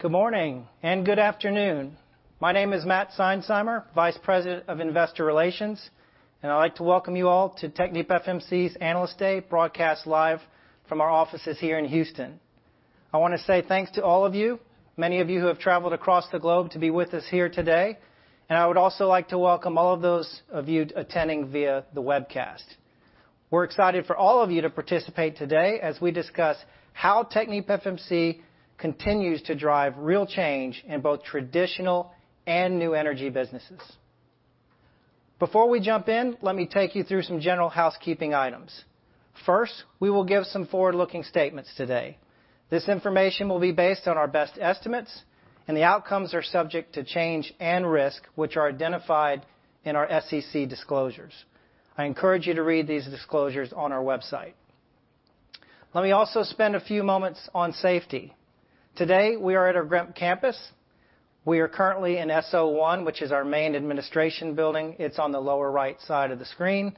Good morning and good afternoon. My name is Matt Seinsheimer, Vice President of Investor Relations, and I'd like to welcome you all to TechnipFMC's Analyst Day broadcast live from our offices here in Houston. I wanna say thanks to all of you, many of you who have traveled across the globe to be with us here today, and I would also like to welcome all of those of you attending via the webcast. We're excited for all of you to participate today as we discuss how TechnipFMC continues to drive real change in both traditional and new energy businesses. Before we jump in, let me take you through some general housekeeping items. First, we will give some forward-looking statements today. This information will be based on our best estimates, and the outcomes are subject to change and risk, which are identified in our SEC disclosures. I encourage you to read these disclosures on our website. Let me also spend a few moments on safety. Today, we are at our John T. Gremp Campus. We are currently in SO1, which is our main administration building. It's on the lower right side of the screen.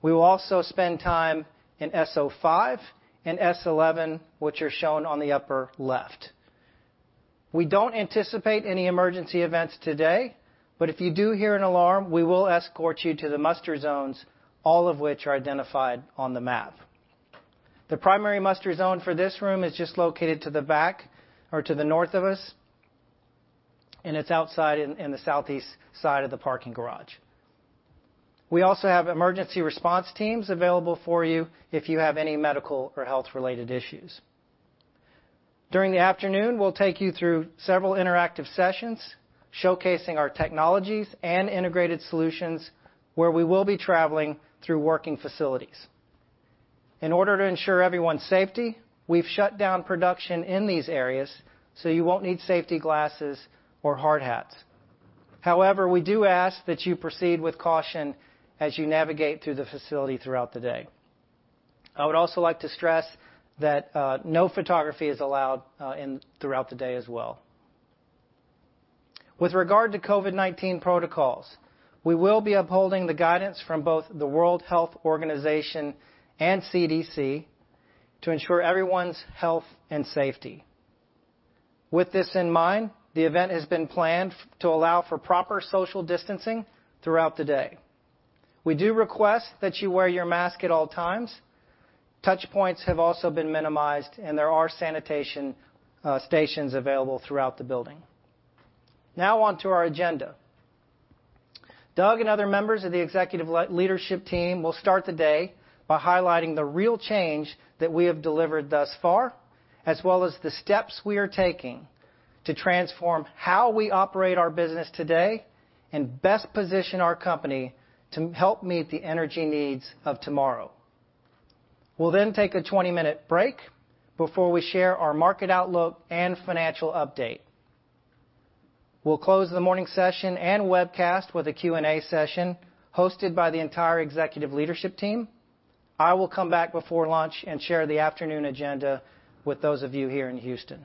We will also spend time in SO5 and S11, which are shown on the upper left. We don't anticipate any emergency events today, but if you do hear an alarm, we will escort you to the muster zones, all of which are identified on the map. The primary muster zone for this room is just located to the back or to the north of us, and it's outside in the southeast side of the parking garage. We also have emergency response teams available for you if you have any medical or health-related issues. During the afternoon, we'll take you through several interactive sessions showcasing our technologies and integrated solutions where we will be traveling through working facilities. In order to ensure everyone's safety, we've shut down production in these areas, so you won't need safety glasses or hard hats. However, we do ask that you proceed with caution as you navigate through the facility throughout the day. I would also like to stress that no photography is allowed throughout the day as well. With regard to COVID-19 protocols, we will be upholding the guidance from both the World Health Organization and CDC to ensure everyone's health and safety. With this in mind, the event has been planned to allow for proper social distancing throughout the day. We do request that you wear your mask at all times. Touch points have also been minimized, and there are sanitation stations available throughout the building. Now on to our agenda. Doug and other members of the executive leadership team will start the day by highlighting the real change that we have delivered thus far, as well as the steps we are taking to transform how we operate our business today and best position our company to help meet the energy needs of tomorrow. We'll then take a 20-minute break before we share our market outlook and financial update. We'll close the morning session and webcast with a Q&A session hosted by the entire executive leadership team. I will come back before lunch and share the afternoon agenda with those of you here in Houston.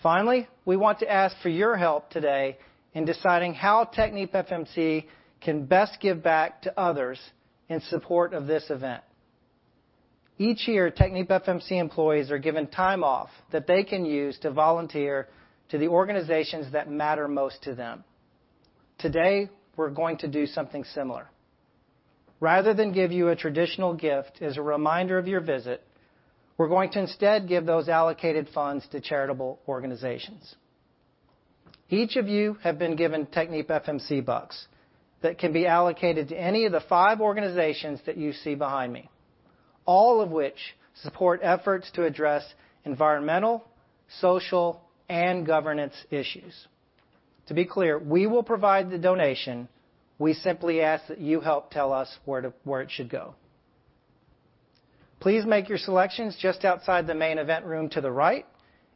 Finally, we want to ask for your help today in deciding how TechnipFMC can best give back to others in support of this event. Each year, TechnipFMC employees are given time off that they can use to volunteer to the organizations that matter most to them. Today, we're going to do something similar. Rather than give you a traditional gift as a reminder of your visit, we're going to instead give those allocated funds to charitable organizations. Each of you have been given TechnipFMC Bucks that can be allocated to any of the five organizations that you see behind me, all of which support efforts to address environmental, social, and governance issues. To be clear, we will provide the donation. We simply ask that you help tell us where it should go. Please make your selections just outside the main event room to the right,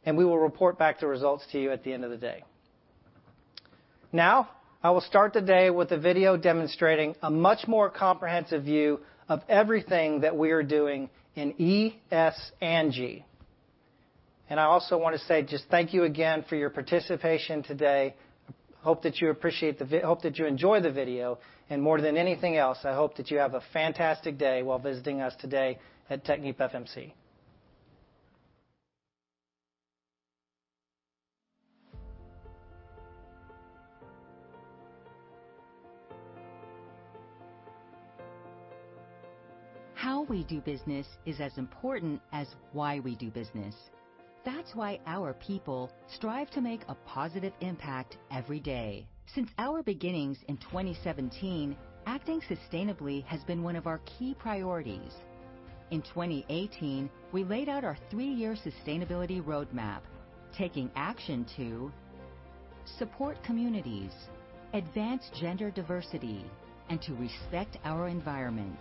and we will report back the results to you at the end of the day. Now, I will start the day with a video demonstrating a much more comprehensive view of everything that we are doing in ESG. I also want to say just thank you again for your participation today. I hope that you enjoy the video, and more than anything else, I hope that you have a fantastic day while visiting us today at TechnipFMC. How we do business is as important as why we do business. That's why our people strive to make a positive impact every day. Since our beginnings in 2017, acting sustainably has been one of our key priorities. In 2018, we laid out our three-year sustainability roadmap, taking action to support communities, advance gender diversity, and to respect our environment.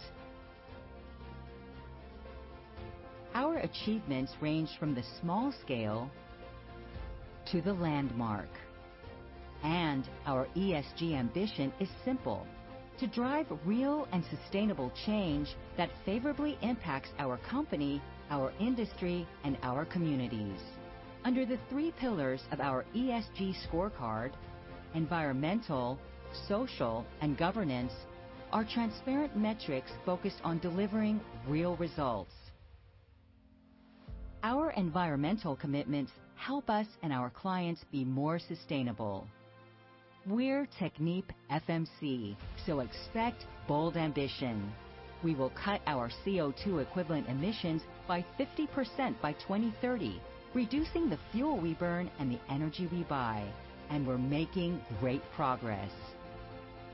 Our achievements range from the small scale to the landmark, and our ESG ambition is simple: to drive real and sustainable change that favorably impacts our company, our industry, and our communities. Under the three pillars of our ESG scorecard, environmental, social, and governance- Our transparent metrics focus on delivering real results. Our environmental commitments help us and our clients be more sustainable. We're TechnipFMC, so expect bold ambition. We will cut our CO₂ equivalent emissions by 50% by 2030, reducing the fuel we burn and the energy we buy, and we're making great progress.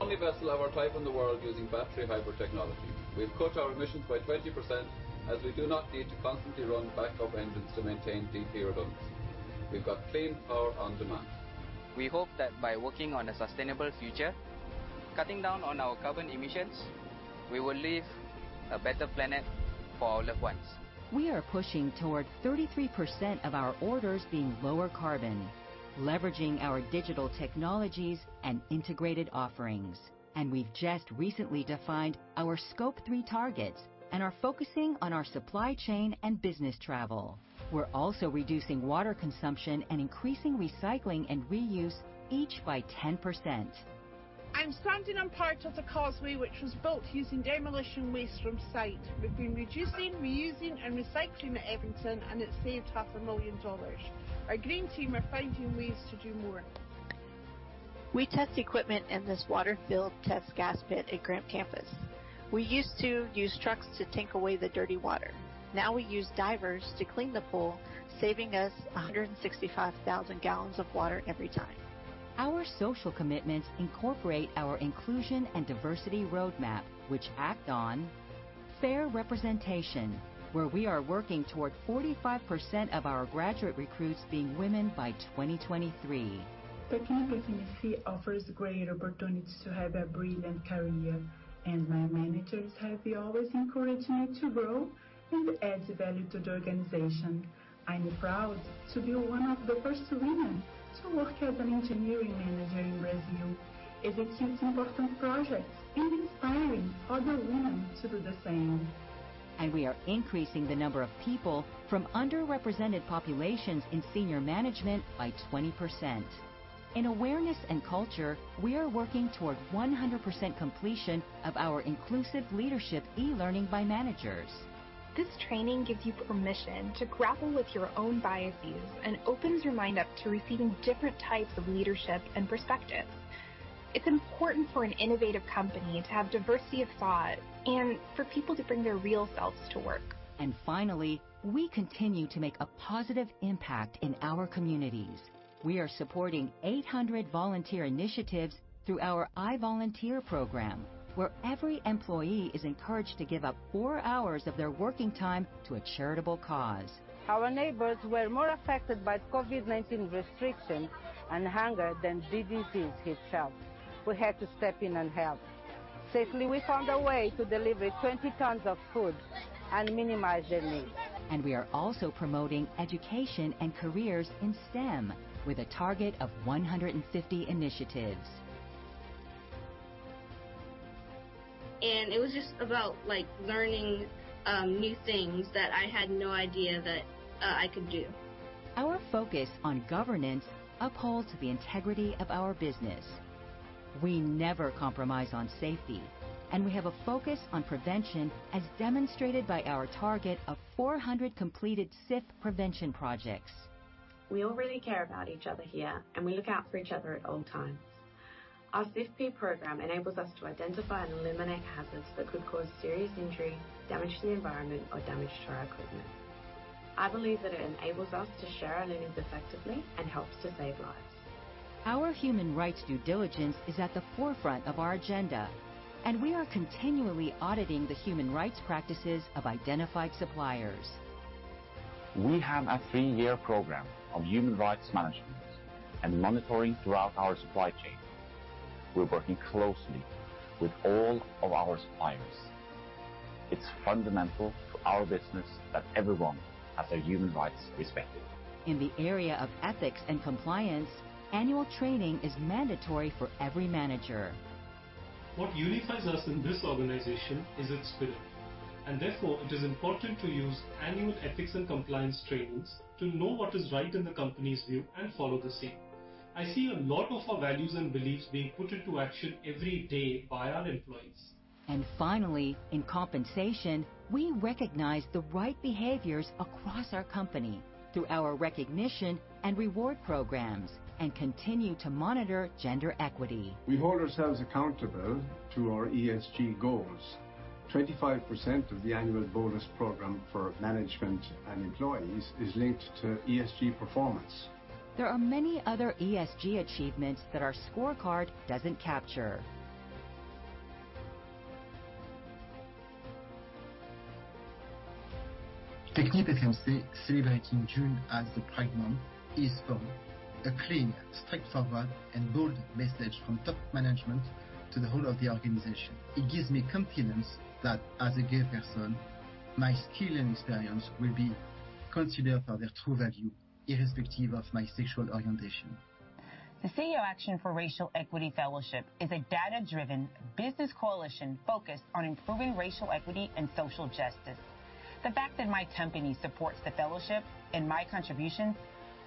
Only vessel of our type in the world using battery hybrid technology. We've cut our emissions by 20%, as we do not need to constantly run backup engines to maintain DP redundancy. We've got clean power on demand. We hope that by working on a sustainable future, cutting down on our carbon emissions, we will leave a better planet for our loved ones. We are pushing toward 33% of our orders being lower carbon, leveraging our digital technologies and integrated offerings. We've just recently defined our Scope 3 targets and are focusing on our supply chain and business travel. We're also reducing water consumption and increasing recycling and reuse each by 10%. I'm standing on part of the causeway which was built using demolition waste from site. We've been reducing, reusing, and recycling at Evanton, and it's saved us $1 million. Our green team are finding ways to do more. We test equipment in this water-filled test gas pit at John T. Gremp Campus. We used to use trucks to take away the dirty water. Now we use divers to clean the pool, saving us 165,000 gallons of water every time. Our social commitments incorporate our inclusion and diversity roadmap, which act on fair representation, where we are working toward 45% of our graduate recruits being women by 2023. TechnipFMC offers great opportunities to have a brilliant career, and my managers have always encouraged me to grow and add value to the organization. I'm proud to be one of the first women to work as an engineering manager in Brazil, execute important projects, and inspiring other women to do the same. We are increasing the number of people from underrepresented populations in senior management by 20%. In awareness and culture, we are working toward 100% completion of our inclusive leadership e-learning by managers. This training gives you permission to grapple with your own biases and opens your mind up to receiving different types of leadership and perspectives. It's important for an innovative company to have diversity of thought and for people to bring their real selves to work. Finally, we continue to make a positive impact in our communities. We are supporting 800 volunteer initiatives through our iVolunteer program, where every employee is encouraged to give up 4 hours of their working time to a charitable cause. Our neighbors were more affected by COVID-19 restrictions and hunger than the disease itself. We had to step in and help. Safely, we found a way to deliver 20 tons of food and minimize their needs. We are also promoting education and careers in STEM with a target of 150 initiatives. It was just about like learning new things that I had no idea that I could do. Our focus on governance upholds the integrity of our business. We never compromise on safety, and we have a focus on prevention as demonstrated by our target of 400 completed SIF prevention projects. We all really care about each other here, and we look out for each other at all times. Our SIF program enables us to identify and eliminate hazards that could cause serious injury, damage to the environment, or damage to our equipment. I believe that it enables us to share our learnings effectively and helps to save lives. Our human rights due diligence is at the forefront of our agenda, and we are continually auditing the human rights practices of identified suppliers. We have a three-year program of human rights management and monitoring throughout our supply chain. We're working closely with all of our suppliers. It's fundamental to our business that everyone has their human rights respected. In the area of ethics and compliance, annual training is mandatory for every manager. What unifies us in this organization is its spirit, and therefore, it is important to use annual ethics and compliance trainings to know what is right in the company's view and follow the same. I see a lot of our values and beliefs being put into action every day by our employees. Finally, in compensation, we recognize the right behaviors across our company through our recognition and reward programs, and continue to monitor gender equity. We hold ourselves accountable to our ESG goals. 25% of the annual bonus program for management and employees is linked to ESG performance. There are many other ESG achievements that our scorecard doesn't capture. TechnipFMC celebrating June as the Pride Month is for me a clean, straightforward, and bold message from top management to the whole of the organization. It gives me confidence that as a gay person, my skill and experience will be considered for their true value, irrespective of my sexual orientation. The CEO Action for Racial Equity Fellowship is a data-driven business coalition focused on improving racial equity and social justice. The fact that my company supports the fellowship and my contributions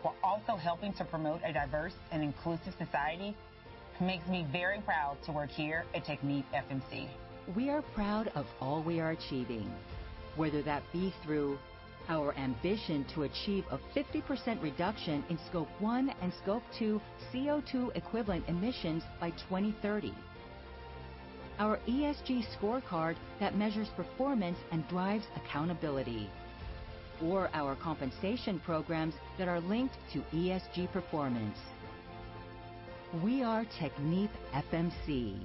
while also helping to promote a diverse and inclusive society makes me very proud to work here at TechnipFMC. We are proud of all we are achieving, whether that be through our ambition to achieve a 50% reduction in Scope 1 and Scope 2 CO2 equivalent emissions by 2030, our ESG scorecard that measures performance and drives accountability, or our compensation programs that are linked to ESG performance. We are TechnipFMC,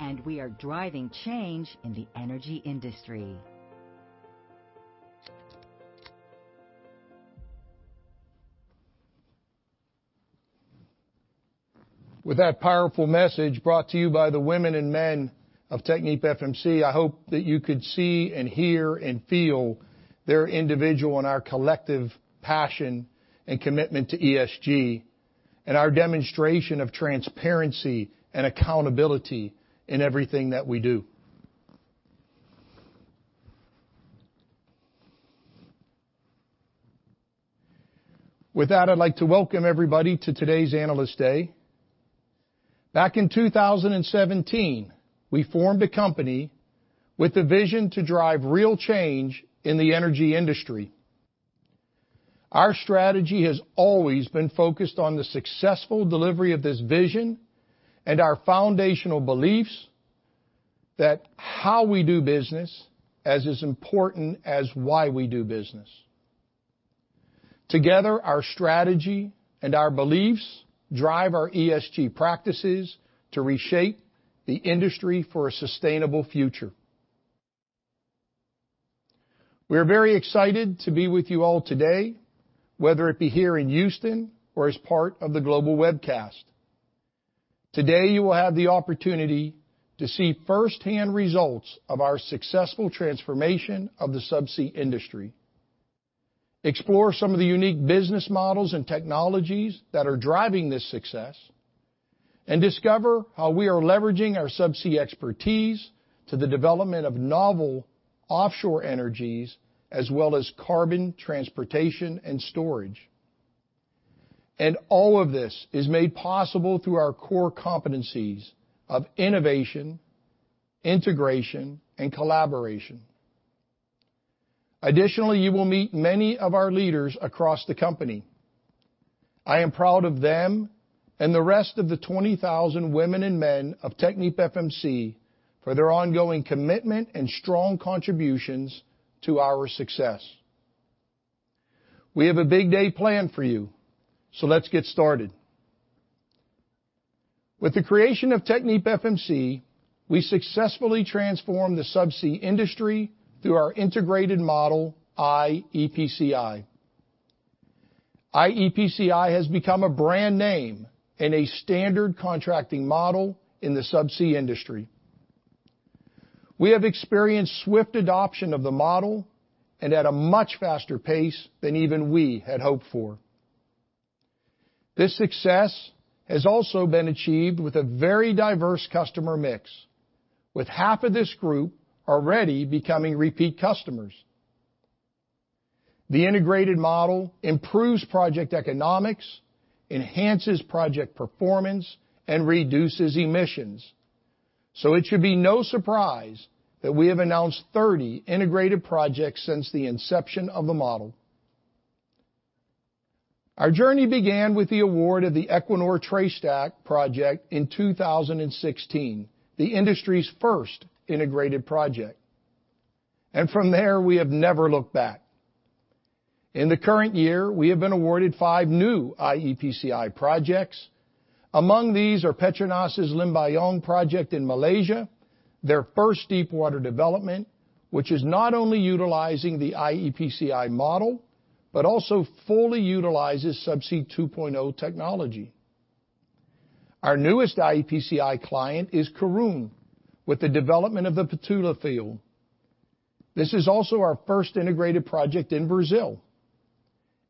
and we are driving change in the energy industry. With that powerful message brought to you by the women and men of TechnipFMC, I hope that you could see and hear and feel their individual and our collective passion and commitment to ESG and our demonstration of transparency and accountability in everything that we do. With that, I'd like to welcome everybody to today's Analyst Day. Back in 2017, we formed a company with the vision to drive real change in the energy industry. Our strategy has always been focused on the successful delivery of this vision and our foundational beliefs that how we do business as is important as why we do business. Together, our strategy and our beliefs drive our ESG practices to reshape the industry for a sustainable future. We are very excited to be with you all today, whether it be here in Houston or as part of the global webcast. Today, you will have the opportunity to see first-hand results of our successful transformation of the subsea industry, explore some of the unique business models and technologies that are driving this success, and discover how we are leveraging our subsea expertise to the development of novel offshore energies as well as carbon transportation and storage. All of this is made possible through our core competencies of innovation, integration, and collaboration. Additionally, you will meet many of our leaders across the company. I am proud of them and the rest of the 20,000 women and men of TechnipFMC for their ongoing commitment and strong contributions to our success. We have a big day planned for you, so let's get started. With the creation of TechnipFMC, we successfully transformed the subsea industry through our integrated model, iEPCI. iEPCI has become a brand name and a standard contracting model in the subsea industry. We have experienced swift adoption of the model and at a much faster pace than even we had hoped for. This success has also been achieved with a very diverse customer mix, with half of this group already becoming repeat customers. The integrated model improves project economics, enhances project performance, and reduces emissions. It should be no surprise that we have announced 30 integrated projects since the inception of the model. Our journey began with the award of the Equinor Trestakk Project in 2016, the industry's first integrated project. From there, we have never looked back. In the current year, we have been awarded five new iEPCI projects. Among these are Petronas' Limbayong project in Malaysia, their first deepwater development, which is not only utilizing the iEPCI model, but also fully utilizes Subsea 2.0 technology. Our newest iEPCI client is Karoon, with the development of the Patola field. This is also our first integrated project in Brazil,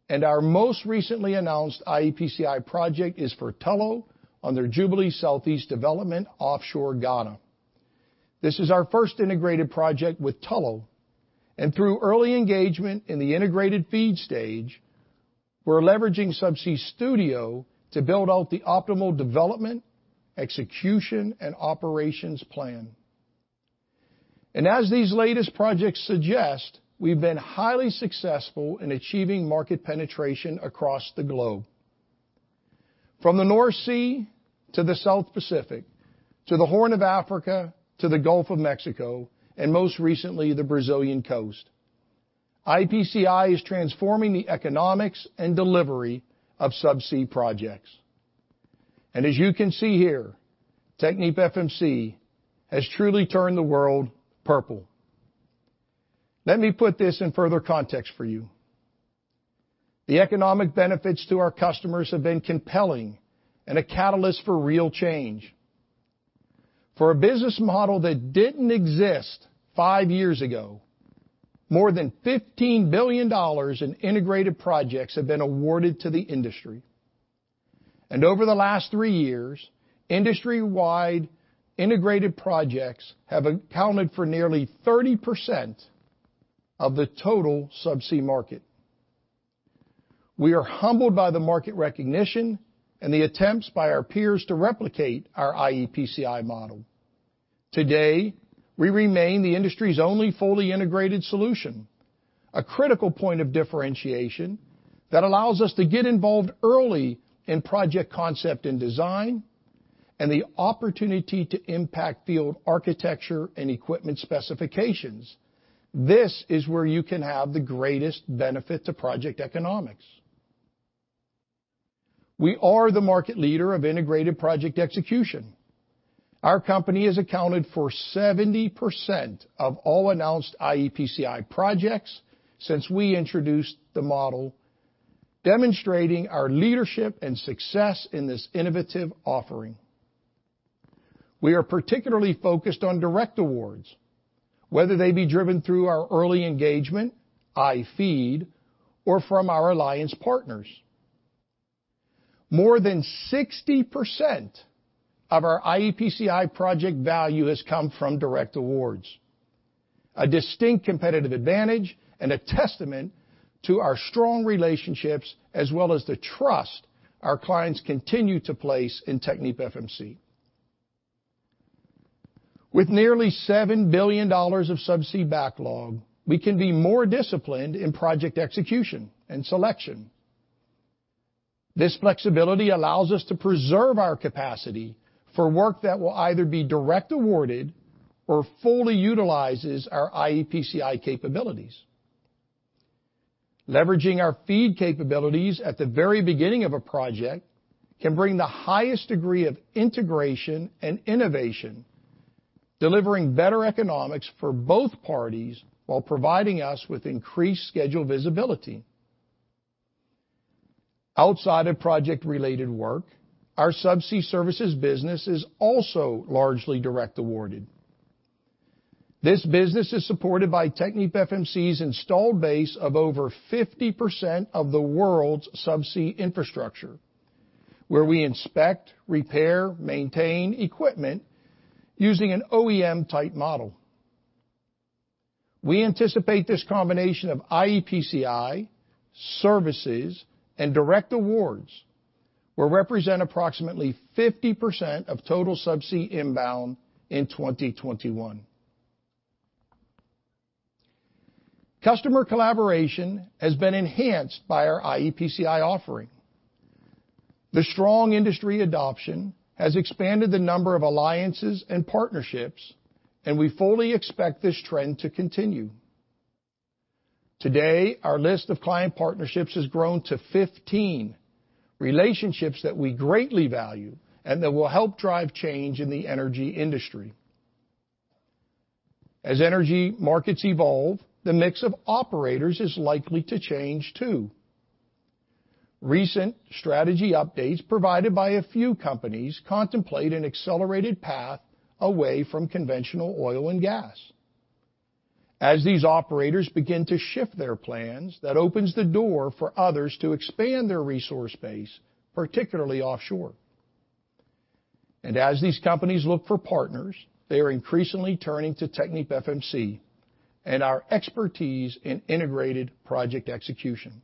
and our most recently announced iEPCI project is for Tullow on their Jubilee South East development offshore Ghana. This is our first integrated project with Tullow, and through early engagement in the integrated feed stage, we're leveraging Subsea Studio to build out the optimal development, execution, and operations plan. As these latest projects suggest, we've been highly successful in achieving market penetration across the globe. From the North Sea to the South Pacific, to the Horn of Africa, to the Gulf of Mexico, and most recently, the Brazilian coast, iEPCI is transforming the economics and delivery of subsea projects. As you can see here, TechnipFMC has truly turned the world purple. Let me put this in further context for you. The economic benefits to our customers have been compelling and a catalyst for real change. For a business model that didn't exist five years ago, more than $15 billion in integrated projects have been awarded to the industry. Over the last three years, industry-wide integrated projects have accounted for nearly 30% of the total subsea market. We are humbled by the market recognition and the attempts by our peers to replicate our iEPCI model. Today, we remain the industry's only fully integrated solution, a critical point of differentiation that allows us to get involved early in project concept and design and the opportunity to impact field architecture and equipment specifications. This is where you can have the greatest benefit to project economics. We are the market leader of integrated project execution. Our company has accounted for 70% of all announced iEPCI projects since we introduced the model, demonstrating our leadership and success in this innovative offering. We are particularly focused on direct awards, whether they be driven through our early engagement, iFEED, or from our alliance partners. More than 60% of our iEPCI project value has come from direct awards, a distinct competitive advantage and a testament to our strong relationships as well as the trust our clients continue to place in TechnipFMC. With nearly $7 billion of subsea backlog, we can be more disciplined in project execution and selection. This flexibility allows us to preserve our capacity for work that will either be direct awarded or fully utilizes our iEPCI capabilities. Leveraging our FEED capabilities at the very beginning of a project can bring the highest degree of integration and innovation, delivering better economics for both parties while providing us with increased schedule visibility. Outside of project-related work, our subsea services business is also largely direct awarded. This business is supported by TechnipFMC's installed base of over 50% of the world's subsea infrastructure, where we inspect, repair, maintain equipment using an OEM-type model. We anticipate this combination of iEPCI, services, and direct awards will represent approximately 50% of total subsea inbound in 2021. Customer collaboration has been enhanced by our iEPCI offering. The strong industry adoption has expanded the number of alliances and partnerships, and we fully expect this trend to continue. Today, our list of client partnerships has grown to 15, relationships that we greatly value and that will help drive change in the energy industry. As energy markets evolve, the mix of operators is likely to change, too. Recent strategy updates provided by a few companies contemplate an accelerated path away from conventional oil and gas. As these operators begin to shift their plans, that opens the door for others to expand their resource base, particularly offshore. As these companies look for partners, they are increasingly turning to TechnipFMC and our expertise in integrated project execution.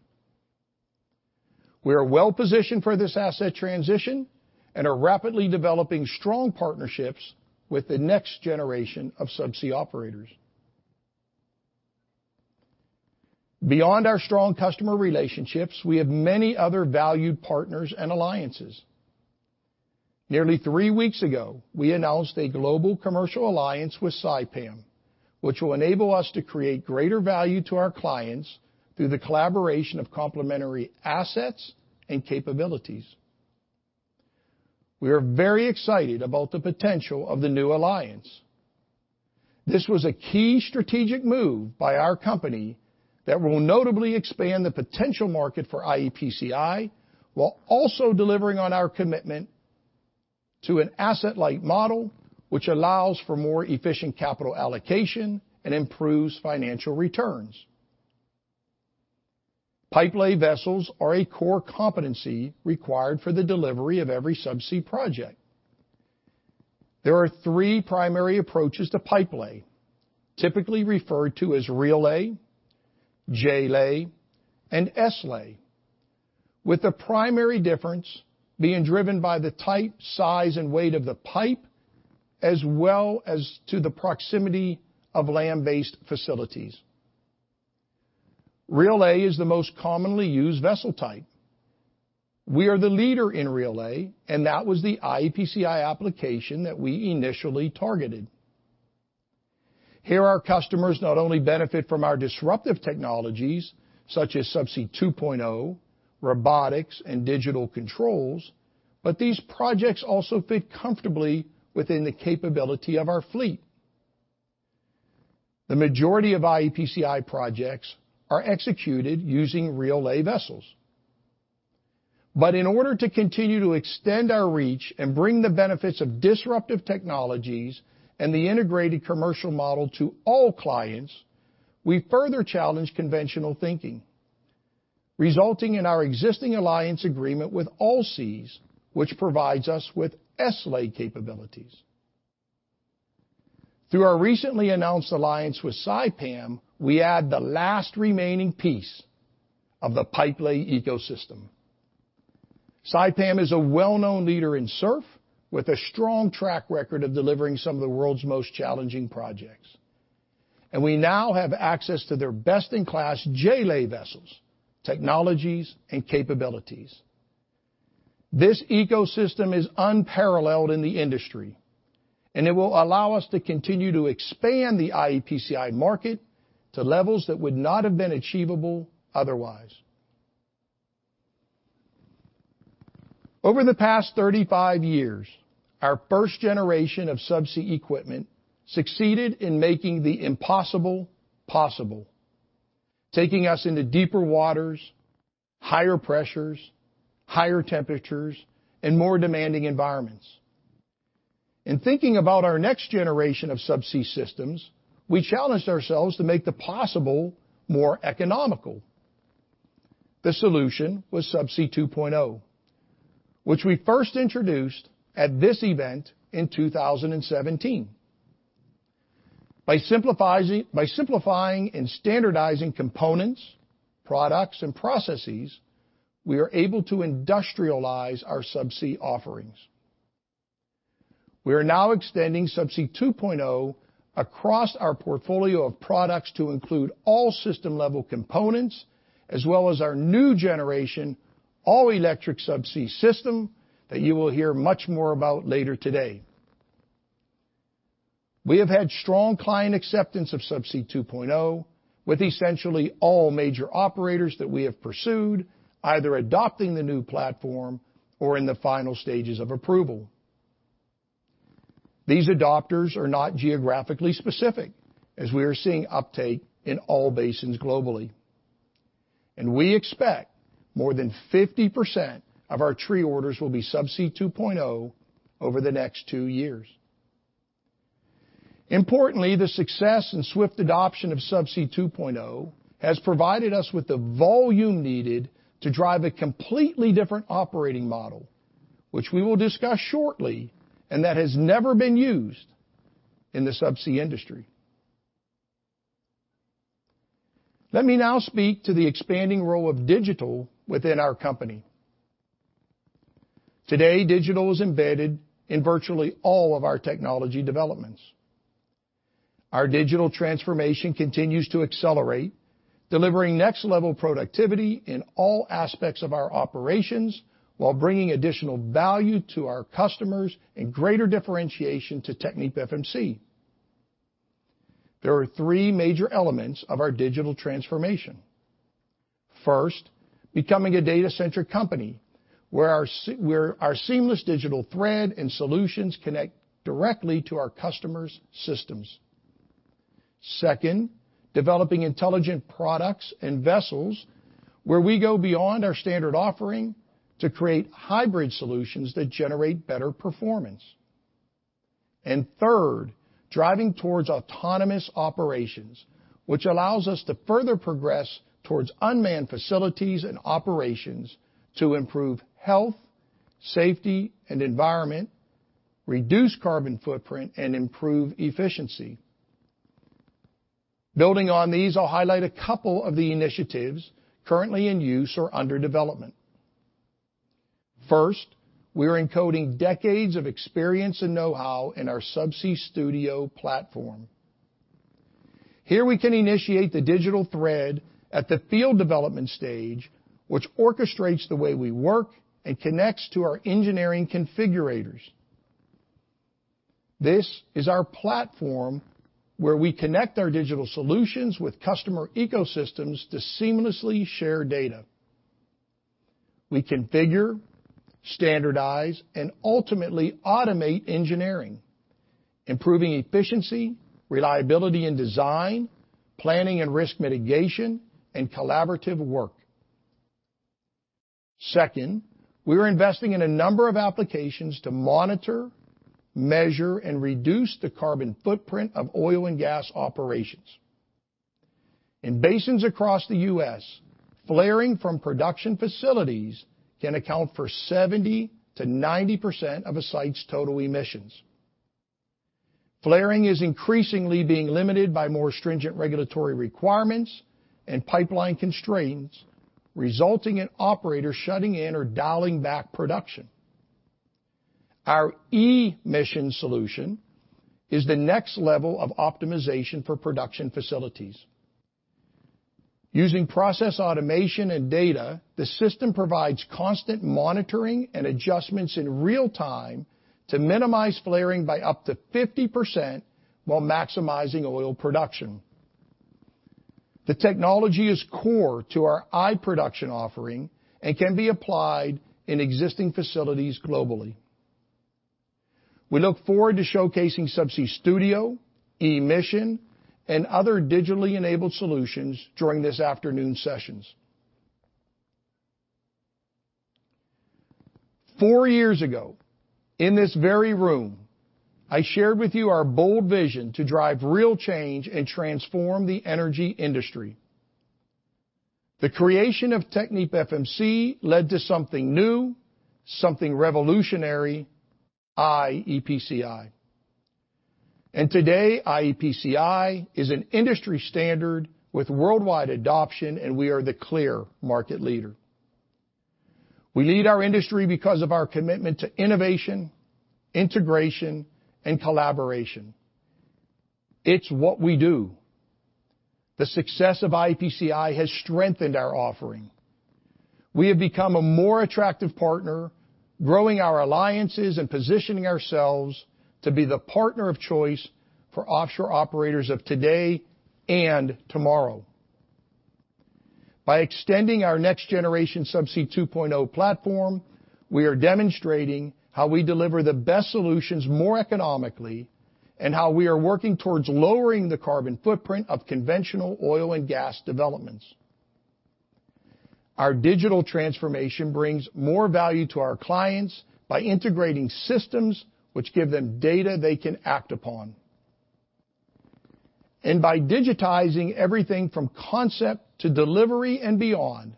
We are well-positioned for this asset transition and are rapidly developing strong partnerships with the next generation of subsea operators. Beyond our strong customer relationships, we have many other valued partners and alliances. Nearly three weeks ago, we announced a global commercial alliance with Saipem, which will enable us to create greater value to our clients through the collaboration of complementary assets and capabilities. We are very excited about the potential of the new alliance. This was a key strategic move by our company that will notably expand the potential market for iEPCI while also delivering on our commitment to an asset-light model, which allows for more efficient capital allocation and improves financial returns. Pipelay vessels are a core competency required for the delivery of every subsea project. There are three primary approaches to pipelay, typically referred to as reel lay, J-lay, and S-lay, with the primary difference being driven by the type, size, and weight of the pipe as well as the proximity of land-based facilities. Reel lay is the most commonly used vessel type. We are the leader in reel lay, and that was the iEPCI application that we initially targeted. Here, our customers not only benefit from our disruptive technologies such as Subsea 2.0, robotics, and digital controls, but these projects also fit comfortably within the capability of our fleet. The majority of iEPCI projects are executed using reel-lay vessels. In order to continue to extend our reach and bring the benefits of disruptive technologies and the integrated commercial model to all clients, we further challenge conventional thinking, resulting in our existing alliance agreement with Allseas, which provides us with S-lay capabilities. Through our recently announced alliance with Saipem, we add the last remaining piece of the pipelay ecosystem. Saipem is a well-known leader in SURF, with a strong track record of delivering some of the world's most challenging projects. We now have access to their best-in-class J-lay vessels, technologies, and capabilities. This ecosystem is unparalleled in the industry, and it will allow us to continue to expand the iEPCI market to levels that would not have been achievable otherwise. Over the past 35 years, our first generation of subsea equipment succeeded in making the impossible possible, taking us into deeper waters, higher pressures, higher temperatures, and more demanding environments. In thinking about our next generation of subsea systems, we challenged ourselves to make the possible more economical. The solution was Subsea 2.0, which we first introduced at this event in 2017. By simplifying and standardizing components, products, and processes, we are able to industrialize our subsea offerings. We are now extending Subsea 2.0 across our portfolio of products to include all system-level components as well as our new generation all-electric subsea system that you will hear much more about later today. We have had strong client acceptance of Subsea 2.0, with essentially all major operators that we have pursued either adopting the new platform or in the final stages of approval. These adopters are not geographically specific, as we are seeing uptake in all basins globally. We expect more than 50% of our tree orders will be Subsea 2.0 over the next two years. Importantly, the success and swift adoption of Subsea 2.0 has provided us with the volume needed to drive a completely different operating model, which we will discuss shortly, and that has never been used in the subsea industry. Let me now speak to the expanding role of digital within our company. Today, digital is embedded in virtually all of our technology developments. Our digital transformation continues to accelerate, delivering next-level productivity in all aspects of our operations while bringing additional value to our customers and greater differentiation to TechnipFMC. There are three major elements of our digital transformation. First, becoming a data-centric company, where our seamless digital thread and solutions connect directly to our customers' systems. Second, developing intelligent products and vessels, where we go beyond our standard offering to create hybrid solutions that generate better performance. And third, driving towards autonomous operations, which allows us to further progress towards unmanned facilities and operations to improve health, safety, and environment, reduce carbon footprint, and improve efficiency. Building on these, I'll highlight a couple of the initiatives currently in use or under development. First, we are encoding decades of experience and know-how in our Subsea Studio platform. Here we can initiate the digital thread at the field development stage, which orchestrates the way we work and connects to our engineering configurators. This is our platform where we connect our digital solutions with customer ecosystems to seamlessly share data. We configure, standardize, and ultimately automate engineering, improving efficiency, reliability in design, planning and risk mitigation, and collaborative work. Second, we are investing in a number of applications to monitor, measure, and reduce the carbon footprint of oil and gas operations. In basins across the U.S., flaring from production facilities can account for 70%-90% of a site's total emissions. Flaring is increasingly being limited by more stringent regulatory requirements and pipeline constraints, resulting in operators shutting in or dialing back production. Our E-Mission solution is the next level of optimization for production facilities. Using process automation and data, the system provides constant monitoring and adjustments in real time to minimize flaring by up to 50% while maximizing oil production. The technology is core to our iProduction offering and can be applied in existing facilities globally. We look forward to showcasing Subsea Studio, E-Mission, and other digitally enabled solutions during this afternoon's sessions. Four years ago, in this very room, I shared with you our bold vision to drive real change and transform the energy industry. The creation of TechnipFMC led to something new, something revolutionary, iEPCI. Today, iEPCI is an industry standard with worldwide adoption, and we are the clear market leader. We lead our industry because of our commitment to innovation, integration, and collaboration. It's what we do. The success of iEPCI has strengthened our offering. We have become a more attractive partner, growing our alliances and positioning ourselves to be the partner of choice for offshore operators of today and tomorrow. By extending our next generation Subsea 2.0 platform, we are demonstrating how we deliver the best solutions more economically, and how we are working towards lowering the carbon footprint of conventional oil and gas developments. Our digital transformation brings more value to our clients by integrating systems which give them data they can act upon. By digitizing everything from concept to delivery and beyond,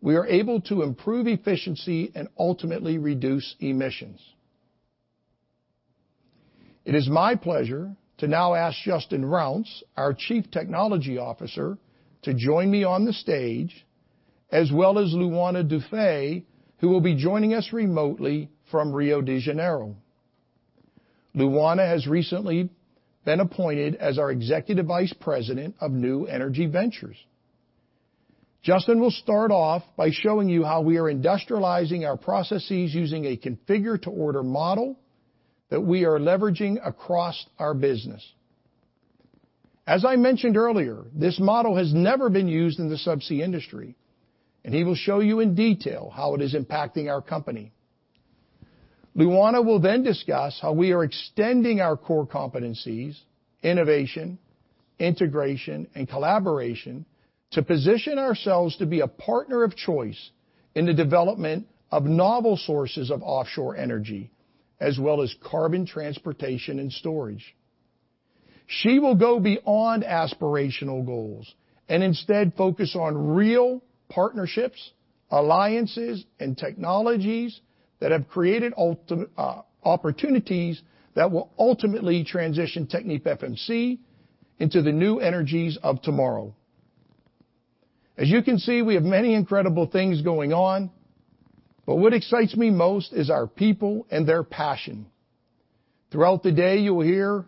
we are able to improve efficiency and ultimately reduce emissions. It is my pleasure to now ask Justin Rounce, our Chief Technology Officer, to join me on the stage, as well as Luana Duffé, who will be joining us remotely from Rio de Janeiro. Luana has recently been appointed as our Executive Vice President of New Energy Ventures. Justin will start off by showing you how we are industrializing our processes using a configure-to-order model that we are leveraging across our business. As I mentioned earlier, this model has never been used in the subsea industry, and he will show you in detail how it is impacting our company. Luana will then discuss how we are extending our core competencies, innovation, integration, and collaboration to position ourselves to be a partner of choice in the development of novel sources of offshore energy, as well as carbon transportation and storage. She will go beyond aspirational goals, and instead focus on real partnerships, alliances, and technologies that have created opportunities that will ultimately transition TechnipFMC into the new energies of tomorrow. As you can see, we have many incredible things going on, but what excites me most is our people and their passion. Throughout the day, you will hear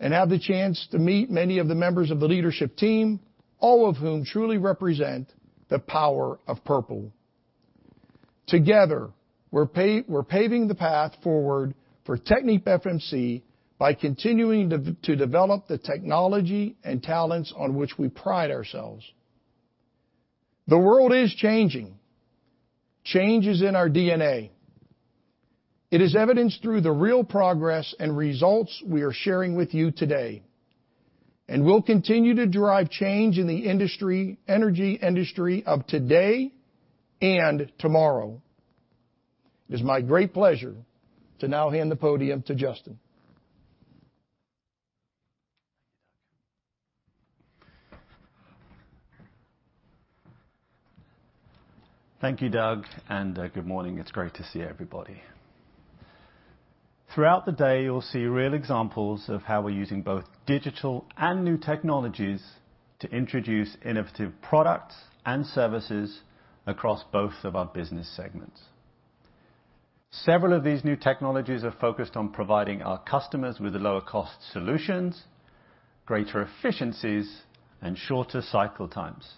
and have the chance to meet many of the members of the leadership team, all of whom truly represent the power of purple. Together, we're paving the path forward for TechnipFMC by continuing to develop the technology and talents on which we pride ourselves. The world is changing. Change is in our DNA. It is evidenced through the real progress and results we are sharing with you today, and we'll continue to drive change in the industry, energy industry of today and tomorrow. It is my great pleasure to now hand the podium to Justin. Thank you, Doug, and good morning. It's great to see everybody. Throughout the day, you'll see real examples of how we're using both digital and new technologies to introduce innovative products and services across both of our business segments. Several of these new technologies are focused on providing our customers with lower cost solutions, greater efficiencies, and shorter cycle times,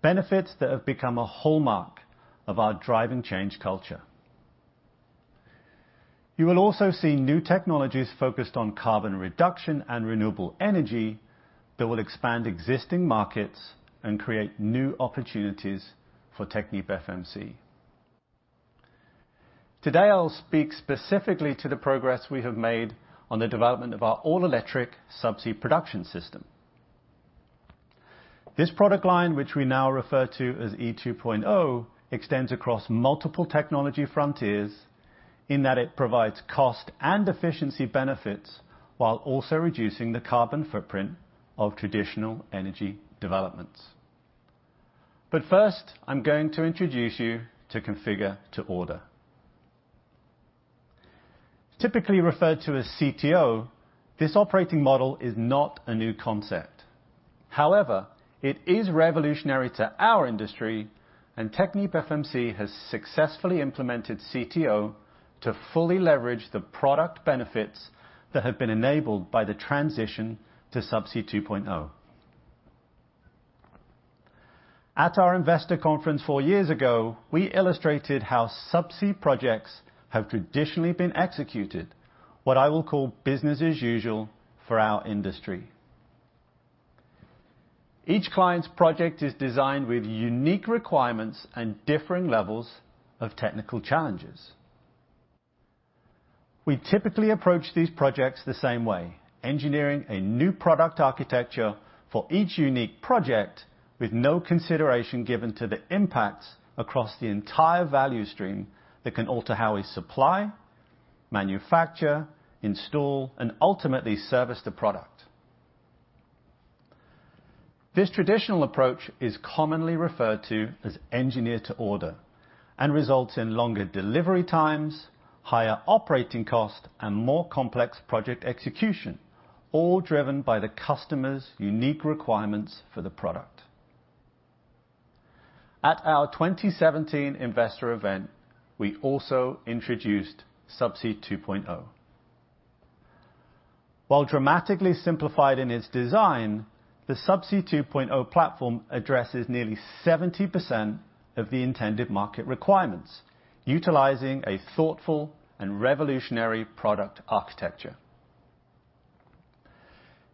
benefits that have become a hallmark of our driving change culture. You will also see new technologies focused on carbon reduction and renewable energy that will expand existing markets and create new opportunities for TechnipFMC. Today, I'll speak specifically to the progress we have made on the development of our all-electric subsea production system. This product line, which we now refer to as Subsea 2.0, extends across multiple technology frontiers in that it provides cost and efficiency benefits while also reducing the carbon footprint of traditional energy developments. First, I'm going to introduce you to configure to order. Typically referred to as CTO, this operating model is not a new concept. However, it is revolutionary to our industry, and TechnipFMC has successfully implemented CTO to fully leverage the product benefits that have been enabled by the transition to Subsea 2.0. At our investor conference four years ago, we illustrated how subsea projects have traditionally been executed, what I will call business as usual for our industry. Each client's project is designed with unique requirements and differing levels of technical challenges. We typically approach these projects the same way, engineering a new product architecture for each unique project with no consideration given to the impacts across the entire value stream that can alter how we supply, manufacture, install, and ultimately service the product. This traditional approach is commonly referred to as engineer-to-order and results in longer delivery times, higher operating costs, and more complex project execution, all driven by the customer's unique requirements for the product. At our 2017 investor event, we also introduced Subsea 2.0. While dramatically simplified in its design, the Subsea 2.0 platform addresses nearly 70% of the intended market requirements utilizing a thoughtful and revolutionary product architecture.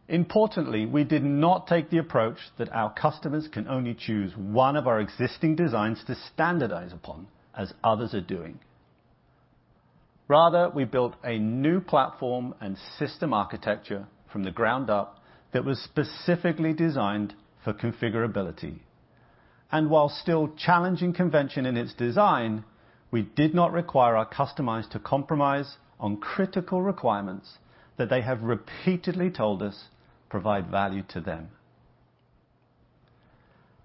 Importantly, we did not take the approach that our customers can only choose one of our existing designs to standardize upon as others are doing. Rather, we built a new platform and system architecture from the ground up that was specifically designed for configurability. While still challenging convention in its design, we did not require our customized to compromise on critical requirements that they have repeatedly told us provide value to them.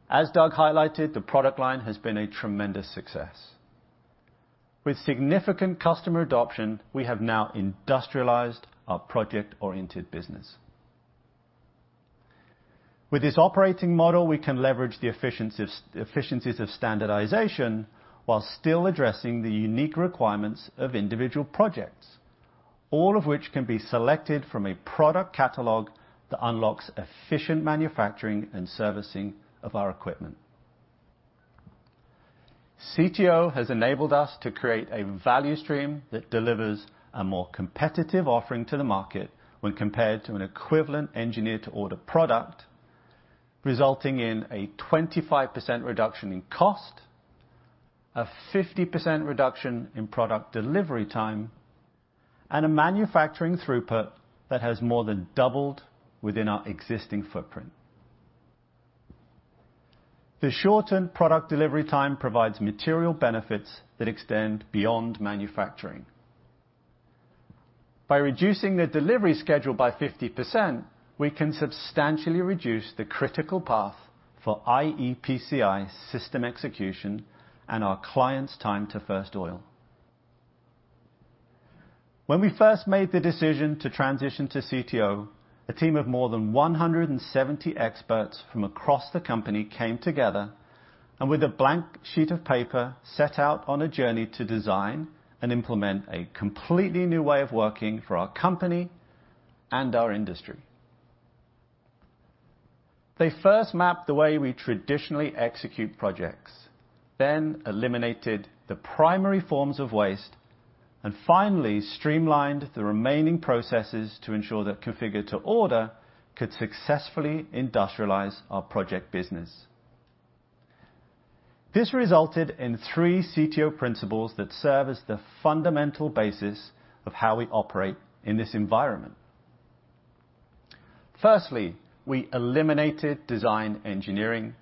As Doug highlighted, the product line has been a tremendous success. With significant customer adoption, we have now industrialized our project-oriented business. With this operating model, we can leverage the efficiencies of standardization while still addressing the unique requirements of individual projects, all of which can be selected from a product catalog that unlocks efficient manufacturing and servicing of our equipment. CTO has enabled us to create a value stream that delivers a more competitive offering to the market when compared to an equivalent engineer-to-order product, resulting in a 25% reduction in cost, a 50% reduction in product delivery time, and a manufacturing throughput that has more than doubled within our existing footprint. The shortened product delivery time provides material benefits that extend beyond manufacturing. By reducing the delivery schedule by 50%, we can substantially reduce the critical path for iEPCI system execution and our clients' time to first oil. When we first made the decision to transition to CTO, a team of more than 170 experts from across the company came together, and with a blank sheet of paper, set out on a journey to design and implement a completely new way of working for our company and our industry. They first mapped the way we traditionally execute projects, then eliminated the primary forms of waste, and finally streamlined the remaining processes to ensure that configure-to-order could successfully industrialize our project business. This resulted in three CTO principles that serve as the fundamental basis of how we operate in this environment. Firstly, we eliminated design engineering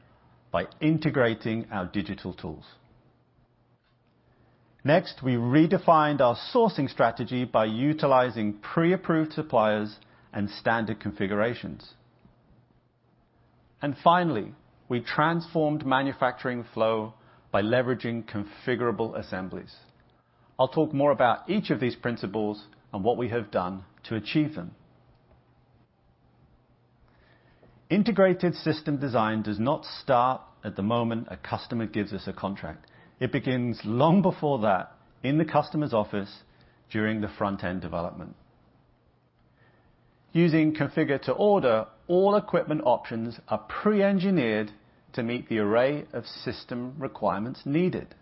by integrating our digital tools. Next, we redefined our sourcing strategy by utilizing pre-approved suppliers and standard configurations. Finally, we transformed manufacturing flow by leveraging configurable assemblies. I'll talk more about each of these principles and what we have done to achieve them. Integrated system design does not start at the moment a customer gives us a contract. It begins long before that in the customer's office during the front-end development. Using configure-to-order, all equipment options are pre-engineered to meet the array of system requirements needed.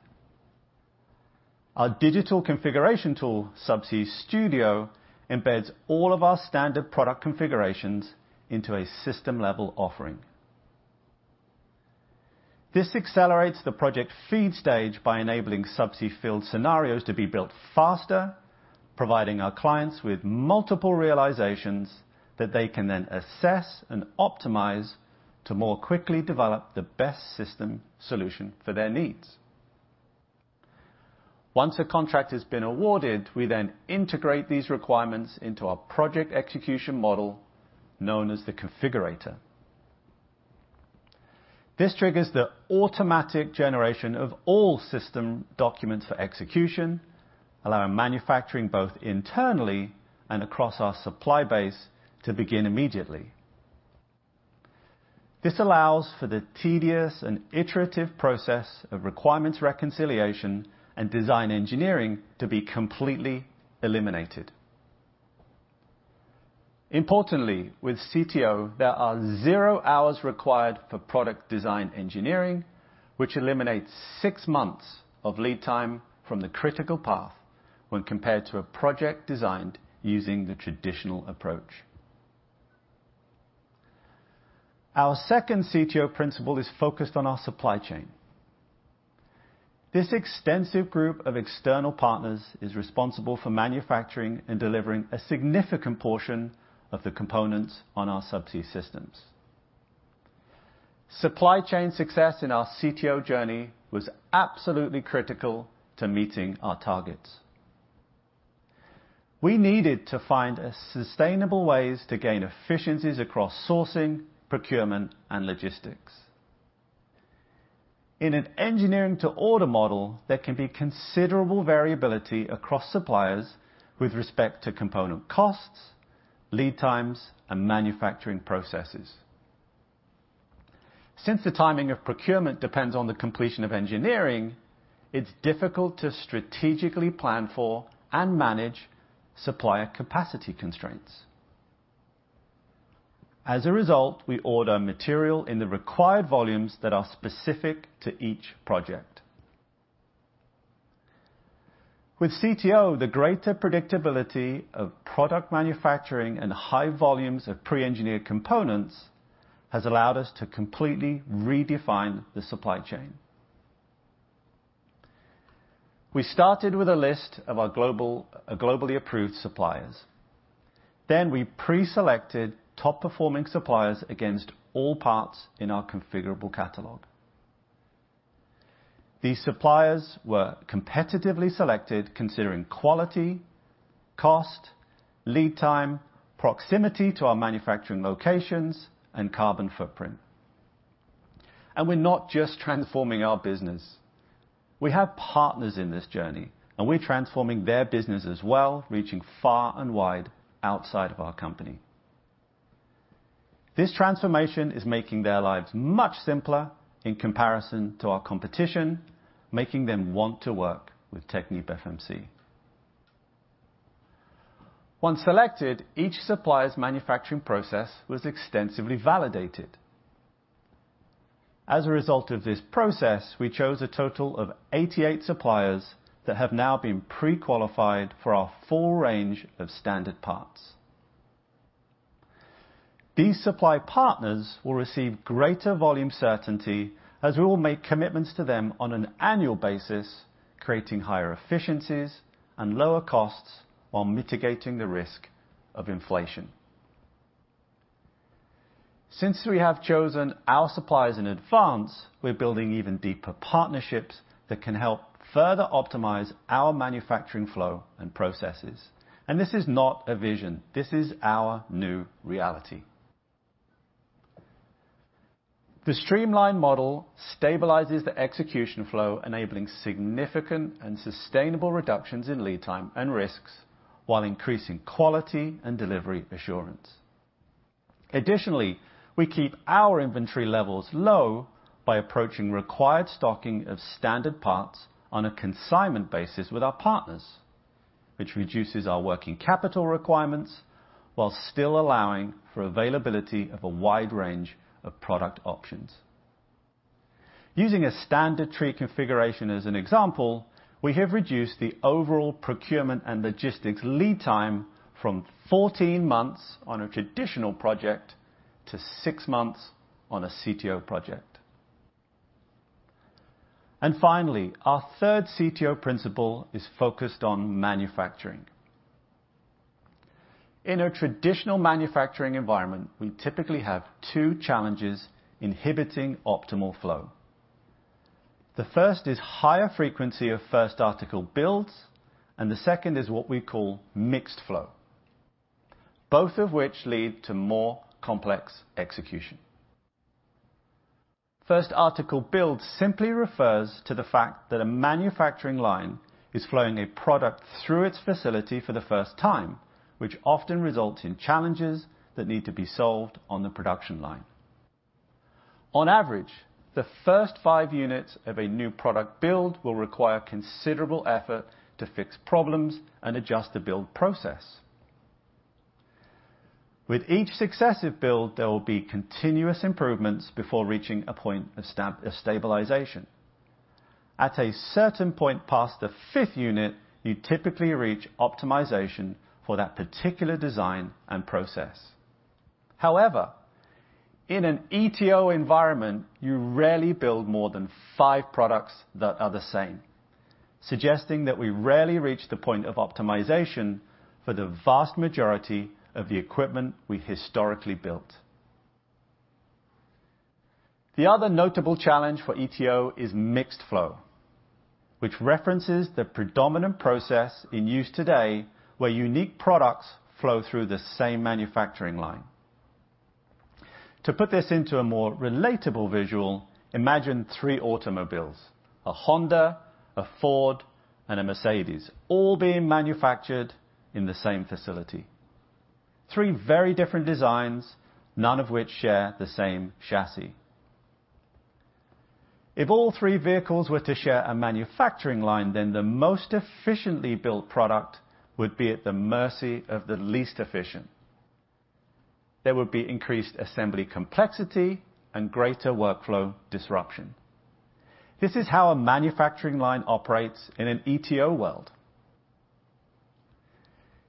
Our digital configuration tool, Subsea Studio, embeds all of our standard product configurations into a system-level offering. This accelerates the project feed stage by enabling subsea field scenarios to be built faster, providing our clients with multiple realizations that they can then assess and optimize to more quickly develop the best system solution for their needs. Once a contract has been awarded, we then integrate these requirements into our project execution model known as the configurator. This triggers the automatic generation of all system documents for execution, allowing manufacturing both internally and across our supply base to begin immediately. This allows for the tedious and iterative process of requirements reconciliation and design engineering to be completely eliminated. Importantly, with CTO, there are zero hours required for product design engineering, which eliminates six months of lead time from the critical path when compared to a project designed using the traditional approach. Our second CTO principle is focused on our supply chain. This extensive group of external partners is responsible for manufacturing and delivering a significant portion of the components on our subsea systems. Supply chain success in our CTO journey was absolutely critical to meeting our targets. We needed to find sustainable ways to gain efficiencies across sourcing, procurement, and logistics. In an engineering to order model, there can be considerable variability across suppliers with respect to component costs, lead times, and manufacturing processes. Since the timing of procurement depends on the completion of engineering, it's difficult to strategically plan for and manage supplier capacity constraints. As a result, we order material in the required volumes that are specific to each project. With CTO, the greater predictability of product manufacturing and high volumes of pre-engineered components has allowed us to completely redefine the supply chain. We started with a list of our global--globally approved suppliers. Then we preselected top-performing suppliers against all parts in our configurable catalog. These suppliers were competitively selected considering quality, cost, lead time, proximity to our manufacturing locations, and carbon footprint. We're not just transforming our business. We have partners in this journey, and we're transforming their business as well, reaching far and wide outside of our company. This transformation is making their lives much simpler in comparison to our competition, making them want to work with TechnipFMC. Once selected, each supplier's manufacturing process was extensively validated. As a result of this process, we chose a total of 88 suppliers that have now been pre-qualified for our full range of standard parts. These supply partners will receive greater volume certainty as we will make commitments to them on an annual basis, creating higher efficiencies and lower costs while mitigating the risk of inflation. Since we have chosen our suppliers in advance, we're building even deeper partnerships that can help further optimize our manufacturing flow and processes. This is not a vision; this is our new reality. The streamlined model stabilizes the execution flow, enabling significant and sustainable reductions in lead time and risks, while increasing quality and delivery assurance. Additionally, we keep our inventory levels low by approaching required stocking of standard parts on a consignment basis with our partners, which reduces our working capital requirements while still allowing for availability of a wide range of product options. Using a standard tree configuration as an example, we have reduced the overall procurement and logistics lead time from 14 months on a traditional project to 6 months on a CTO project. Finally, our third CTO principle is focused on manufacturing. In a traditional manufacturing environment, we typically have two challenges inhibiting optimal flow. The first is higher frequency of first article builds, and the second is what we call mixed flow, both of which lead to more complex execution. First article build simply refers to the fact that a manufacturing line is flowing a product through its facility for the first time, which often results in challenges that need to be solved on the production line. On average, the first five units of a new product build will require considerable effort to fix problems and adjust the build process. With each successive build, there will be continuous improvements before reaching a point of stabilization. At a certain point past the fifth unit, you typically reach optimization for that particular design and process. However, in an ETO environment, you rarely build more than five products that are the same, suggesting that we rarely reach the point of optimization for the vast majority of the equipment we historically built. The other notable challenge for ETO is mixed flow, which references the predominant process in use today where unique products flow through the same manufacturing line. To put this into a more relatable visual, imagine three automobiles, a Honda, a Ford, and a Mercedes-Benz, all being manufactured in the same facility. Three very different designs, none of which share the same chassis. If all three vehicles were to share a manufacturing line, then the most efficiently built product would be at the mercy of the least efficient. There would be increased assembly complexity and greater workflow disruption. This is how a manufacturing line operates in an ETO world.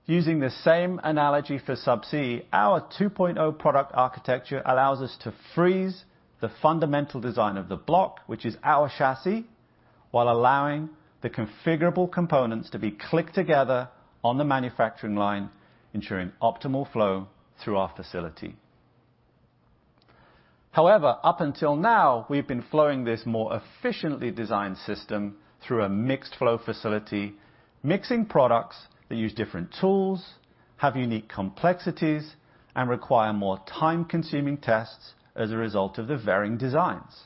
Using the same analogy for Subsea 2.0, our product architecture allows us to freeze the fundamental design of the block, which is our chassis. While allowing the configurable components to be clicked together on the manufacturing line, ensuring optimal flow through our facility. However, up until now, we've been flowing this more efficiently designed system through a mixed flow facility, mixing products that use different tools, have unique complexities, and require more time-consuming tests as a result of the varying designs.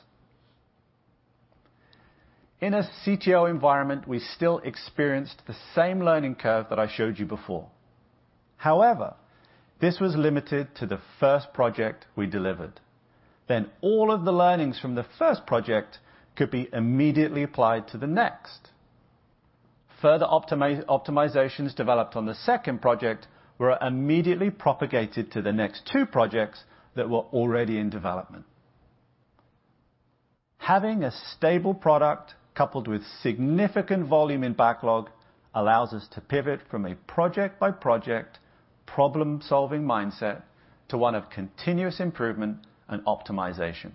In a CTO environment, we still experienced the same learning curve that I showed you before. However, this was limited to the first project we delivered. All of the learnings from the first project could be immediately applied to the next. Further optimization developments on the second project were immediately propagated to the next two projects that were already in development. Having a stable product coupled with significant volume in backlog allows us to pivot from a project-by-project problem-solving mindset to one of continuous improvement and optimization.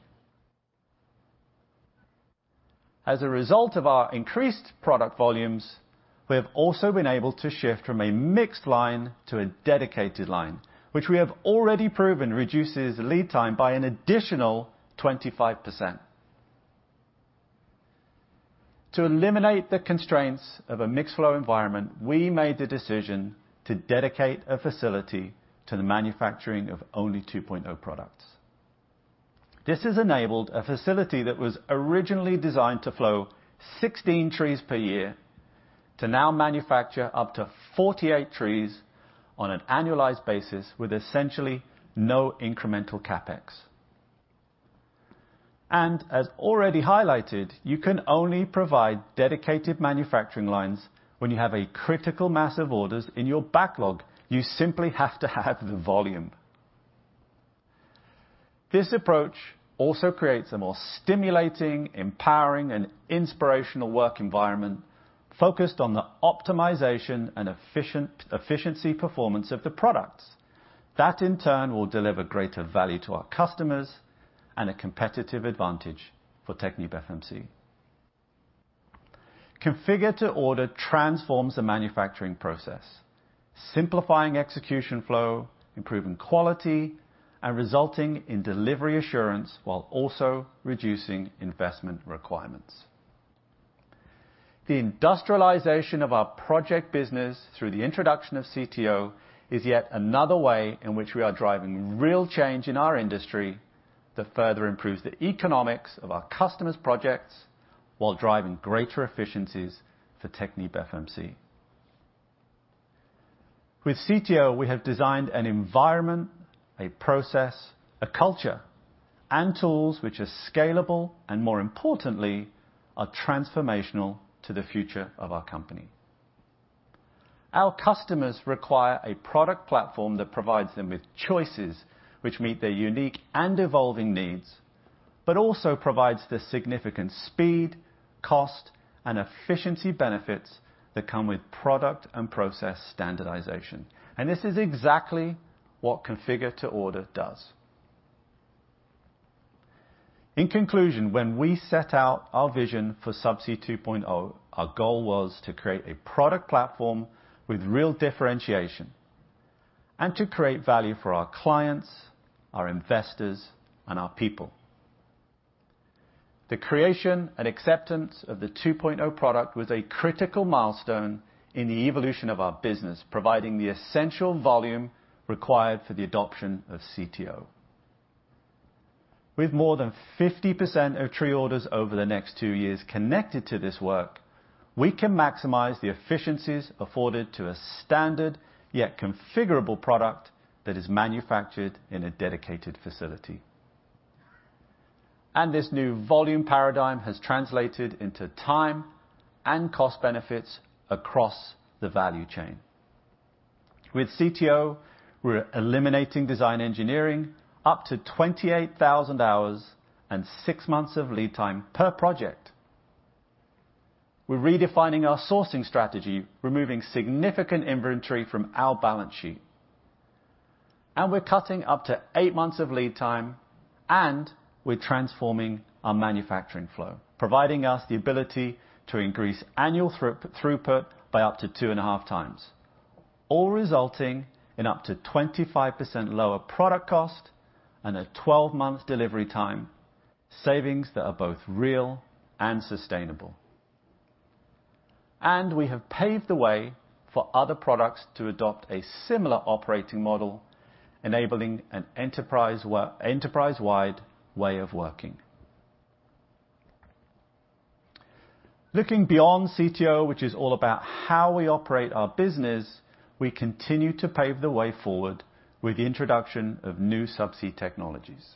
As a result of our increased product volumes, we have also been able to shift from a mixed line to a dedicated line, which we have already proven reduces lead time by an additional 25%. To eliminate the constraints of a mixed flow environment, we made the decision to dedicate a facility to the manufacturing of only 2.0 products. This has enabled a facility that was originally designed to flow 16 trees per year to now manufacture up to 48 trees on an annualized basis with essentially no incremental CapEx. As already highlighted, you can only provide dedicated manufacturing lines when you have a critical mass of orders in your backlog. You simply have to have the volume. This approach also creates a more stimulating, empowering, and inspirational work environment focused on the optimization and efficiency performance of the products. That in turn will deliver greater value to our customers and a competitive advantage for TechnipFMC. Configure-to-order transforms the manufacturing process, simplifying execution flow, improving quality, and resulting in delivery assurance while also reducing investment requirements. The industrialization of our project business through the introduction of CTO is yet another way in which we are driving real change in our industry that further improves the economics of our customers' projects while driving greater efficiencies for TechnipFMC. With CTO, we have designed an environment, a process, a culture, and tools which are scalable and, more importantly, are transformational to the future of our company. Our customers require a product platform that provides them with choices which meet their unique and evolving needs, but also provides the significant speed, cost, and efficiency benefits that come with product and process standardization. This is exactly what configure-to-order does. In conclusion, when we set out our vision for Subsea 2.0, our goal was to create a product platform with real differentiation and to create value for our clients, our investors, and our people. The creation and acceptance of the 2.0 product was a critical milestone in the evolution of our business, providing the essential volume required for the adoption of CTO. With more than 50% of tree orders over the next two years connected to this work, we can maximize the efficiencies afforded to a standard, yet configurable product that is manufactured in a dedicated facility. This new volume paradigm has translated into time and cost benefits across the value chain. With CTO, we're eliminating design engineering up to 28,000 hours and six months of lead time per project. We're redefining our sourcing strategy, removing significant inventory from our balance sheet, and we're cutting up to eight months of lead time, and we're transforming our manufacturing flow, providing us the ability to increase annual throughput by up to two and a half times, all resulting in up to 25% lower product cost and a 12-month delivery time, savings that are both real and sustainable. We have paved the way for other products to adopt a similar operating model, enabling an enterprise-wide way of working. Looking beyond CTO, which is all about how we operate our business, we continue to pave the way forward with the introduction of new subsea technologies.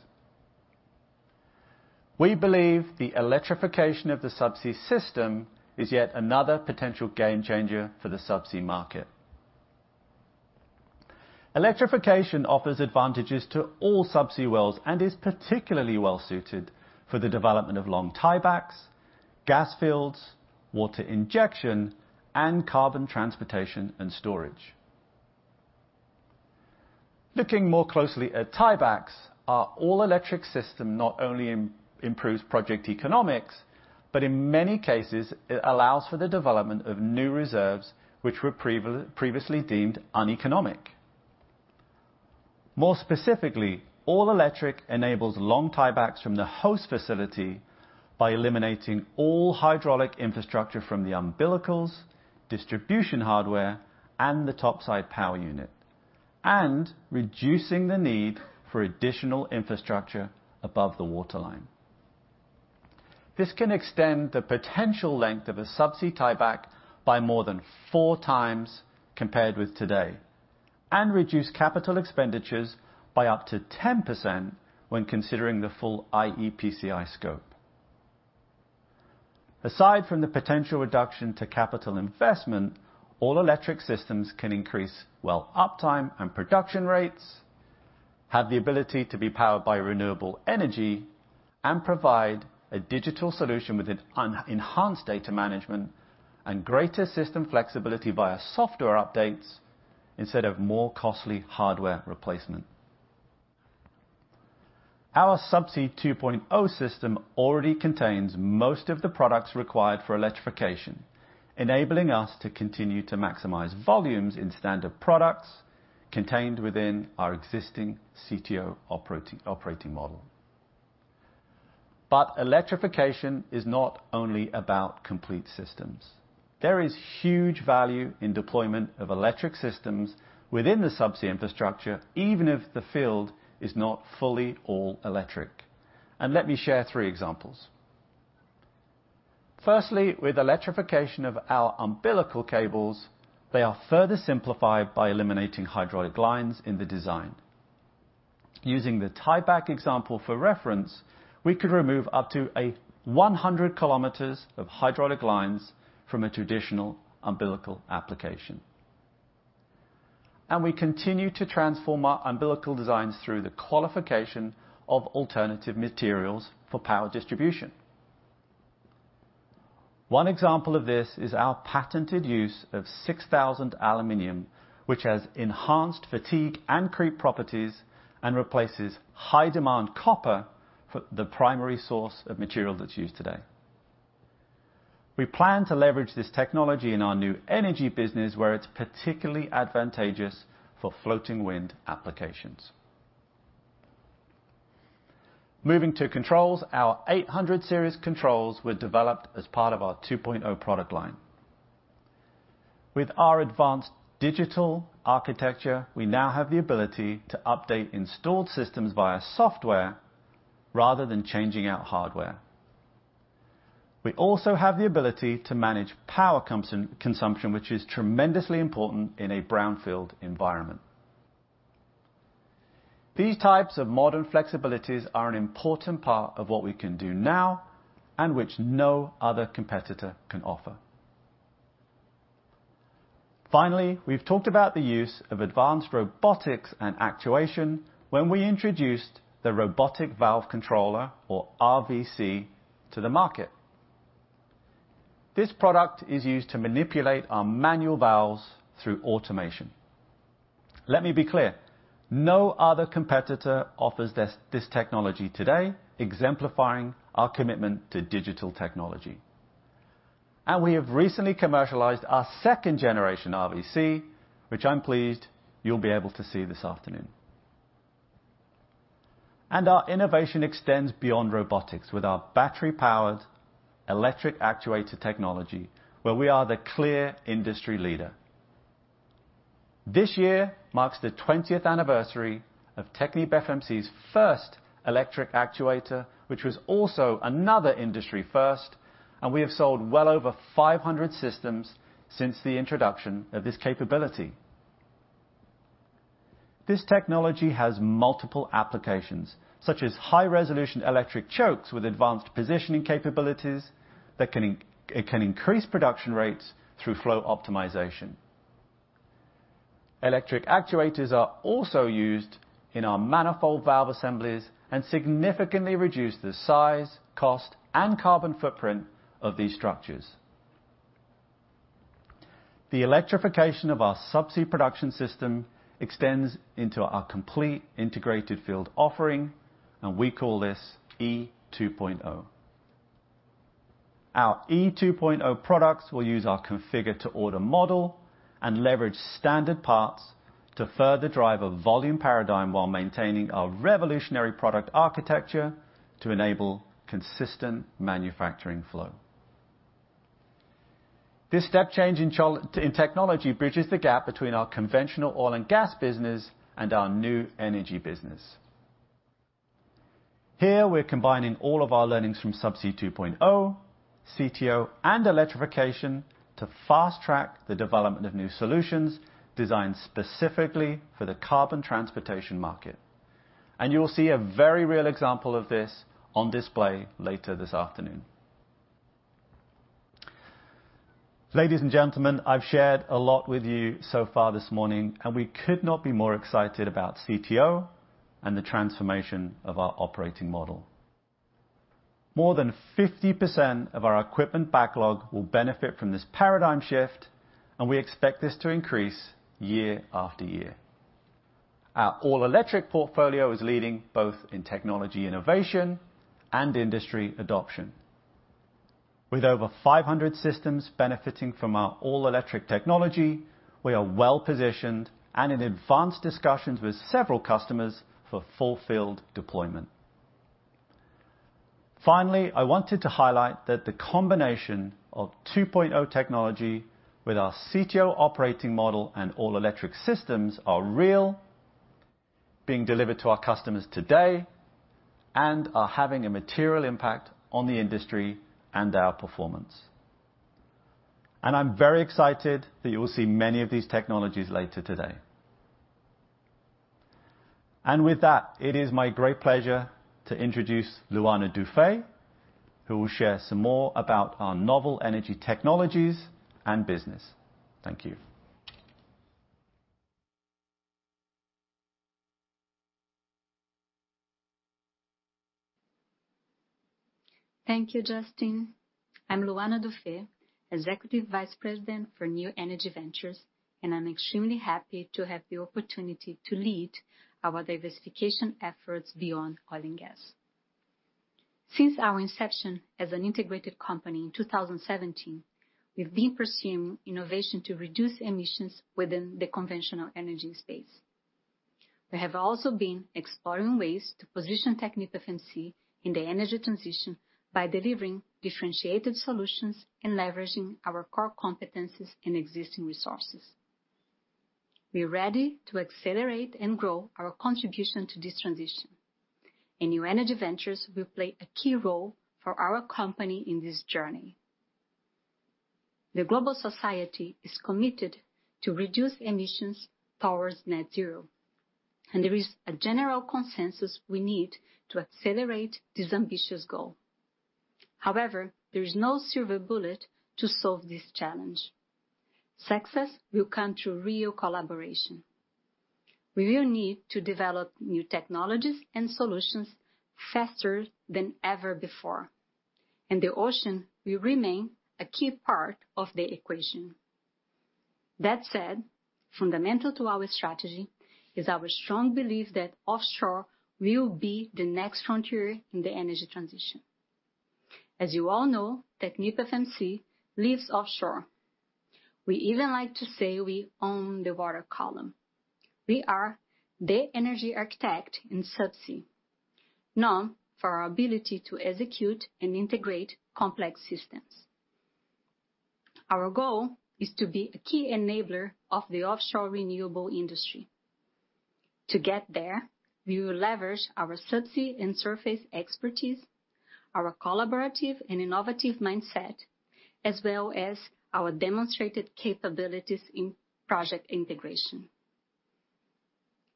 We believe the electrification of the subsea system is yet another potential game changer for the subsea market. Electrification offers advantages to all subsea wells and is particularly well suited for the development of long tiebacks, gas fields, water injection, and carbon transportation and storage. Looking more closely at tiebacks, our all electric system not only improves project economics, but in many cases, it allows for the development of new reserves which were previously deemed uneconomic. More specifically, all electric enables long tiebacks from the host facility by eliminating all hydraulic infrastructure from the umbilicals, distribution hardware, and the topside power unit, and reducing the need for additional infrastructure above the waterline. This can extend the potential length of a subsea tieback by more than four times compared with today, and reduce capital expenditures by up to 10% when considering the full iEPCI scope. Aside from the potential reduction to capital investment, all electric systems can increase well uptime and production rates, have the ability to be powered by renewable energy, and provide a digital solution with enhanced data management and greater system flexibility via software updates instead of more costly hardware replacement. Our Subsea 2.0 system already contains most of the products required for electrification, enabling us to continue to maximize volumes in standard products contained within our existing CTO operating model. Electrification is not only about complete systems. There is huge value in deployment of electric systems within the subsea infrastructure, even if the field is not fully all electric. Let me share three examples. Firstly, with electrification of our umbilical cables, they are further simplified by eliminating hydraulic lines in the design. Using the tieback example for reference, we could remove up to 100 km of hydraulic lines from a traditional umbilical application. We continue to transform our umbilical designs through the qualification of alternative materials for power distribution. One example of this is our patented use of 6000 series aluminum, which has enhanced fatigue and creep properties and replaces high demand copper for the primary source of material that's used today. We plan to leverage this technology in our new energy business where it's particularly advantageous for floating wind applications. Moving to controls, our 800 Series controls were developed as part of our 2.0 product line. With our advanced digital architecture, we now have the ability to update installed systems via software rather than changing out hardware. We also have the ability to manage power consumption, which is tremendously important in a brownfield environment. These types of modern flexibilities are an important part of what we can do now, and which no other competitor can offer. Finally, we've talked about the use of advanced robotics and actuation when we introduced the robotic valve controller, or RVC, to the market. This product is used to manipulate our manual valves through automation. Let me be clear, no other competitor offers this technology today, exemplifying our commitment to digital technology. We have recently commercialized our second generation RVC, which I'm pleased you'll be able to see this afternoon. Our innovation extends beyond robotics with our battery powered electric actuator technology, where we are the clear industry leader. This year marks the twentieth anniversary of TechnipFMC's first electric actuator, which was also another industry first, and we have sold well over 500 systems since the introduction of this capability. This technology has multiple applications, such as high resolution electric chokes with advanced positioning capabilities that can it can increase production rates through flow optimization. Electric actuators are also used in our manifold valve assemblies and significantly reduce the size, cost, and carbon footprint of these structures. The electrification of our subsea production system extends into our complete integrated field offering, and we call this E 2.0. Our E 2.0 products will use our configure to order model and leverage standard parts to further drive a volume paradigm while maintaining our revolutionary product architecture to enable consistent manufacturing flow. This step change in technology bridges the gap between our conventional oil and gas business and our new energy business. Here, we're combining all of our learnings from Subsea 2.0, CTO, and electrification to fast-track the development of new solutions designed specifically for the carbon transportation market. You'll see a very real example of this on display later this afternoon. Ladies and gentlemen, I've shared a lot with you so far this morning, and we could not be more excited about CTO and the transformation of our operating model. More than 50% of our equipment backlog will benefit from this paradigm shift, and we expect this to increase year after year. Our all-electric portfolio is leading both in technology innovation and industry adoption. With over 500 systems benefiting from our all-electric technology, we are well-positioned and in advanced discussions with several customers for full-field deployment. Finally, I wanted to highlight that the combination of 2.0 technology with our CTO operating model and all-electric systems are real, being delivered to our customers today, and are having a material impact on the industry and our performance. I'm very excited that you will see many of these technologies later today. With that, it is my great pleasure to introduce Luana Duffé, who will share some more about our novel energy technologies and business. Thank you. Thank you, Justin. I'm Luana Duffé, Executive Vice President for New Energy Ventures, and I'm extremely happy to have the opportunity to lead our diversification efforts beyond oil and gas. Since our inception as an integrated company in 2017, we've been pursuing innovation to reduce emissions within the conventional energy space. We have also been exploring ways to position TechnipFMC in the energy transition by delivering differentiated solutions and leveraging our core competencies and existing resources. We are ready to accelerate and grow our contribution to this transition, and New Energy Ventures will play a key role for our company in this journey. The global society is committed to reduce emissions towards net zero, and there is a general consensus we need to accelerate this ambitious goal. However, there is no silver bullet to solve this challenge. Success will come through real collaboration. We will need to develop new technologies and solutions faster than ever before, and the ocean will remain a key part of the equation. That said, fundamental to our strategy is our strong belief that offshore will be the next frontier in the energy transition. As you all know, TechnipFMC lives offshore. We even like to say we own the water column. We are the energy architect in subsea, known for our ability to execute and integrate complex systems. Our goal is to be a key enabler of the offshore renewable industry. To get there, we will leverage our subsea and surface expertise, our collaborative and innovative mindset, as well as our demonstrated capabilities in project integration.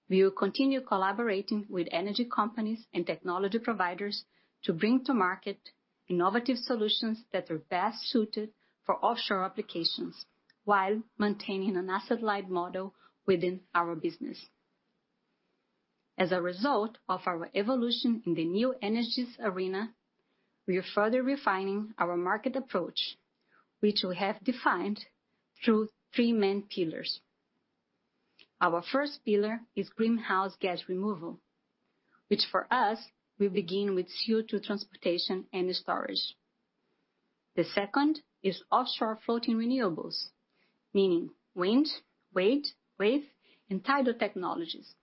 We will continue collaborating with energy companies and technology providers to bring to market innovative solutions that are best suited for offshore applications while maintaining an asset-light model within our business. As a result of our evolution in the new energies arena, we are further refining our market approach, which we have defined through three main pillars. Our first pillar is greenhouse gas removal, which for us will begin with CO2 transportation and storage. The second is offshore floating renewables, meaning wind, wave, and tidal technologies.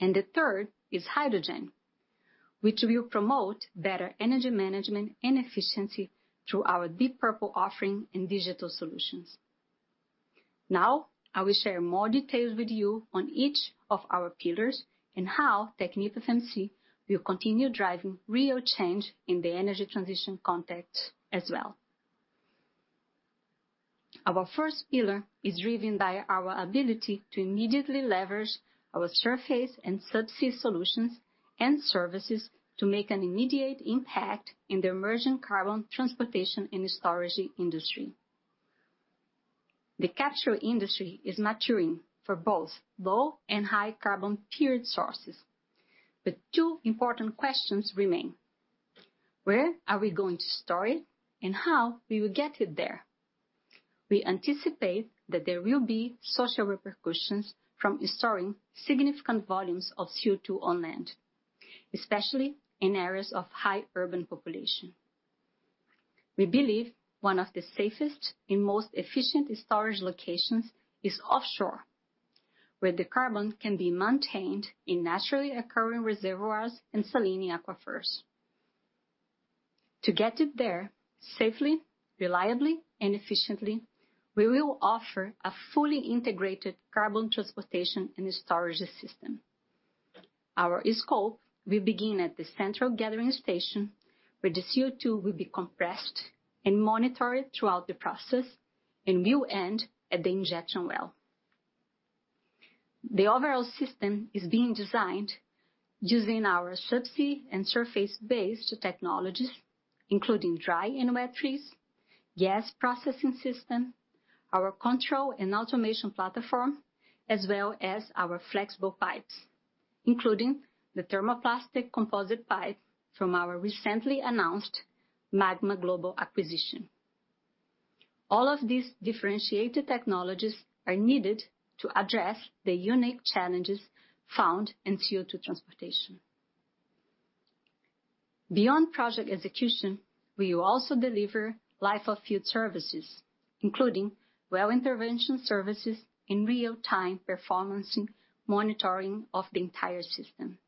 The third is hydrogen, which will promote better energy management and efficiency through our Deep Purple offering and digital solutions. Now, I will share more details with you on each of our pillars and how TechnipFMC will continue driving real change in the energy transition context as well. Our first pillar is driven by our ability to immediately leverage our surface and subsea solutions and services to make an immediate impact in the emerging carbon transportation and storage industry. The capture industry is maturing for both low and high carbon point sources. Two important questions remain: Where are we going to store it, and how we will get it there? We anticipate that there will be social repercussions from storing significant volumes of CO2 on land, especially in areas of high urban population. We believe one of the safest and most efficient storage locations is offshore, where the carbon can be maintained in naturally occurring reservoirs and saline aquifers. To get it there safely, reliably, and efficiently, we will offer a fully integrated carbon transportation and storage system. Our scope will begin at the central gathering station, where the CO2 will be compressed and monitored throughout the process and will end at the injection well. The overall system is being designed using our subsea and surface-based technologies, including dry and wet trees, gas processing system. Our control and automation platform, as well as our flexible pipes, including the thermoplastic composite pipe from our recently announced Magma Global acquisition. All of these differentiated technologies are needed to address the unique challenges found in CO₂ transportation. Beyond project execution, we will also deliver life of field services, including well intervention services and real-time performance monitoring of the entire system.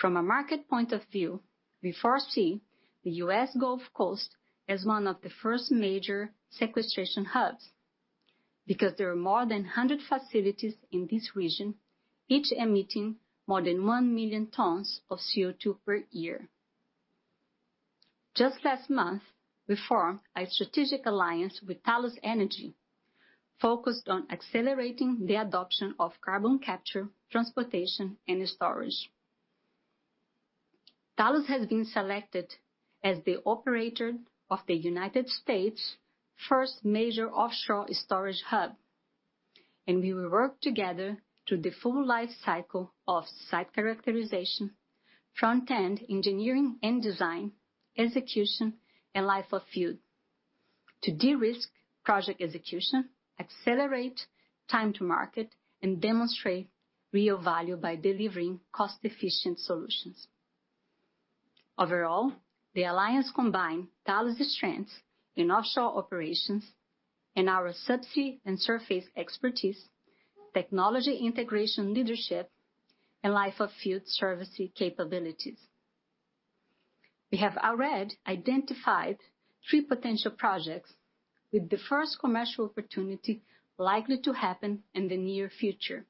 From a market point of view, we foresee the U.S. Gulf Coast as one of the first major sequestration hubs, because there are more than 100 facilities in this region, each emitting more than 1 million tons of CO₂ per year. Just last month, we formed a strategic alliance with Talos Energy, focused on accelerating the adoption of carbon capture, transportation and storage. Talos has been selected as the operator of the United States' first major offshore storage hub, and we will work together through the full life cycle of site characterization, front-end engineering and design, execution, and life of field to de-risk project execution, accelerate time to market, and demonstrate real value by delivering cost-efficient solutions. Overall, the alliance combines Talos' strengths in offshore operations and our subsea and surface expertise, technology integration leadership, and life of field servicing capabilities. We have already identified three potential projects, with the first commercial opportunity likely to happen in the near future.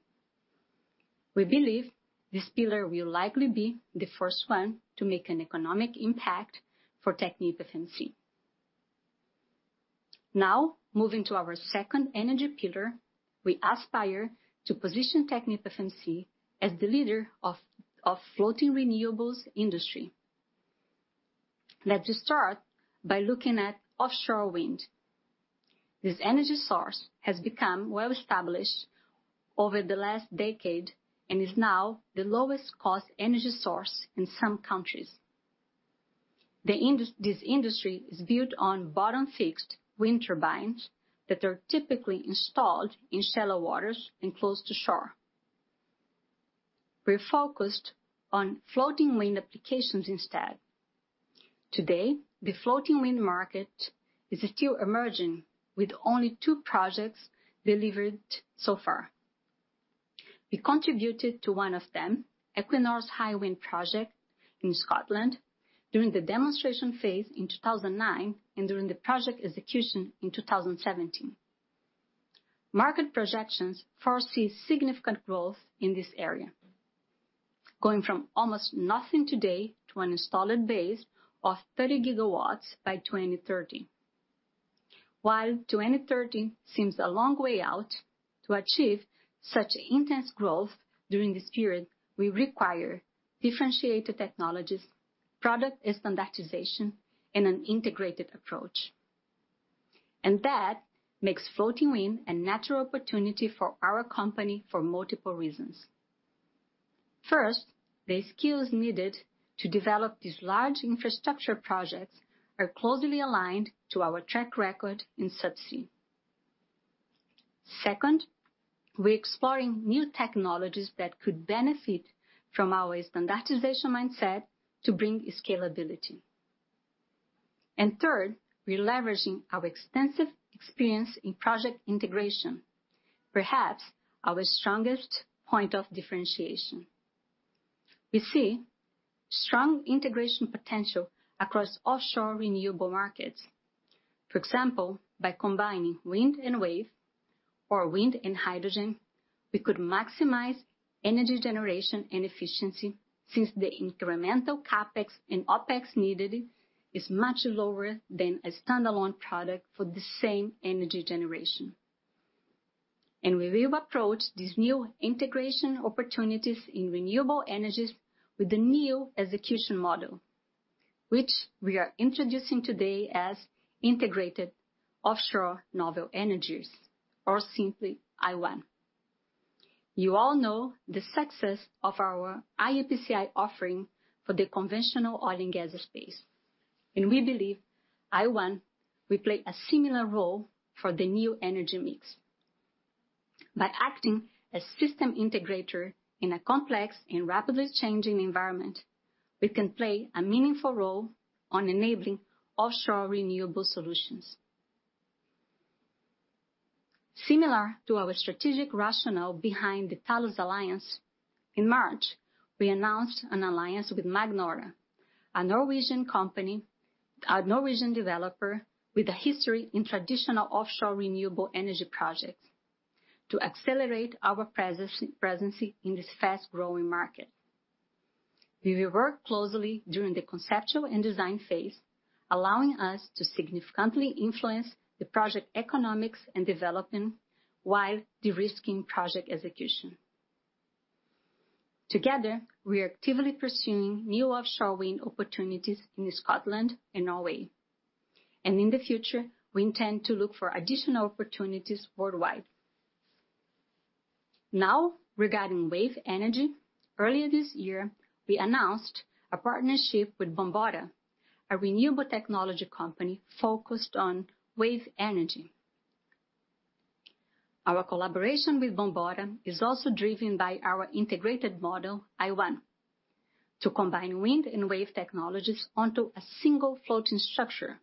We believe this pillar will likely be the first one to make an economic impact for TechnipFMC. Now, moving to our second energy pillar, we aspire to position TechnipFMC as the leader of floating renewables industry. Let's just start by looking at offshore wind. This energy source has become well-established over the last decade, and is now the lowest cost energy source in some countries. This industry is built on bottom-fixed wind turbines that are typically installed in shallow waters and close to shore. We're focused on floating wind applications instead. Today, the floating wind market is still emerging, with only two projects delivered so far. We contributed to one of them, Equinor's Hywind project in Scotland, during the demonstration phase in 2009, and during the project execution in 2017. Market projections foresee significant growth in this area, going from almost nothing today to an installed base of 30 GW by 2030. While 2030 seems a long way out, to achieve such intense growth during this period, we require differentiated technologies, product standardization, and an integrated approach. That makes floating wind a natural opportunity for our company for multiple reasons. First, the skills needed to develop these large infrastructure projects are closely aligned to our track record in subsea. Second, we're exploring new technologies that could benefit from our standardization mindset to bring scalability. Third, we're leveraging our extensive experience in project integration, perhaps our strongest point of differentiation. We see strong integration potential across offshore renewable markets. For example, by combining wind and wave or wind and hydrogen, we could maximize energy generation and efficiency since the incremental CapEx and OpEx needed is much lower than a standalone product for the same energy generation. We will approach these new integration opportunities in renewable energies with the new execution model, which we are introducing today as Integrated Offshore Novel Energies, or simply IONE. You all know the success of our iEPCI offering for the conventional oil and gas space, and we believe iONE will play a similar role for the new energy mix. By acting as system integrator in a complex and rapidly changing environment, we can play a meaningful role in enabling offshore renewable solutions. Similar to our strategic rationale behind the Talos alliance, in March, we announced an alliance with Magnora, a Norwegian developer with a history in traditional offshore renewable energy projects, to accelerate our presence in this fast-growing market. We will work closely during the conceptual and design phase, allowing us to significantly influence the project economics and development while de-risking project execution. Together, we are actively pursuing new offshore wind opportunities in Scotland and Norway. In the future, we intend to look for additional opportunities worldwide. Now, regarding wave energy, earlier this year, we announced a partnership with Bombora, a renewable technology company focused on wave energy. Our collaboration with Bombora is also driven by our integrated model, iONE, to combine wind and wave technologies onto a single floating structure,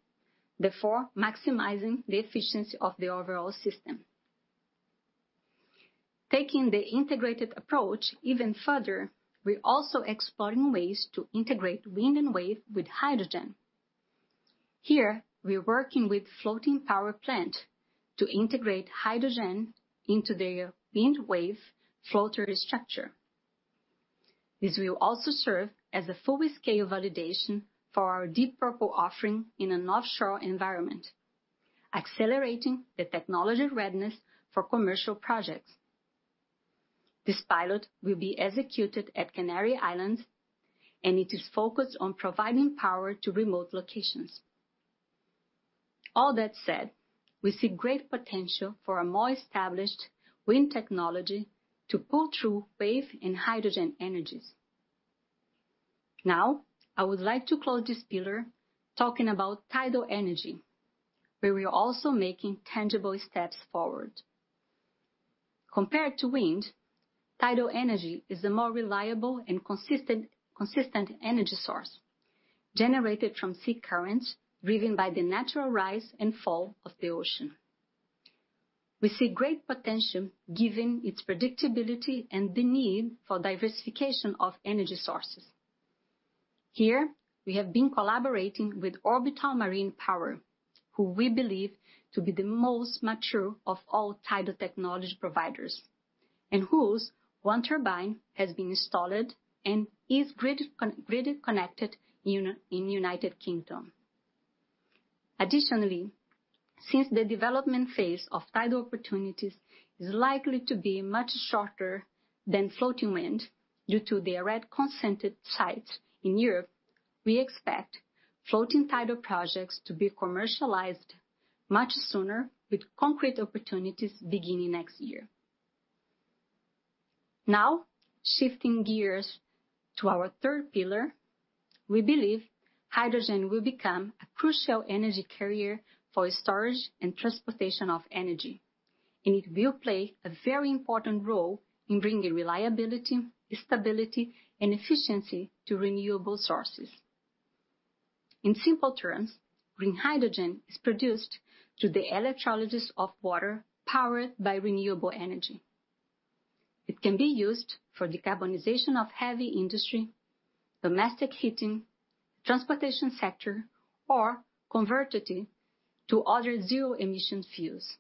therefore maximizing the efficiency of the overall system. Taking the integrated approach even further, we're also exploring ways to integrate wind and wave with hydrogen. Here, we're working with Floating Power Plant to integrate hydrogen into their wind wave floater structure. This will also serve as a full-scale validation for our Deep Purple offering in an offshore environment, accelerating the technology readiness for commercial projects. This pilot will be executed at Canary Islands, and it is focused on providing power to remote locations. All that said, we see great potential for a more established wind technology to pull through wave and hydrogen energies. Now, I would like to close this pillar talking about tidal energy, where we're also making tangible steps forward. Compared to wind, tidal energy is a more reliable and consistent energy source generated from sea currents driven by the natural rise and fall of the ocean. We see great potential given its predictability and the need for diversification of energy sources. Here, we have been collaborating with Orbital Marine Power, who we believe to be the most mature of all tidal technology providers, and whose one turbine has been installed and is grid-connected in United Kingdom. Additionally, since the development phase of tidal opportunities is likely to be much shorter than floating wind due to their already consented sites in Europe, we expect floating tidal projects to be commercialized much sooner, with concrete opportunities beginning next year. Now, shifting gears to our third pillar, we believe hydrogen will become a crucial energy carrier for storage and transportation of energy, and it will play a very important role in bringing reliability, stability, and efficiency to renewable sources. In simple terms, green hydrogen is produced through the electrolysis of water powered by renewable energy. It can be used for decarbonization of heavy industry, domestic heating, transportation sector, or converted to other zero emission fuels.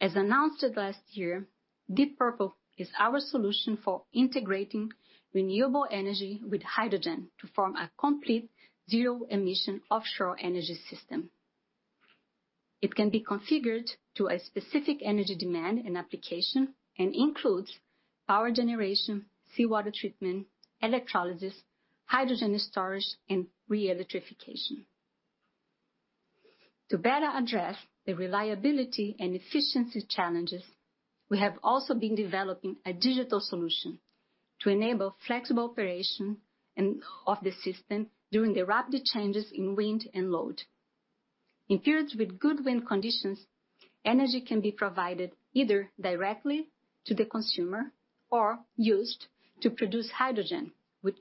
As announced last year, Deep Purple is our solution for integrating renewable energy with hydrogen to form a complete zero emission offshore energy system. It can be configured to a specific energy demand and application, and includes power generation, seawater treatment, electrolysis, hydrogen storage, and re-electrification. To better address the reliability and efficiency challenges, we have also been developing a digital solution to enable flexible operation and of the system during the rapid changes in wind and load. In periods with good wind conditions, energy can be provided either directly to the consumer or used to produce hydrogen, which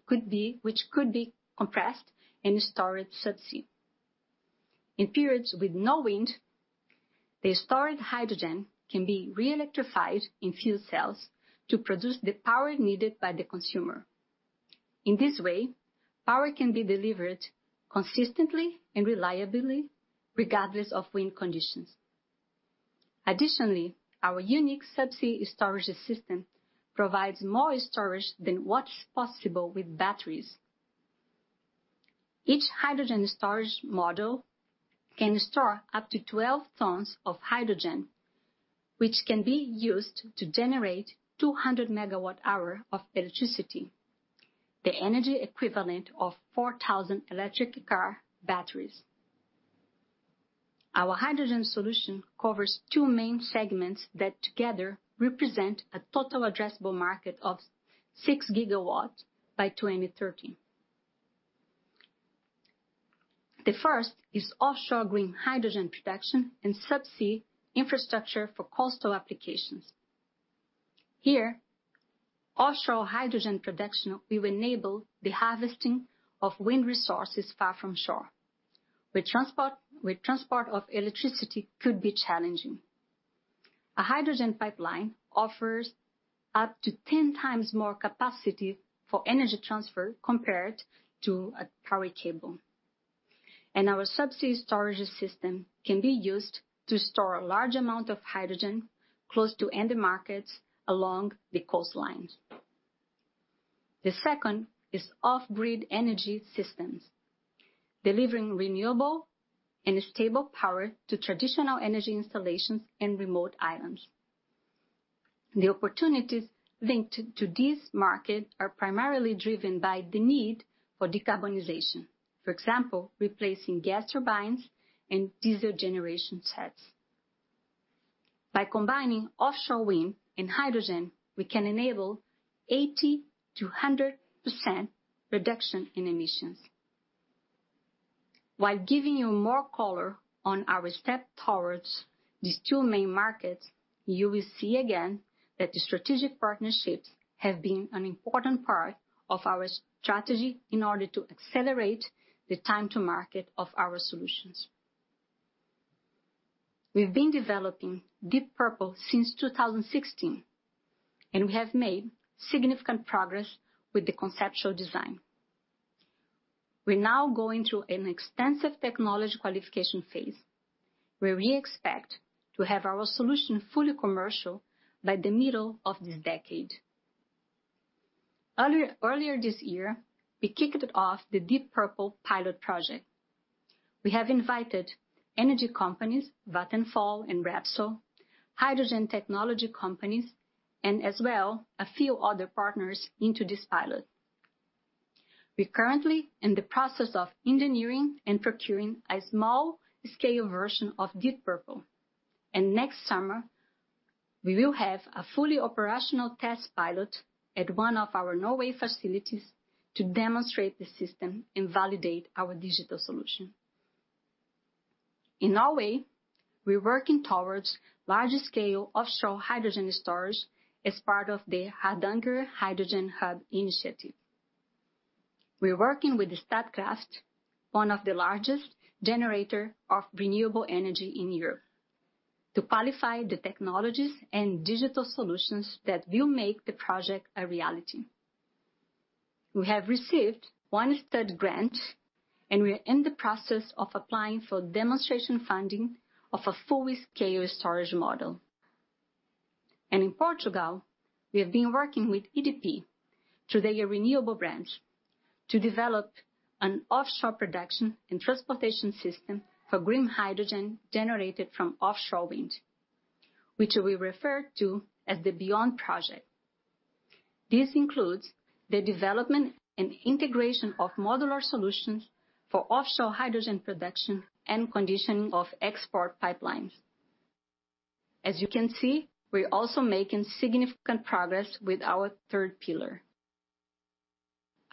could be compressed and stored subsea. In periods with no wind, the stored hydrogen can be re-electrified in fuel cells to produce the power needed by the consumer. In this way, power can be delivered consistently and reliably regardless of wind conditions. Additionally, our unique subsea storage system provides more storage than what's possible with batteries. Each hydrogen storage module can store up to 12 tons of hydrogen, which can be used to generate 200 MWh of electricity, the energy equivalent of 4,000 electric car batteries. Our hydrogen solution covers two main segments that together represent a total addressable market of 6 GW by 2030. The first is offshore green hydrogen production and subsea infrastructure for coastal applications. Here, offshore hydrogen production will enable the harvesting of wind resources far from shore, where transport of electricity could be challenging. A hydrogen pipeline offers up to 10x more capacity for energy transfer compared to a power cable. Our subsea storage system can be used to store a large amount of hydrogen close to end markets along the coastline. The second is off-grid energy systems, delivering renewable and stable power to traditional energy installations in remote islands. The opportunities linked to this market are primarily driven by the need for decarbonization. For example, replacing gas turbines and diesel generation sets. By combining offshore wind and hydrogen, we can enable 80%-100% reduction in emissions. While giving you more color on our step towards these two main markets, you will see again that the strategic partnerships have been an important part of our strategy in order to accelerate the time to market of our solutions. We've been developing Deep Purple since 2016, and we have made significant progress with the conceptual design. We're now going through an extensive technology qualification phase, where we expect to have our solution fully commercial by the middle of this decade. Earlier this year, we kicked it off the Deep Purple pilot project. We have invited energy companies, Vattenfall and Repsol, hydrogen technology companies, and as well, a few other partners into this pilot. We're currently in the process of engineering and procuring a small-scale version of Deep Purple. Next summer, we will have a fully operational test pilot at one of our Norway facilities to demonstrate the system and validate our digital solution. In Norway, we're working towards larger scale offshore hydrogen storage as part of the Hardanger Hydrogen Hub initiative. We're working with the Statkraft, one of the largest generator of renewable energy in Europe, to qualify the technologies and digital solutions that will make the project a reality. We have received one third grant, and we're in the process of applying for demonstration funding of a full-scale storage model. In Portugal, we have been working with EDP through their renewable brands to develop an offshore production and transportation system for green hydrogen generated from offshore wind, which we refer to as the Beyond Project. This includes the development and integration of modular solutions for offshore hydrogen production and conditioning of export pipelines. As you can see, we're also making significant progress with our third pillar.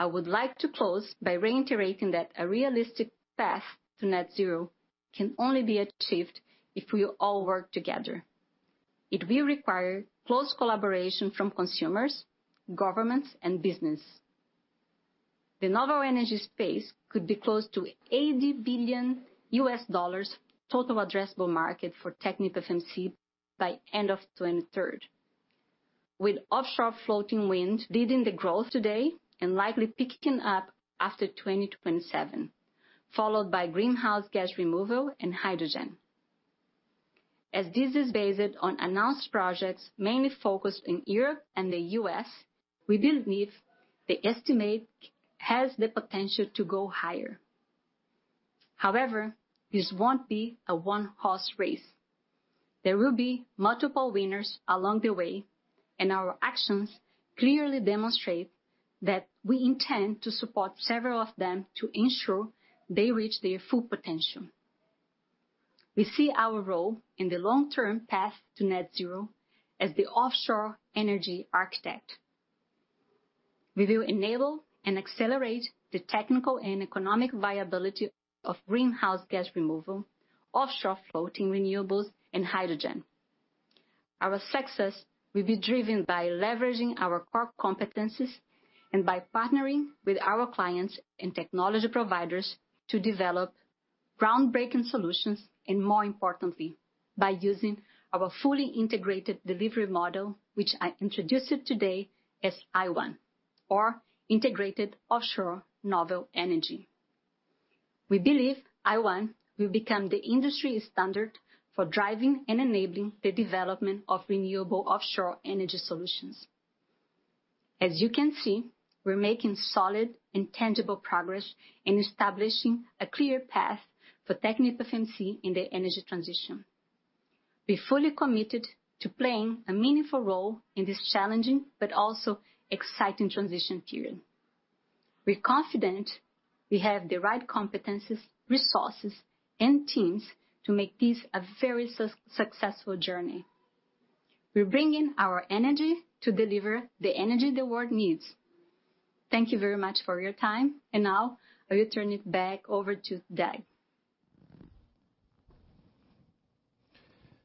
I would like to close by reiterating that a realistic path to net zero can only be achieved if we all work together. It will require close collaboration from consumers, governments, and business. The novel energy space could be close to $80 billion total addressable market for TechnipFMC by end of 2023, with offshore floating wind leading the growth today and likely picking up after 2027, followed by greenhouse gas removal and hydrogen. As this is based on announced projects mainly focused in Europe and the U.S., we believe the estimate has the potential to go higher. However, this won't be a one-horse race. There will be multiple winners along the way, and our actions clearly demonstrate that we intend to support several of them to ensure they reach their full potential. We see our role in the long-term path to net zero as the offshore energy architect. We will enable and accelerate the technical and economic viability of greenhouse gas removal, offshore floating renewables, and hydrogen. Our success will be driven by leveraging our core competencies and by partnering with our clients and technology providers to develop groundbreaking solutions, and more importantly, by using our fully integrated delivery model, which I introduced today as iONE or Integrated Offshore Novel Energy. We believe iONE will become the industry standard for driving and enabling the development of renewable offshore energy solutions. As you can see, we're making solid and tangible progress in establishing a clear path for TechnipFMC in the energy transition. We're fully committed to playing a meaningful role in this challenging but also exciting transition period. We're confident we have the right competencies, resources, and teams to make this a very successful journey. We're bringing our energy to deliver the energy the world needs. Thank you very much for your time. Now I will turn it back over to Doug.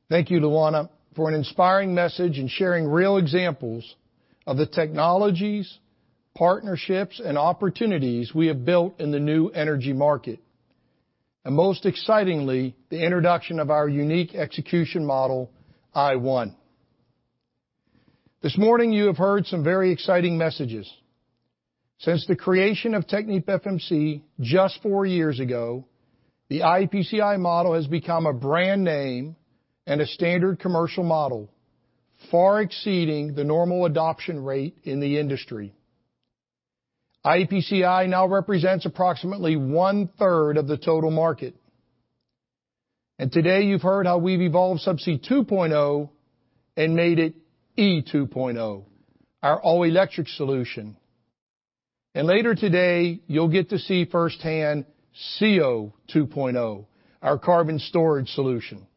Thank you, Luana, for an inspiring message and sharing real examples of the technologies, partnerships, and opportunities we have built in the new energy market. Most excitingly, the introduction of our unique execution model, iONE. This morning, you have heard some very exciting messages. Since the creation of TechnipFMC just four years ago. The iEPCI model has become a brand name and a standard commercial model, far exceeding the normal adoption rate in the industry. iEPCI now represents approximately one-third of the total market. Today, you've heard how we've evolved Subsea 2.0 and made it E 2.0, our all-electric solution. Later today, you'll get to see firsthand CO2.0, our carbon storage solution,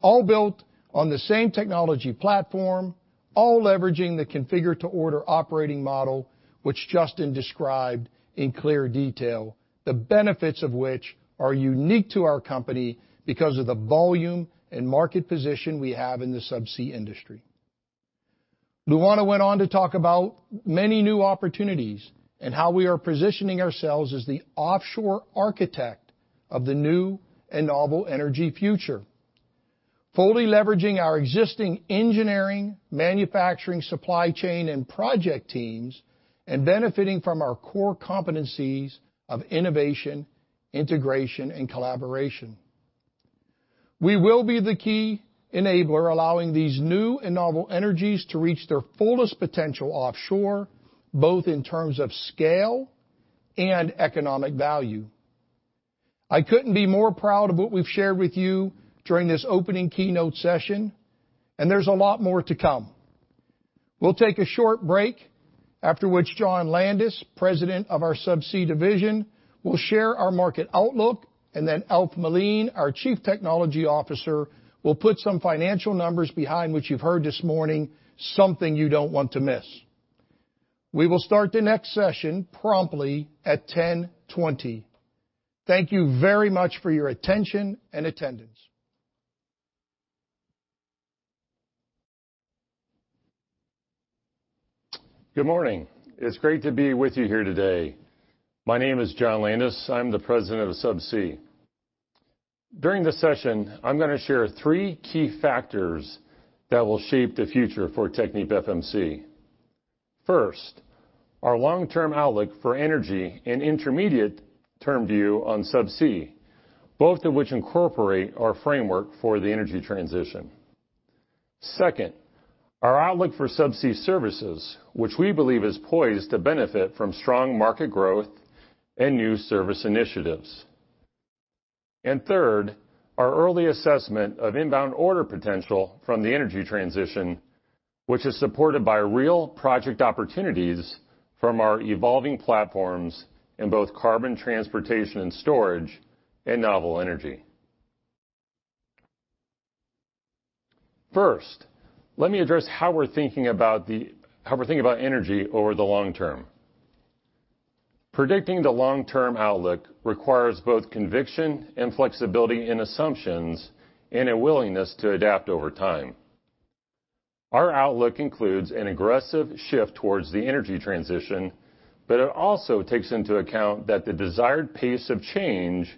all built on the same technology platform, all leveraging the configure-to-order operating model, which Justin described in clear detail, the benefits of which are unique to our company because of the volume and market position we have in the subsea industry. Luana went on to talk about many new opportunities and how we are positioning ourselves as the offshore architect of the new and novel energy future, fully leveraging our existing engineering, manufacturing, supply chain, and project teams, and benefiting from our core competencies of innovation, integration, and collaboration. We will be the key enabler allowing these new and novel energies to reach their fullest potential offshore, both in terms of scale and economic value. I couldn't be more proud of what we've shared with you during this opening keynote session, and there's a lot more to come. We'll take a short break, after which Jonathan Landes, President of our Subsea division, will share our market outlook, and then Alf Melin, our Chief Technology Officer, will put some financial numbers behind what you've heard this morning, something you don't want to miss. We will start the next session promptly at 10:20 A.M. Thank you very much for your attention and attendance. Good morning. It's great to be with you here today. My name is Jonathan Landes. I'm the President of Subsea. During this session, I'm going to share three key factors that will shape the future for TechnipFMC. First, our long-term outlook for energy and intermediate-term view on Subsea, both of which incorporate our framework for the energy transition. Second, our outlook for Subsea services, which we believe is poised to benefit from strong market growth and new service initiatives. Third, our early assessment of inbound order potential from the energy transition, which is supported by real project opportunities from our evolving platforms in both carbon transportation and storage and novel energy. First, let me address how we're thinking about energy over the long term. Predicting the long-term outlook requires both conviction and flexibility in assumptions and a willingness to adapt over time. Our outlook includes an aggressive shift towards the energy transition, but it also takes into account that the desired pace of change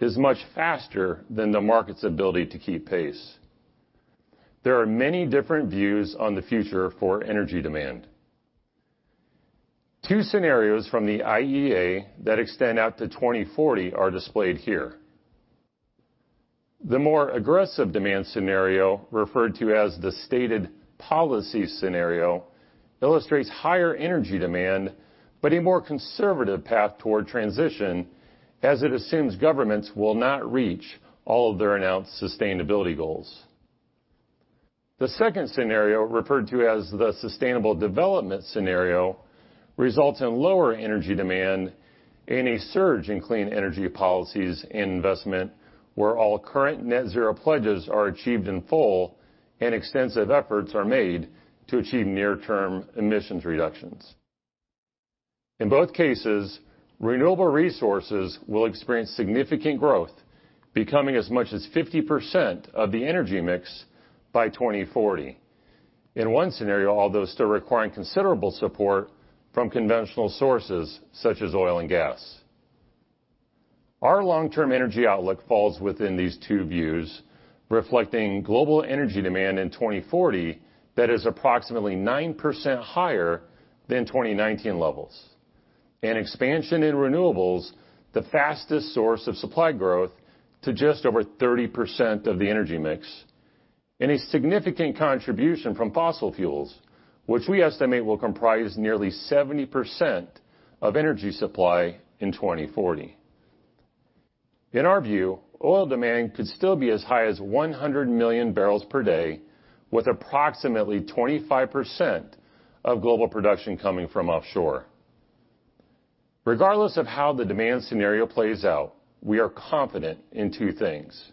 is much faster than the market's ability to keep pace. There are many different views on the future for energy demand. Two scenarios from the IEA that extend out to 2040 are displayed here. The more aggressive demand scenario, referred to as the stated policy scenario, illustrates higher energy demand but a more conservative path toward transition, as it assumes governments will not reach all of their announced sustainability goals. The second scenario, referred to as the sustainable development scenario, results in lower energy demand and a surge in clean energy policies investment where all current net zero pledges are achieved in full and extensive efforts are made to achieve near-term emissions reductions. In both cases, renewable resources will experience significant growth, becoming as much as 50% of the energy mix by 2040 in one scenario, although still requiring considerable support from conventional sources such as oil and gas. Our long-term energy outlook falls within these two views, reflecting global energy demand in 2040 that is approximately 9% higher than 2019 levels, and expansion in renewables, the fastest source of supply growth, to just over 30% of the energy mix, and a significant contribution from fossil fuels, which we estimate will comprise nearly 70% of energy supply in 2040. In our view, oil demand could still be as high as 100 million barrels per day, with approximately 25% of global production coming from offshore. Regardless of how the demand scenario plays out, we are confident in two things: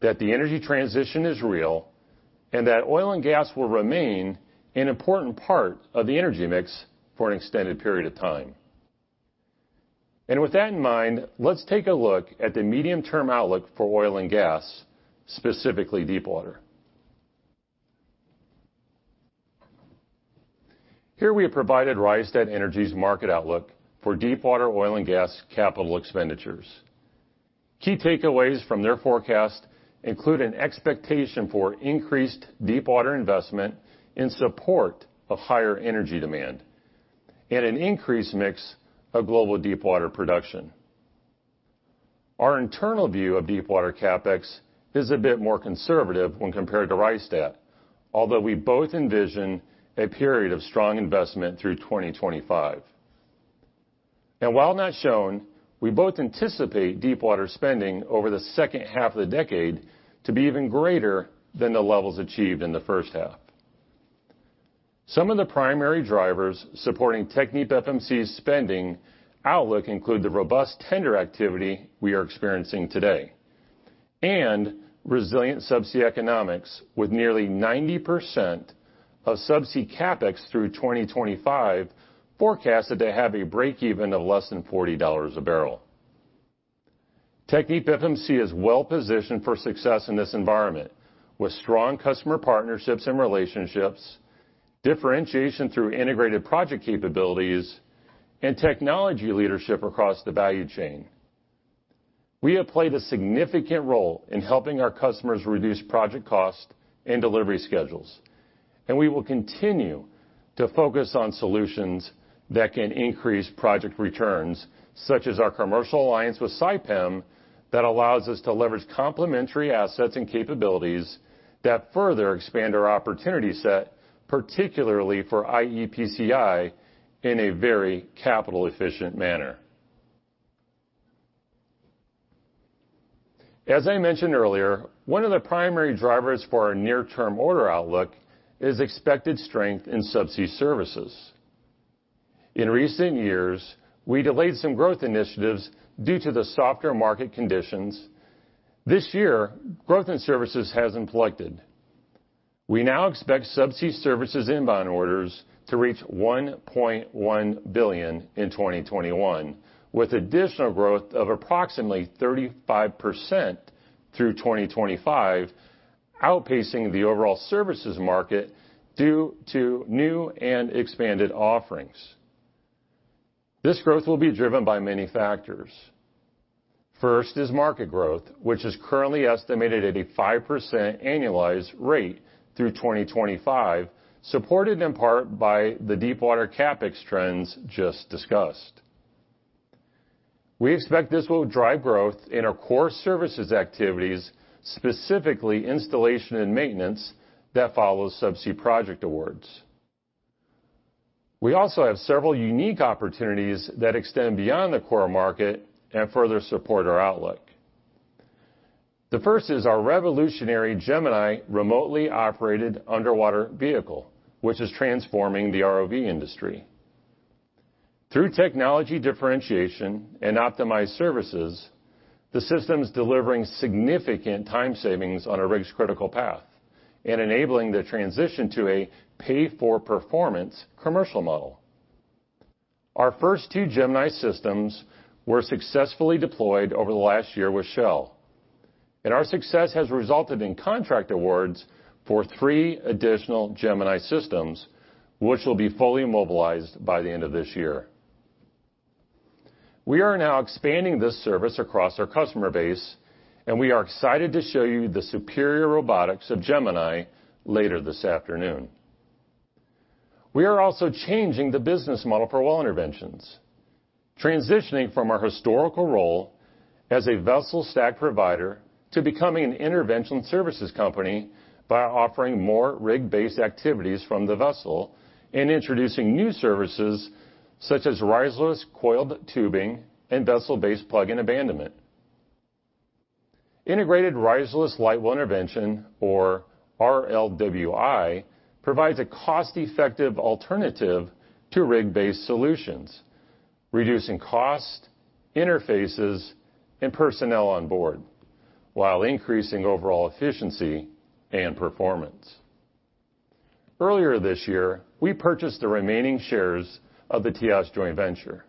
that the energy transition is real, and that oil and gas will remain an important part of the energy mix for an extended period of time. With that in mind, let's take a look at the medium-term outlook for oil and gas, specifically deepwater. Here we have provided Rystad Energy's market outlook for deepwater oil and gas capital expenditures. Key takeaways from their forecast include an expectation for increased deepwater investment in support of higher energy demand and an increased mix of global deepwater production. Our internal view of deepwater CapEx is a bit more conservative when compared to Rystad, although we both envision a period of strong investment through 2025. While not shown, we both anticipate deepwater spending over the second half of the decade to be even greater than the levels achieved in the first half. Some of the primary drivers supporting TechnipFMC's spending outlook include the robust tender activity we are experiencing today, and resilient subsea economics with nearly 90% of subsea CapEx through 2025 forecasted to have a break-even of less than $40 a barrel. TechnipFMC is well-positioned for success in this environment, with strong customer partnerships and relationships, differentiation through integrated project capabilities, and technology leadership across the value chain. We have played a significant role in helping our customers reduce project cost and delivery schedules, and we will continue to focus on solutions that can increase project returns, such as our commercial alliance with Saipem that allows us to leverage complementary assets and capabilities that further expand our opportunity set, particularly for iEPCI in a very capital-efficient manner. As I mentioned earlier, one of the primary drivers for our near-term order outlook is expected strength in subsea services. In recent years, we delayed some growth initiatives due to the softer market conditions. This year, growth in services has inflected. We now expect subsea services inbound orders to reach $1.1 billion in 2021, with additional growth of approximately 35% through 2025, outpacing the overall services market due to new and expanded offerings. This growth will be driven by many factors. First is market growth, which is currently estimated at a 5% annualized rate through 2025, supported in part by the deepwater CapEx trends just discussed. We expect this will drive growth in our core services activities, specifically installation and maintenance that follows subsea project awards. We also have several unique opportunities that extend beyond the core market and further support our outlook. The first is our revolutionary Gemini remotely operated underwater vehicle, which is transforming the ROV industry. Through technology differentiation and optimized services, the system's delivering significant time savings on a rig's critical path and enabling the transition to a pay-for-performance commercial model. Our first two Gemini systems were successfully deployed over the last year with Shell, and our success has resulted in contract awards for three additional Gemini systems, which will be fully mobilized by the end of this year. We are now expanding this service across our customer base, and we are excited to show you the superior robotics of GEMINI later this afternoon. We are also changing the business model for well interventions, transitioning from our historical role as a vessel stack provider to becoming an intervention services company by offering more rig-based activities from the vessel and introducing new services such as riserless coiled tubing and vessel-based plug and abandonment. Integrated Riserless Light Well Intervention, or RLWI, provides a cost-effective alternative to rig-based solutions, reducing cost, interfaces, and personnel on board, while increasing overall efficiency and performance. Earlier this year, we purchased the remaining shares of the TIOS joint venture.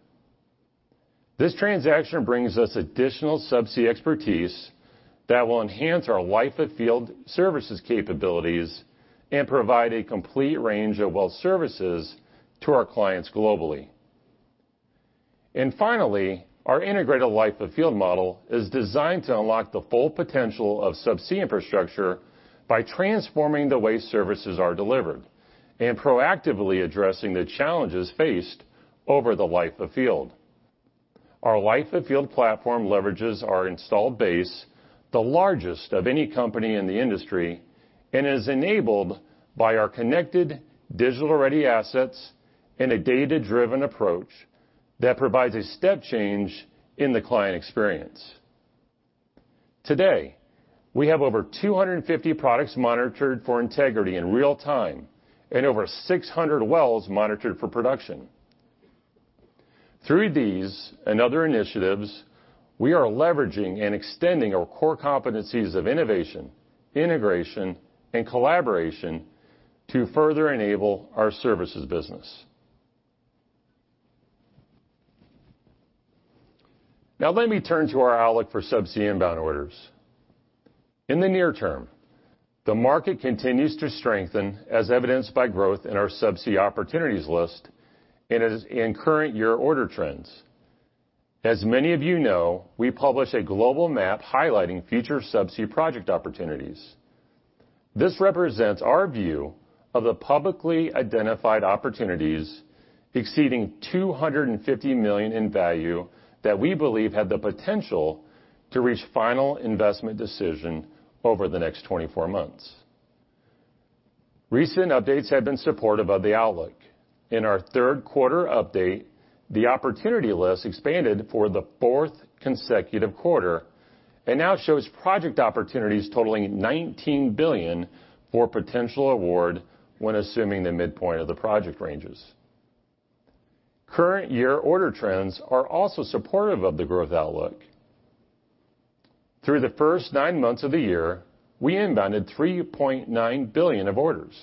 This transaction brings us additional subsea expertise that will enhance our Life of Field services capabilities and provide a complete range of well services to our clients globally. Finally, our integrated Life of Field model is designed to unlock the full potential of subsea infrastructure by transforming the way services are delivered and proactively addressing the challenges faced over the Life of Field. Our Life of Field platform leverages our installed base, the largest of any company in the industry, and is enabled by our connected digital-ready assets and a data-driven approach that provides a step change in the client experience. Today, we have over 250 products monitored for integrity in real time and over 600 wells monitored for production. Through these and other initiatives, we are leveraging and extending our core competencies of innovation, integration, and collaboration to further enable our services business. Now let me turn to our outlook for subsea inbound orders. In the near term, the market continues to strengthen as evidenced by growth in our subsea opportunities list and in current year order trends. As many of you know, we publish a global map highlighting future subsea project opportunities. This represents our view of the publicly identified opportunities exceeding $250 million in value that we believe have the potential to reach final investment decision over the next 24 months. Recent updates have been supportive of the outlook. In our third quarter update, the opportunity list expanded for the fourth consecutive quarter and now shows project opportunities totaling $19 billion for potential award when assuming the midpoint of the project ranges. Current year order trends are also supportive of the growth outlook. Through the first nine months of the year, we invented $3.9 billion of orders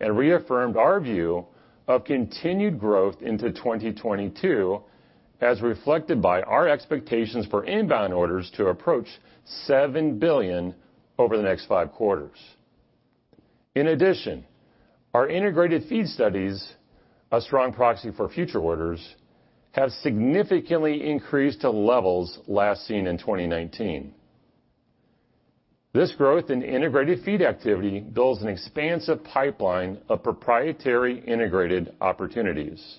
and reaffirmed our view of continued growth into 2022, as reflected by our expectations for inbound orders to approach $7 billion over the next five quarters. In addition, our integrated FEED studies, a strong proxy for future orders, have significantly increased to levels last seen in 2019. This growth in integrated FEED activity builds an expansive pipeline of proprietary integrated opportunities.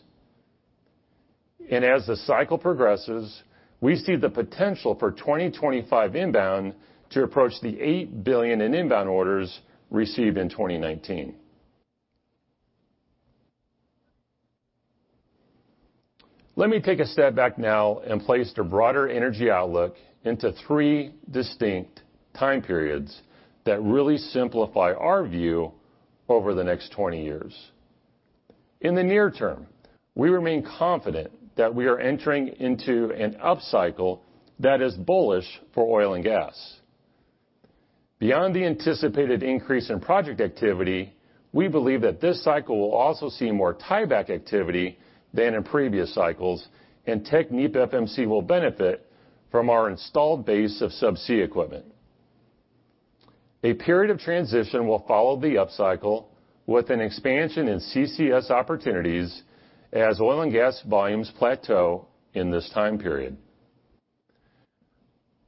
As the cycle progresses, we see the potential for 2025 inbound to approach the $8 billion in inbound orders received in 2019. Let me take a step back now and place the broader energy outlook into three distinct time periods that really simplify our view over the next twenty years. In the near term, we remain confident that we are entering into an upcycle that is bullish for oil and gas. Beyond the anticipated increase in project activity, we believe that this cycle will also see more tieback activity than in previous cycles, and TechnipFMC will benefit from our installed base of subsea equipment. A period of transition will follow the upcycle with an expansion in CCS opportunities as oil and gas volumes plateau in this time period.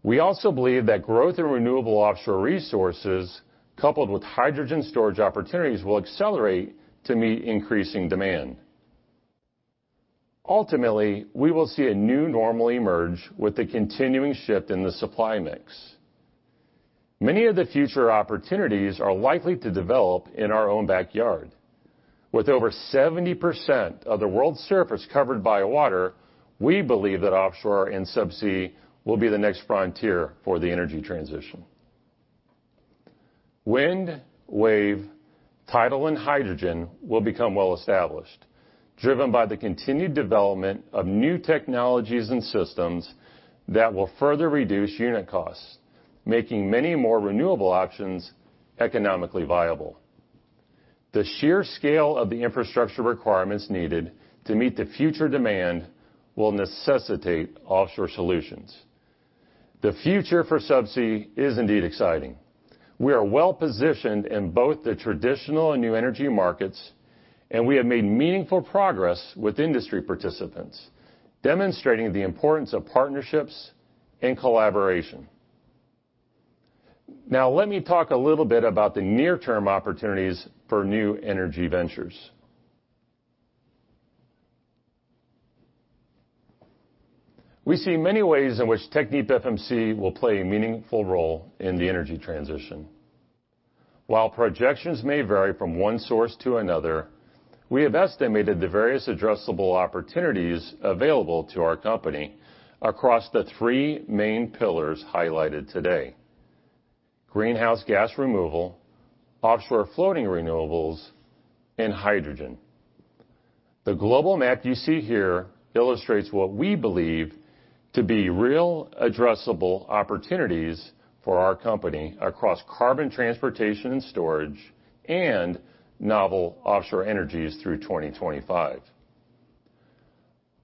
We also believe that growth in renewable offshore resources coupled with hydrogen storage opportunities will accelerate to meet increasing demand. Ultimately, we will see a new normal emerge with the continuing shift in the supply mix. Many of the future opportunities are likely to develop in our own backyard. With over 70% of the world's surface covered by water, we believe that offshore and subsea will be the next frontier for the energy transition. Wind, wave, tidal, and hydrogen will become well-established, driven by the continued development of new technologies and systems that will further reduce unit costs, making many more renewable options economically viable. The sheer scale of the infrastructure requirements needed to meet the future demand will necessitate offshore solutions. The future for subsea is indeed exciting. We are well-positioned in both the traditional and new energy markets, and we have made meaningful progress with industry participants, demonstrating the importance of partnerships and collaboration. Now, let me talk a little bit about the near-term opportunities for new energy ventures. We see many ways in which TechnipFMC will play a meaningful role in the energy transition. While projections may vary from one source to another, we have estimated the various addressable opportunities available to our company across the three main pillars highlighted today: greenhouse gas removal, offshore floating renewables, and hydrogen. The global map you see here illustrates what we believe to be real addressable opportunities for our company across carbon transportation and storage and novel offshore energies through 2025.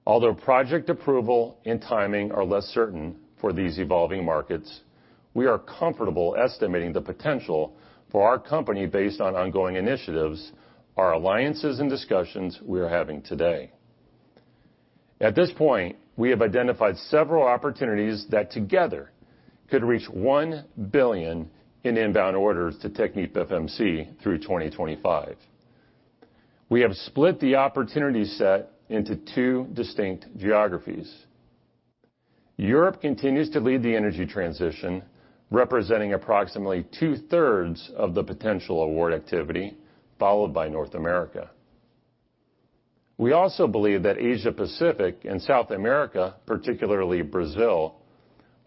Although project approval and timing are less certain for these evolving markets, we are comfortable estimating the potential for our company based on ongoing initiatives, our alliances and discussions we are having today. At this point, we have identified several opportunities that together could reach $1 billion in inbound orders to TechnipFMC through 2025. We have split the opportunity set into two distinct geographies. Europe continues to lead the energy transition, representing approximately two-thirds of the potential award activity, followed by North America. We also believe that Asia-Pacific and South America, particularly Brazil,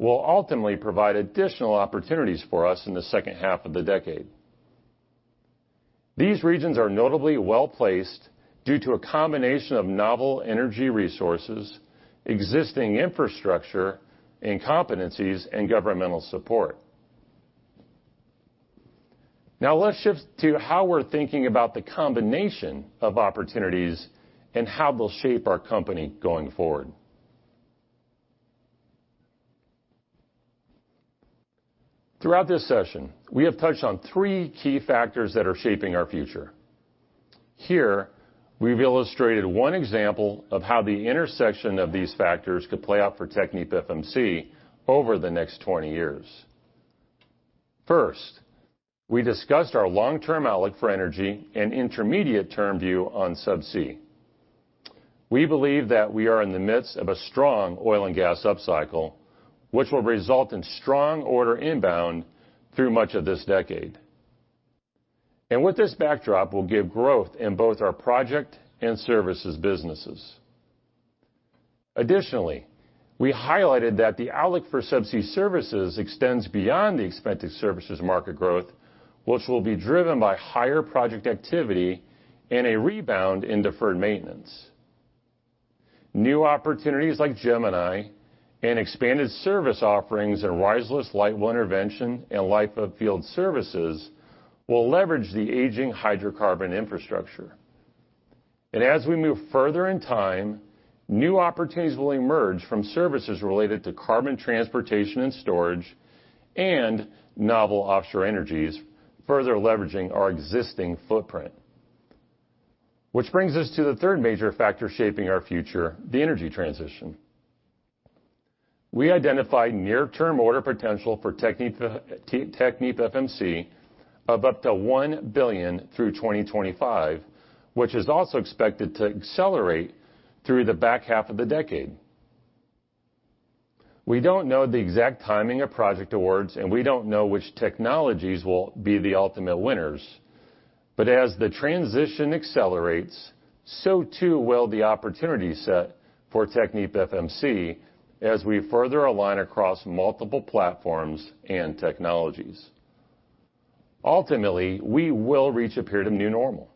will ultimately provide additional opportunities for us in the second half of the decade. These regions are notably well-placed due to a combination of novel energy resources, existing infrastructure and competencies, and governmental support. Now, let's shift to how we're thinking about the combination of opportunities and how they'll shape our company going forward. Throughout this session, we have touched on three key factors that are shaping our future. Here, we've illustrated one example of how the intersection of these factors could play out for TechnipFMC over the next 20 years. First, we discussed our long-term outlook for energy and intermediate term view on subsea. We believe that we are in the midst of a strong oil and gas upcycle, which will result in strong order inbound through much of this decade. With this backdrop, we will give growth in both our project and services businesses. Additionally, we highlighted that the outlook for subsea services extends beyond the expected services market growth, which will be driven by higher project activity and a rebound in deferred maintenance. New opportunities like GEMINI and expanded service offerings in risers, light well intervention, and life-of-field services will leverage the aging hydrocarbon infrastructure. As we move further in time, new opportunities will emerge from services related to carbon transportation and storage and novel offshore energies, further leveraging our existing footprint. Which brings us to the third major factor shaping our future, the energy transition. We identified near-term order potential for TechnipFMC of up to $1 billion through 2025, which is also expected to accelerate through the back half of the decade. We don't know the exact timing of project awards, and we don't know which technologies will be the ultimate winners. As the transition accelerates, so too will the opportunity set for TechnipFMC as we further align across multiple platforms and technologies. Ultimately, we will reach a period of new normal.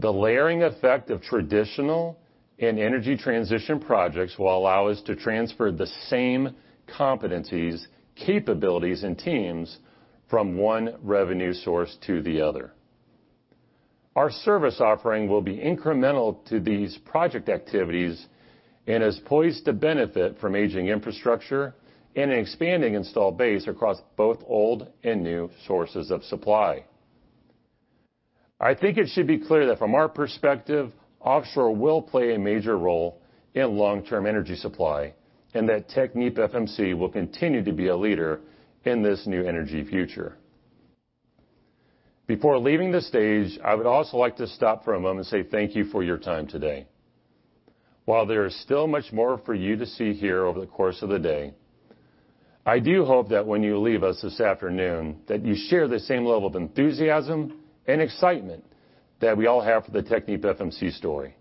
The layering effect of traditional and energy transition projects will allow us to transfer the same competencies, capabilities, and teams from one revenue source to the other. Our service offering will be incremental to these project activities and is poised to benefit from aging infrastructure and an expanding install base across both old and new sources of supply. I think it should be clear that from our perspective, offshore will play a major role in long-term energy supply, and that TechnipFMC will continue to be a leader in this new energy future. Before leaving the stage, I would also like to stop for a moment and say thank you for your time today. While there is still much more for you to see here over the course of the day, I do hope that when you leave us this afternoon, that you share the same level of enthusiasm and excitement that we all have for the TechnipFMC story.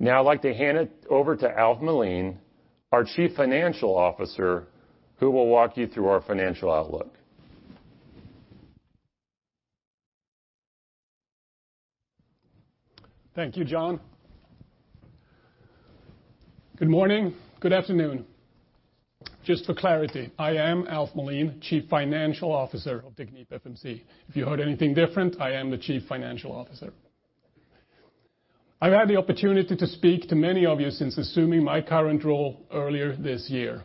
Now I'd like to hand it over to Alf Melin, our Chief Financial Officer, who will walk you through our financial outlook. Thank you, John. Good morning. Good afternoon. Just for clarity, I am Alf Melin, Chief Financial Officer of TechnipFMC. If you heard anything different, I am the Chief Financial Officer. I've had the opportunity to speak to many of you since assuming my current role earlier this year.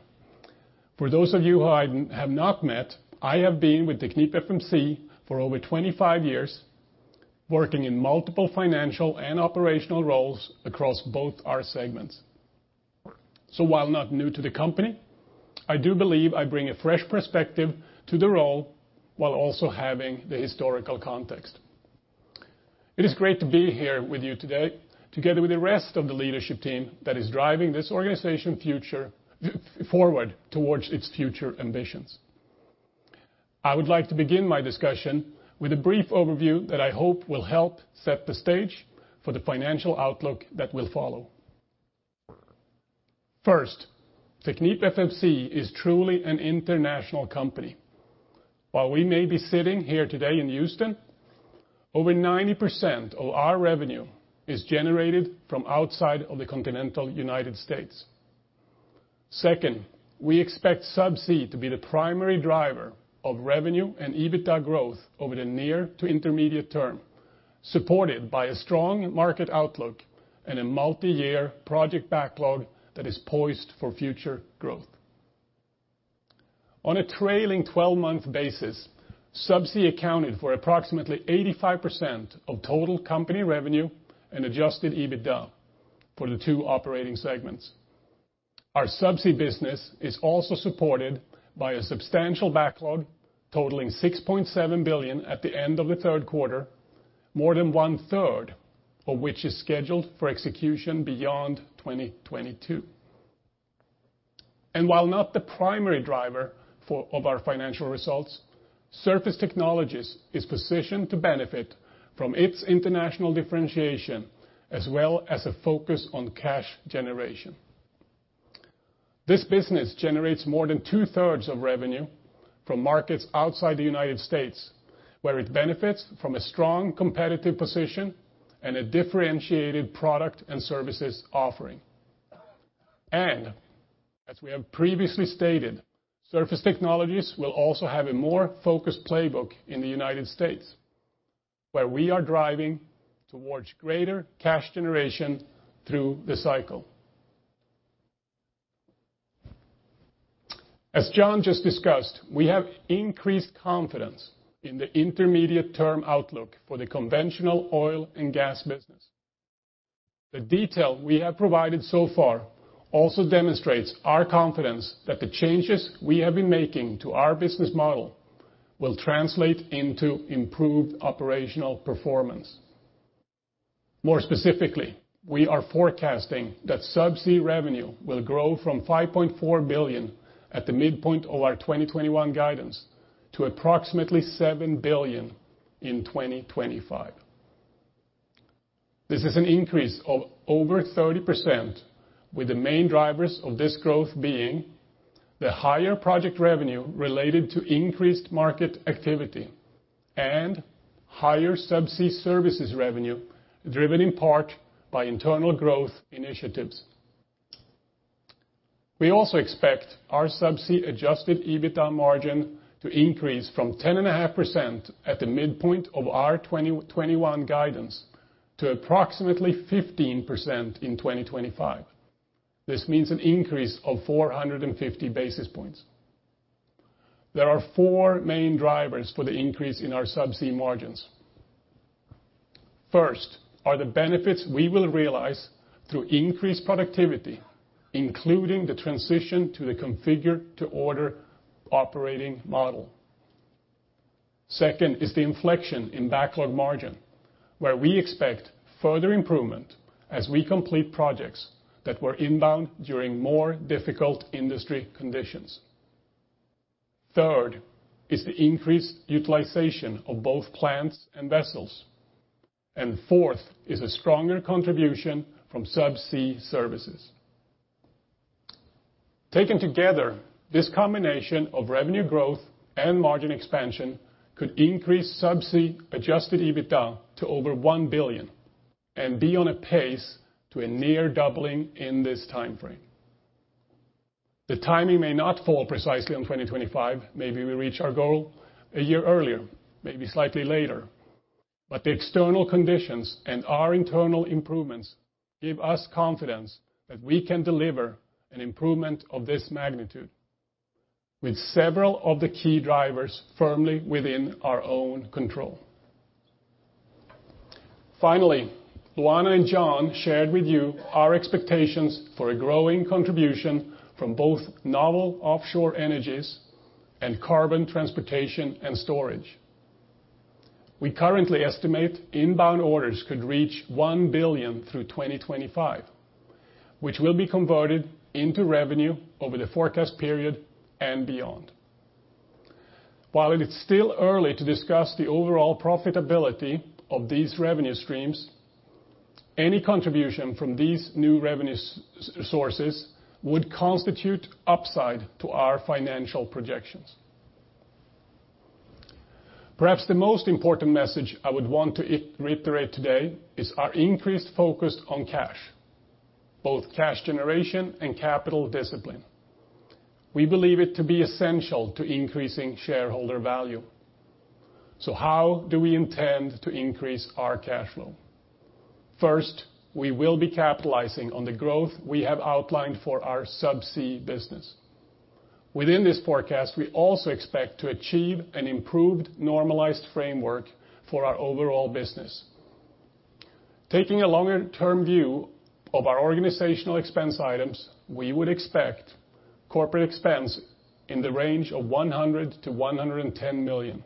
For those of you who I have not met, I have been with TechnipFMC for over 25 years, working in multiple financial and operational roles across both our segments. While not new to the company, I do believe I bring a fresh perspective to the role while also having the historical context. It is great to be here with you today, together with the rest of the leadership team that is driving this organization's future forward towards its future ambitions. I would like to begin my discussion with a brief overview that I hope will help set the stage for the financial outlook that will follow. First, TechnipFMC is truly an international company. While we may be sitting here today in Houston, over 90% of our revenue is generated from outside of the continental U.S. Second, we expect Subsea to be the primary driver of revenue and EBITDA growth over the near to intermediate term, supported by a strong market outlook and a multiyear project backlog that is poised for future growth. On a trailing twelve-month basis, Subsea accounted for approximately 85% of total company revenue and adjusted EBITDA for the two operating segments. Our subsea business is also supported by a substantial backlog totaling $6.7 billion at the end of the third quarter, more than one-third of which is scheduled for execution beyond 2022. While not the primary driver of our financial results, Surface Technologies is positioned to benefit from its international differentiation as well as a focus on cash generation. This business generates more than two-thirds of revenue from markets outside the United States, where it benefits from a strong competitive position and a differentiated product and services offering. As we have previously stated, Surface Technologies will also have a more focused playbook in the United States, where we are driving towards greater cash generation through the cycle. As John just discussed, we have increased confidence in the intermediate term outlook for the conventional oil and gas business. The detail we have provided so far also demonstrates our confidence that the changes we have been making to our business model will translate into improved operational performance. More specifically, we are forecasting that Subsea revenue will grow from $5.4 billion at the midpoint of our 2021 guidance to approximately $7 billion in 2025. This is an increase of over 30% with the main drivers of this growth being the higher project revenue related to increased market activity and higher Subsea services revenue driven in part by internal growth initiatives. We also expect our Subsea adjusted EBITDA margin to increase from 10.5% at the midpoint of our 2021 guidance to approximately 15% in 2025. This means an increase of 450 basis points. There are four main drivers for the increase in our Subsea margins. First are the benefits we will realize through increased productivity, including the transition to the configure-to-order operating model. Second is the inflection in backlog margin, where we expect further improvement as we complete projects that were inbound during more difficult industry conditions. Third is the increased utilization of both plants and vessels. Fourth is a stronger contribution from subsea services. Taken together, this combination of revenue growth and margin expansion could increase subsea adjusted EBITDA to over $1 billion and be on pace to a near doubling in this time frame. The timing may not fall precisely on 2025. Maybe we reach our goal a year earlier, maybe slightly later. The external conditions and our internal improvements give us confidence that we can deliver an improvement of this magnitude with several of the key drivers firmly within our own control. Finally, Luana and John shared with you our expectations for a growing contribution from both novel offshore energies and carbon transportation and storage. We currently estimate inbound orders could reach $1 billion through 2025, which will be converted into revenue over the forecast period and beyond. While it is still early to discuss the overall profitability of these revenue streams, any contribution from these new revenue sources would constitute upside to our financial projections. Perhaps the most important message I would want to reiterate today is our increased focus on cash, both cash generation and capital discipline. We believe it to be essential to increasing shareholder value. How do we intend to increase our cash flow? First, we will be capitalizing on the growth we have outlined for our subsea business. Within this forecast, we also expect to achieve an improved normalized framework for our overall business. Taking a longer term view of our organizational expense items, we would expect corporate expense in the range of $100 million-$110 million,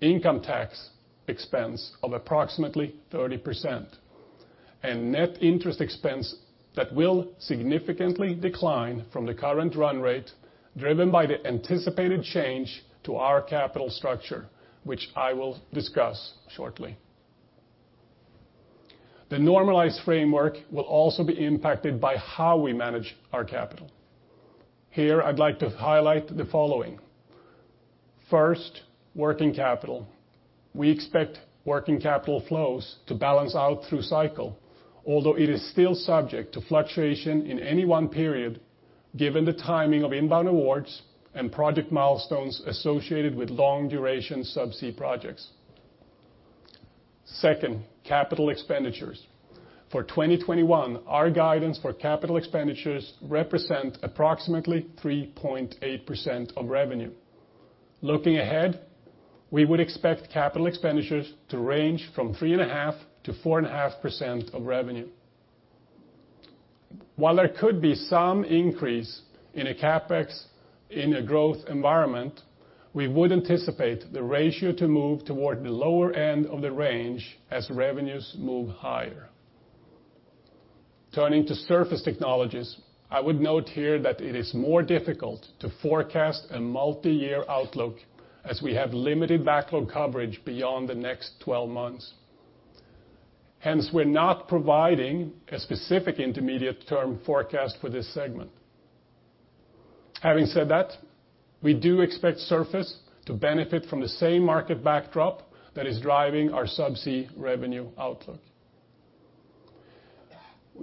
income tax expense of approximately 30%, and net interest expense that will significantly decline from the current run rate, driven by the anticipated change to our capital structure, which I will discuss shortly. The normalized framework will also be impacted by how we manage our capital. Here I'd like to highlight the following. First, working capital. We expect working capital flows to balance out through cycle, although it is still subject to fluctuation in any one period given the timing of inbound awards and project milestones associated with long duration subsea projects. Second, capital expenditures. For 2021, our guidance for capital expenditures represent approximately 3.8% of revenue. Looking ahead, we would expect capital expenditures to range from 3.5%-4.5% of revenue. While there could be some increase in CapEx in a growth environment, we would anticipate the ratio to move toward the lower end of the range as revenues move higher. Turning to Surface Technologies, I would note here that it is more difficult to forecast a multi-year outlook as we have limited backlog coverage beyond the next 12 months. Hence, we're not providing a specific intermediate term forecast for this segment. Having said that, we do expect Surface Technologies to benefit from the same market backdrop that is driving our Subsea revenue outlook.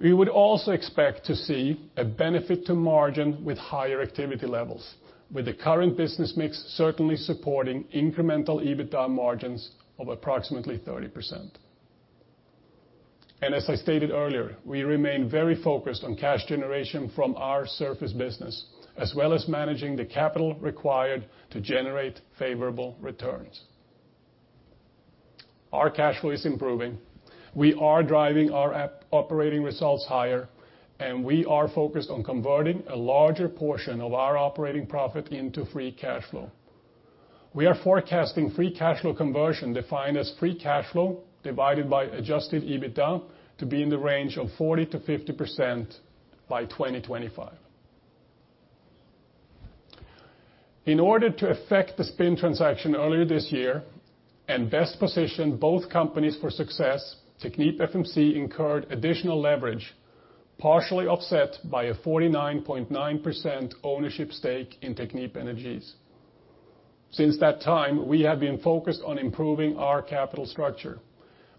We would also expect to see a benefit to margin with higher activity levels, with the current business mix certainly supporting incremental EBITDA margins of approximately 30%. As I stated earlier, we remain very focused on cash generation from our surface business, as well as managing the capital required to generate favorable returns. Our cash flow is improving. We are driving our operating results higher, and we are focused on converting a larger portion of our operating profit into free cash flow. We are forecasting free cash flow conversion defined as free cash flow divided by adjusted EBITDA to be in the range of 40%-50% by 2025. In order to affect the spin transaction earlier this year and best position both companies for success, TechnipFMC incurred additional leverage, partially offset by a 49.9% ownership stake in Technip Energies. Since that time, we have been focused on improving our capital structure,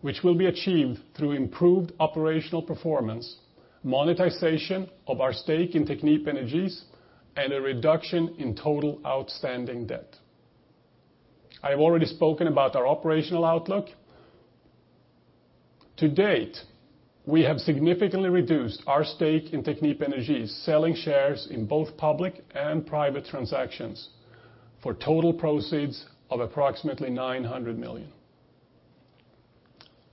which will be achieved through improved operational performance, monetization of our stake in Technip Energies, and a reduction in total outstanding debt. I've already spoken about our operational outlook. To date, we have significantly reduced our stake in Technip Energies, selling shares in both public and private transactions for total proceeds of approximately $900 million.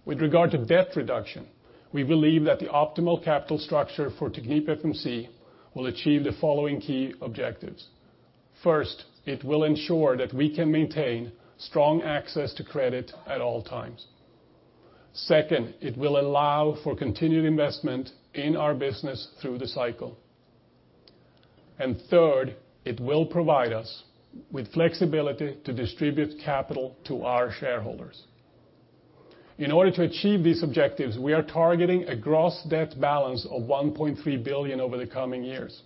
With regard to debt reduction, we believe that the optimal capital structure for TechnipFMC will achieve the following key objectives. First, it will ensure that we can maintain strong access to credit at all times. Second, it will allow for continued investment in our business through the cycle. Third, it will provide us with flexibility to distribute capital to our shareholders. In order to achieve these objectives, we are targeting a gross debt balance of $1.3 billion over the coming years.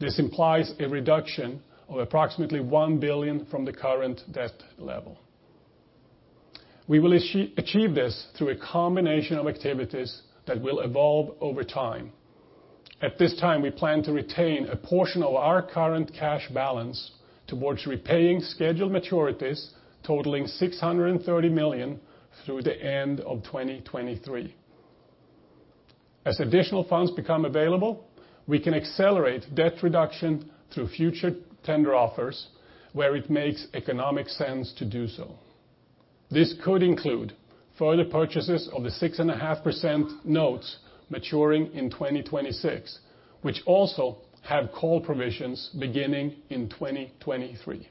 This implies a reduction of approximately $1 billion from the current debt level. We will achieve this through a combination of activities that will evolve over time. At this time, we plan to retain a portion of our current cash balance towards repaying scheduled maturities totaling $630 million through the end of 2023. As additional funds become available, we can accelerate debt reduction through future tender offers where it makes economic sense to do so. This could include further purchases of the 6.5% notes maturing in 2026, which also have call provisions beginning in 2023.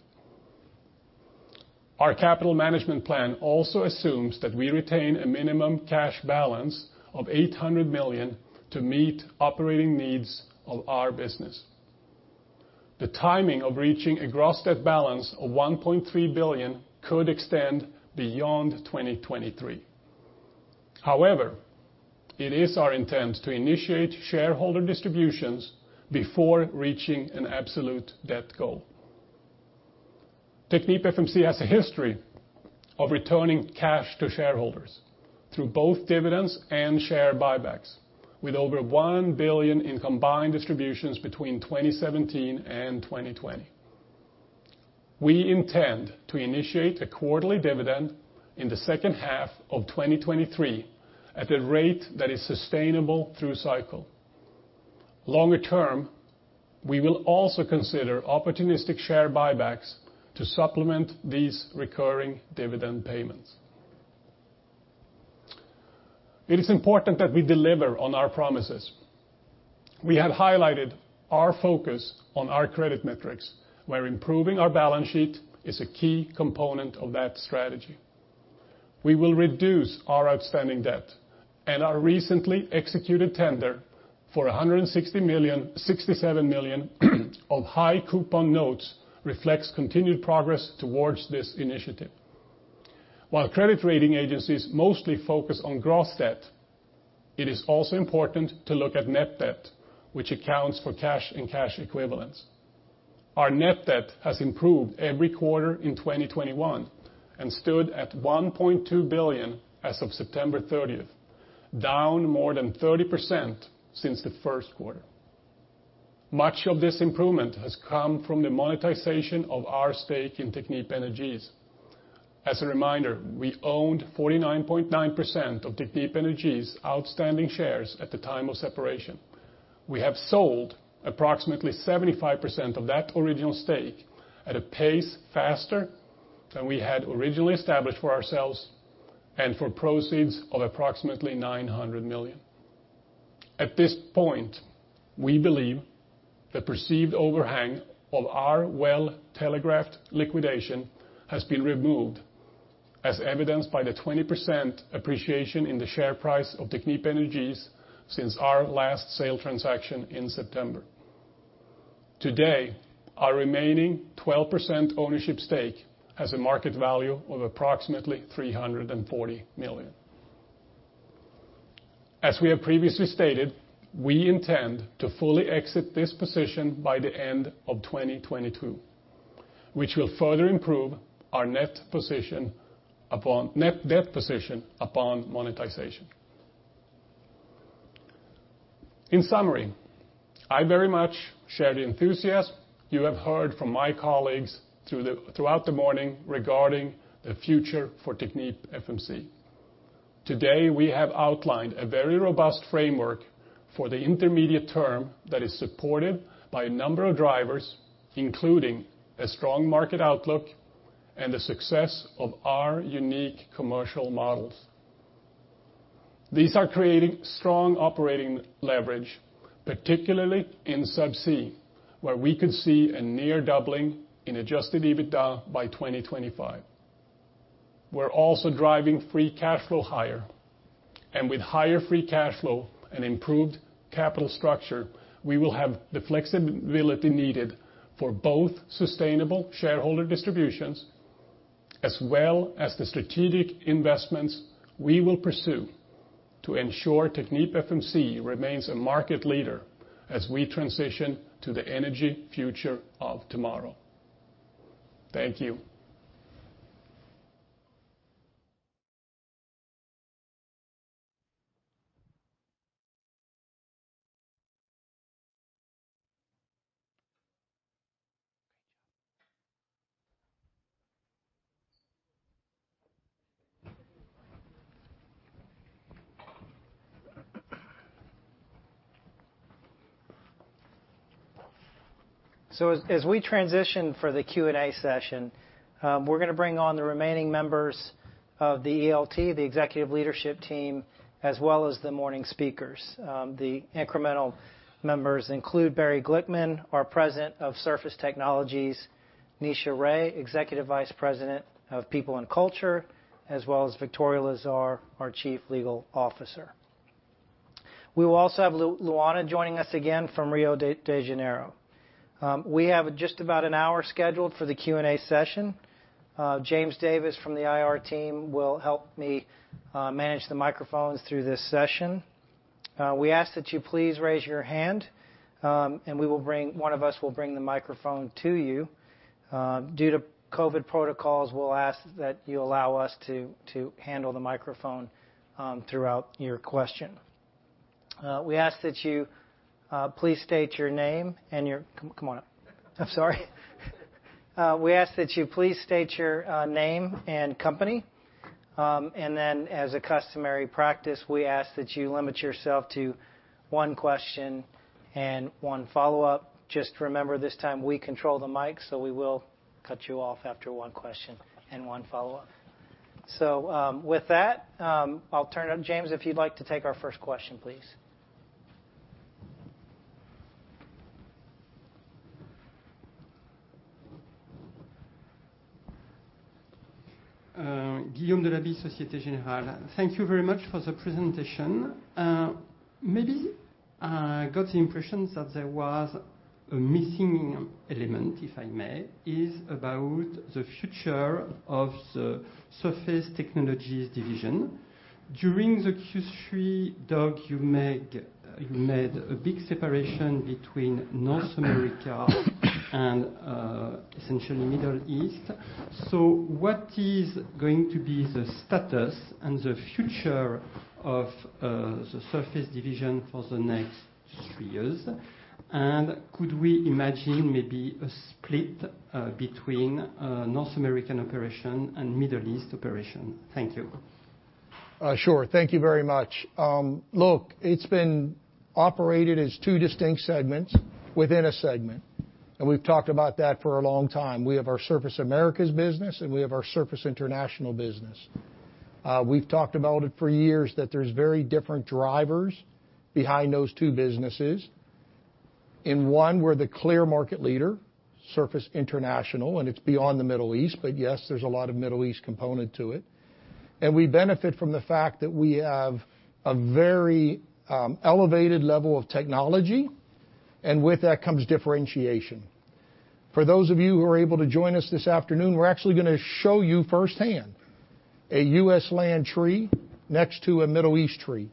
Our capital management plan also assumes that we retain a minimum cash balance of $800 million to meet operating needs of our business. The timing of reaching a gross debt balance of $1.3 billion could extend beyond 2023. However, it is our intent to initiate shareholder distributions before reaching an absolute debt goal. TechnipFMC has a history of returning cash to shareholders through both dividends and share buybacks, with over $1 billion in combined distributions between 2017 and 2020. We intend to initiate a quarterly dividend in the second half of 2023 at a rate that is sustainable through cycle. Longer term, we will also consider opportunistic share buybacks to supplement these recurring dividend payments. It is important that we deliver on our promises. We have highlighted our focus on our credit metrics, where improving our balance sheet is a key component of that strategy. We will reduce our outstanding debt, and our recently executed tender for $167 million of high coupon notes reflects continued progress towards this initiative. While credit rating agencies mostly focus on gross debt, it is also important to look at net debt, which accounts for cash and cash equivalents. Our net debt has improved every quarter in 2021 and stood at $1.2 billion as of September 30, down more than 30% since the first quarter. Much of this improvement has come from the monetization of our stake in Technip Energies. As a reminder, we owned 49.9% of Technip Energies' outstanding shares at the time of separation. We have sold approximately 75% of that original stake at a pace faster than we had originally established for ourselves, and for proceeds of approximately $900 million. At this point, we believe the perceived overhang of our well-telegraphed liquidation has been removed, as evidenced by the 20% appreciation in the share price of Technip Energies since our last sale transaction in September. Today, our remaining 12% ownership stake has a market value of approximately $340 million. As we have previously stated, we intend to fully exit this position by the end of 2022, which will further improve our net debt position upon monetization. In summary, I very much share the enthusiasm you have heard from my colleagues throughout the morning regarding the future for TechnipFMC. Today, we have outlined a very robust framework for the intermediate term that is supported by a number of drivers, including a strong market outlook and the success of our unique commercial models. These are creating strong operating leverage, particularly in Subsea, where we could see a near doubling in adjusted EBITDA by 2025. We're also driving free cash flow higher, and with higher free cash flow and improved capital structure, we will have the flexibility needed for both sustainable shareholder distributions as well as the strategic investments we will pursue to ensure TechnipFMC remains a market leader as we transition to the energy future of tomorrow. Thank you. As we transition to the Q&A session, we're going to bring on the remaining members of the ELT, the executive leadership team, as well as the morning speakers. The incremental members include Barry Glickman, our President of Surface Technologies, Nisha Rai, Executive Vice President of People and Culture, as well as Victoria Lazar, our Chief Legal Officer. We will also have Luana Duffé joining us again from Rio de Janeiro. We have just about an hour scheduled for the Q&A session. James Davis from the IR team will help me manage the microphones through this session. We ask that you please raise your hand, and one of us will bring the microphone to you. Due to COVID protocols, we'll ask that you allow us to handle the microphone throughout your question. We ask that you please state your name and company. Then as a customary practice, we ask that you limit yourself to one question and one follow-up. Just remember this time we control the mic, so we will cut you off after one question and one follow-up. With that, I'll turn it, James, if you'd like to take our first question, please. Guillaume Delaby, Société Générale. Thank you very much for the presentation. Maybe I got the impression that there was a missing element, if I may, is about the future of the Surface Technologies division. During the Q3 doc, you made a big separation between North America and essentially Middle East. What is going to be the status and the future of the Surface division for the next three years? And could we imagine maybe a split between North American operation and Middle East operation? Thank you. Sure. Thank you very much. Look, it's been operated as two distinct segments within a segment, and we've talked about that for a long time. We have our Surface Americas business, and we have our Surface International business. We've talked about it for years that there's very different drivers behind those two businesses. In one, we're the clear market leader, Surface International, and it's beyond the Middle East, but yes, there's a lot of Middle East component to it. We benefit from the fact that we have a very elevated level of technology, and with that comes differentiation. For those of you who are able to join us this afternoon, we're actually going to show you firsthand a US land tree next to a Middle East tree.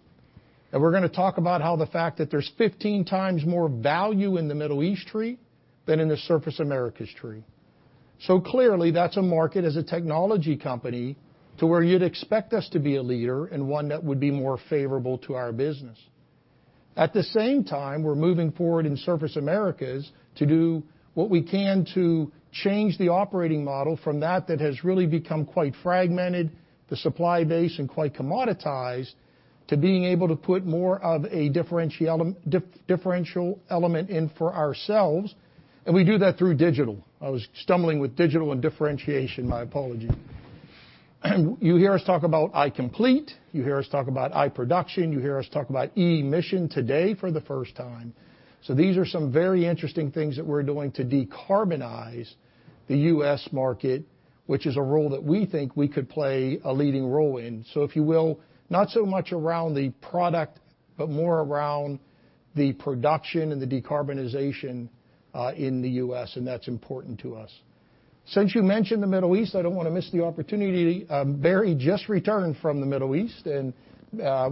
We're going to talk about how the fact that there's 15x more value in the Middle East tree than in the Surface Americas tree. Clearly, that's a market as a technology company to where you'd expect us to be a leader and one that would be more favorable to our business. At the same time, we're moving forward in Surface Americas to do what we can to change the operating model from that has really become quite fragmented, the supply base, and quite commoditized, to being able to put more of a differential element in for ourselves, and we do that through digital. I was stumbling with digital and differentiation, my apology. You hear us talk about iComplete, you hear us talk about iProduction, you hear us talk about E-Mission today for the first time. These are some very interesting things that we're doing to decarbonize the U.S. market, which is a role that we think we could play a leading role in. If you will, not so much around the product, but more around the production and the decarbonization in the U.S., and that's important to us. Since you mentioned the Middle East, I don't want to miss the opportunity. Barry just returned from the Middle East, and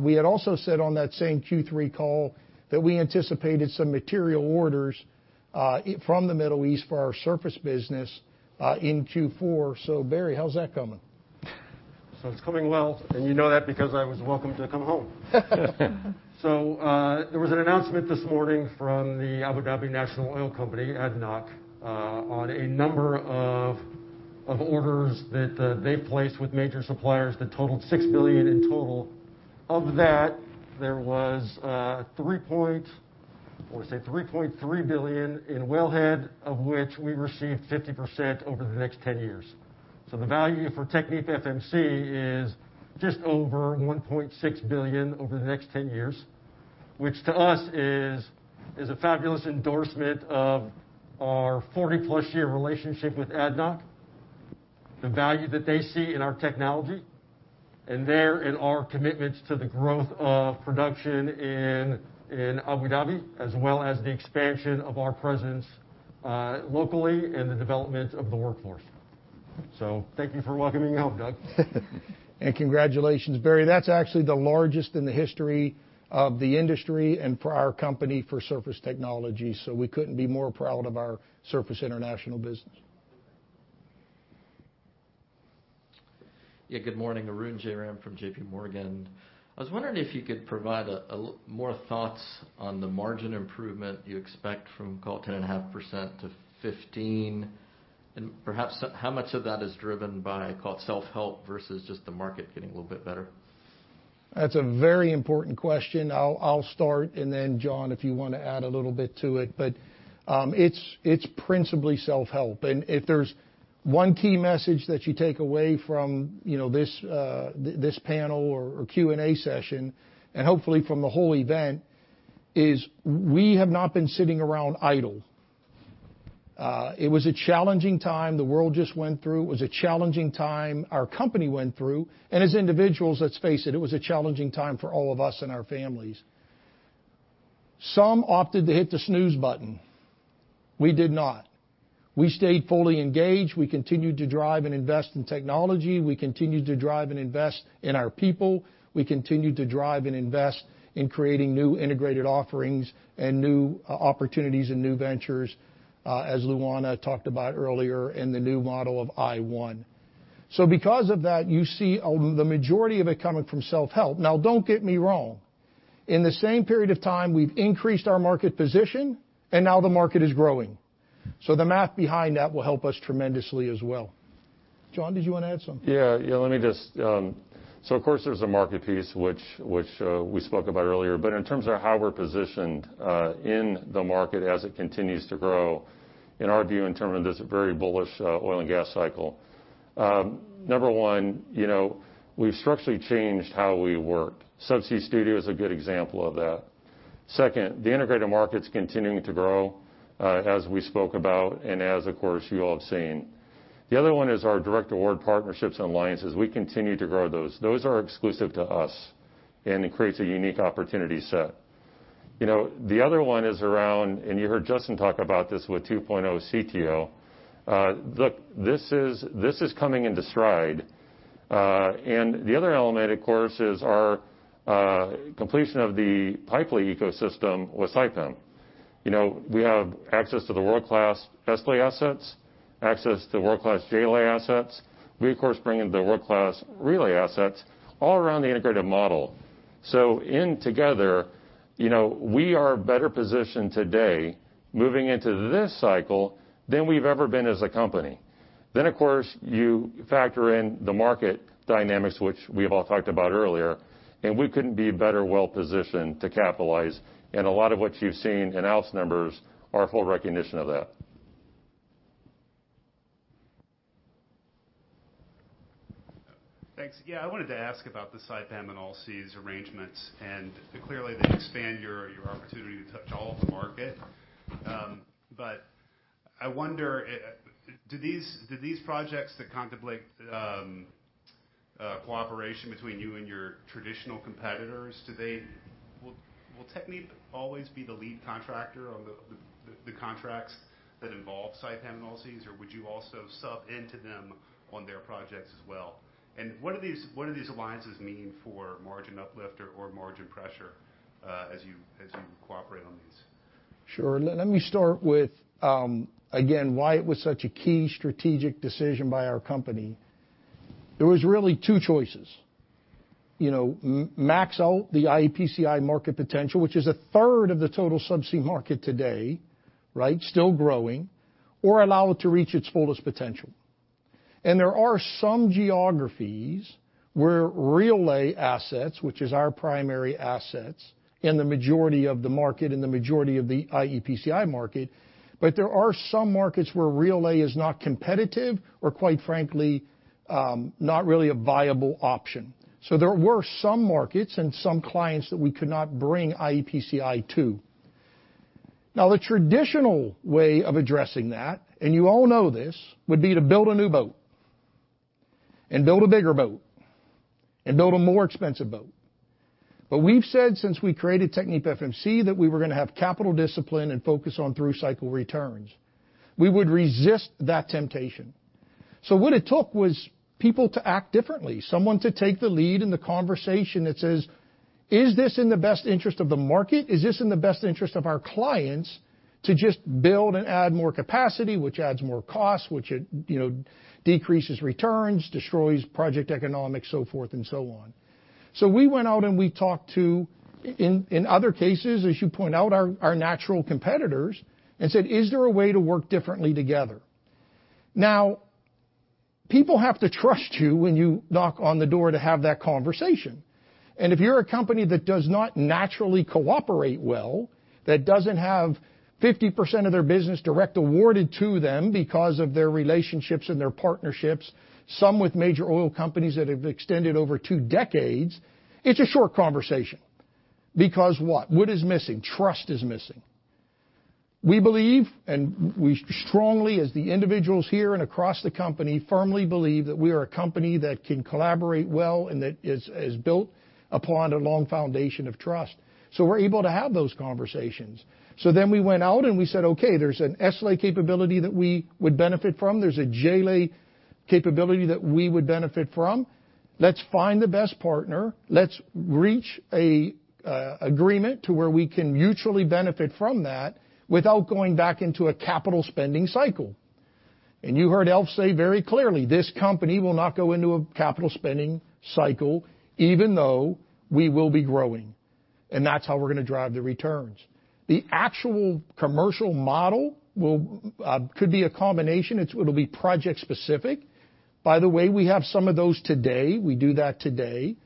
we had also said on that same Q3 call that we anticipated some material orders from the Middle East for our surface business in Q4. Barry, how's that coming? It's coming well, and you know that because I was welcome to come home. There was an announcement this morning from the Abu Dhabi National Oil Company, ADNOC, on a number of orders that they've placed with major suppliers that totaled $6 billion in total. Of that, there was $3.3 billion in wellhead, of which we received 50% over the next 10 years. The value for TechnipFMC is just over $1.6 billion over the next 10 years, which to us is a fabulous endorsement of our 40-plus year relationship with ADNOC, the value that they see in our technology, and their and our commitments to the growth of production in Abu Dhabi, as well as the expansion of our presence locally and the development of the workforce. Thank you for welcoming me home, Doug. Congratulations, Barry. That's actually the largest in the history of the industry and for our company for Surface Technologies, so we couldn't be more proud of our Surface Technologies international business. Yeah, good morning. Arun Jayaram from JPMorgan. I was wondering if you could provide more thoughts on the margin improvement you expect from, call it, 10.5%-15%, and perhaps how much of that is driven by, call it, self-help versus just the market getting a little bit better. That's a very important question. I'll start and then, John, if you want to add a little bit to it. It's principally self-help. If there's one key message that you take away from, you know, this panel or Q&A session, and hopefully from the whole event, it is we have not been sitting around idle. It was a challenging time the world just went through. It was a challenging time our company went through, and as individuals, let's face it was a challenging time for all of us and our families. Some opted to hit the snooze button. We did not. We stayed fully engaged. We continued to drive and invest in technology. We continued to drive and invest in our people. We continued to drive and invest in creating new integrated offerings and new opportunities and new ventures, as Luana talked about earlier in the new model of iONE. Because of that, you see the majority of it coming from self-help. Now don't get me wrong, in the same period of time, we've increased our market position and now the market is growing. The math behind that will help us tremendously as well. John, did you wanna add something? Yeah. Yeah, let me just. Of course, there's a market piece which we spoke about earlier, but in terms of how we're positioned in the market as it continues to grow, in our view, in terms of this very bullish oil and gas cycle, number one, you know, we've structurally changed how we work. Subsea Studio is a good example of that. Second, the integrated market's continuing to grow, as we spoke about and as, of course, you all have seen. The other one is our direct award partnerships and alliances. We continue to grow those. Those are exclusive to us, and it creates a unique opportunity set. You know, the other one is around, and you heard Justin talk about this with 2.0 CTO, look, this is coming into stride. The other element, of course, is our completion of the pipelay ecosystem with Saipem. You know, we have access to the world-class vessel lay assets, access to world-class J-lay assets. We, of course, bring in the world-class reel-lay assets all around the integrated model. In together, you know, we are better positioned today moving into this cycle than we've ever been as a company. You factor in the market dynamics, which we have all talked about earlier, and we couldn't be better well-positioned to capitalize. A lot of what you've seen in Al's numbers are a full recognition of that. Thanks. Yeah, I wanted to ask about the Saipem and Allseas arrangements, and clearly they expand your opportunity to touch all of the market. I wonder, do these projects that contemplate cooperation between you and your traditional competitors? Will Technip always be the lead contractor on the contracts that involve Saipem and Allseas, or would you also sub into them on their projects as well? What do these alliances mean for margin uplift or margin pressure, as you cooperate on these? Sure. Let me start with again, why it was such a key strategic decision by our company. There was really two choices, you know, max out the IEPCI market potential, which is 1/3 of the total subsea market today, right? Still growing. Allow it to reach its fullest potential. There are some geographies where reel lay assets, which is our primary assets, in the majority of the market, in the majority of the IEPCI market, but there are some markets where reel lay is not competitive or, quite frankly, not really a viable option. There were some markets and some clients that we could not bring IEPCI to. Now, the traditional way of addressing that, and you all know this, would be to build a new boat and build a bigger boat and build a more expensive boat. We've said since we created TechnipFMC that we were going to have capital discipline and focus on through-cycle returns. We would resist that temptation. What it took was people to act differently, someone to take the lead in the conversation that says, "Is this in the best interest of the market? Is this in the best interest of our clients to just build and add more capacity, which adds more costs, which it, you know, decreases returns, destroys project economics, so forth and so on?" We went out and we talked to, in other cases, as you point out, our natural competitors and said, "Is there a way to work differently together?" Now, people have to trust you when you knock on the door to have that conversation. If you're a company that does not naturally cooperate well, that doesn't have 50% of their business direct awarded to them because of their relationships and their partnerships, some with major oil companies that have extended over two decades, it's a short conversation. Because what? What is missing? Trust is missing. We believe, and we strongly, as the individuals here and across the company, firmly believe that we are a company that can collaborate well and that is built upon a long foundation of trust. We're able to have those conversations. We went out and we said, "Okay, there's an S-lay capability that we would benefit from. There's a J-lay capability that we would benefit from. Let's find the best partner. Let's reach an agreement to where we can mutually benefit from that without going back into a capital spending cycle." You heard Alf say very clearly, this company will not go into a capital spending cycle, even though we will be growing, and that's how we're gonna drive the returns. The actual commercial model will could be a combination. It'll be project specific. By the way, we have some of those today. We do that today.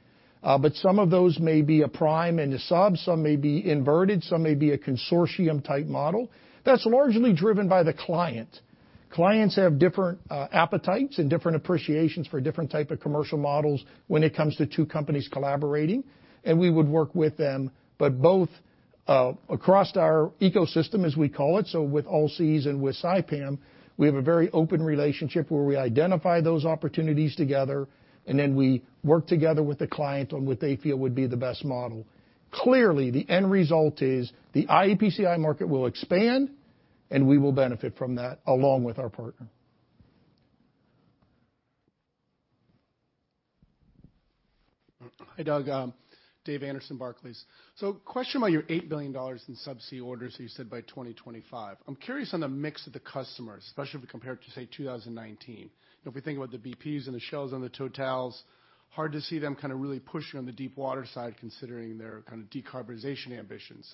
But some of those may be a prime and a sub. Some may be inverted, some may be a consortium-type model. That's largely driven by the client. Clients have different appetites and different appreciations for different type of commercial models when it comes to two companies collaborating, and we would work with them. both across our ecosystem, as we call it, so with Allseas and with Saipem, we have a very open relationship where we identify those opportunities together, and then we work together with the client on what they feel would be the best model. Clearly, the end result is the IEPCI market will expand, and we will benefit from that along with our partner. Hi, Doug. Dave Anderson, Barclays. Question about your $8 billion in subsea orders that you said by 2025. I'm curious on the mix of the customers, especially if we compare it to, say, 2019. If we think about the BPs and the Shells and the Totals, hard to see them kind of really push you on the deep water side considering their kind of decarbonization ambitions.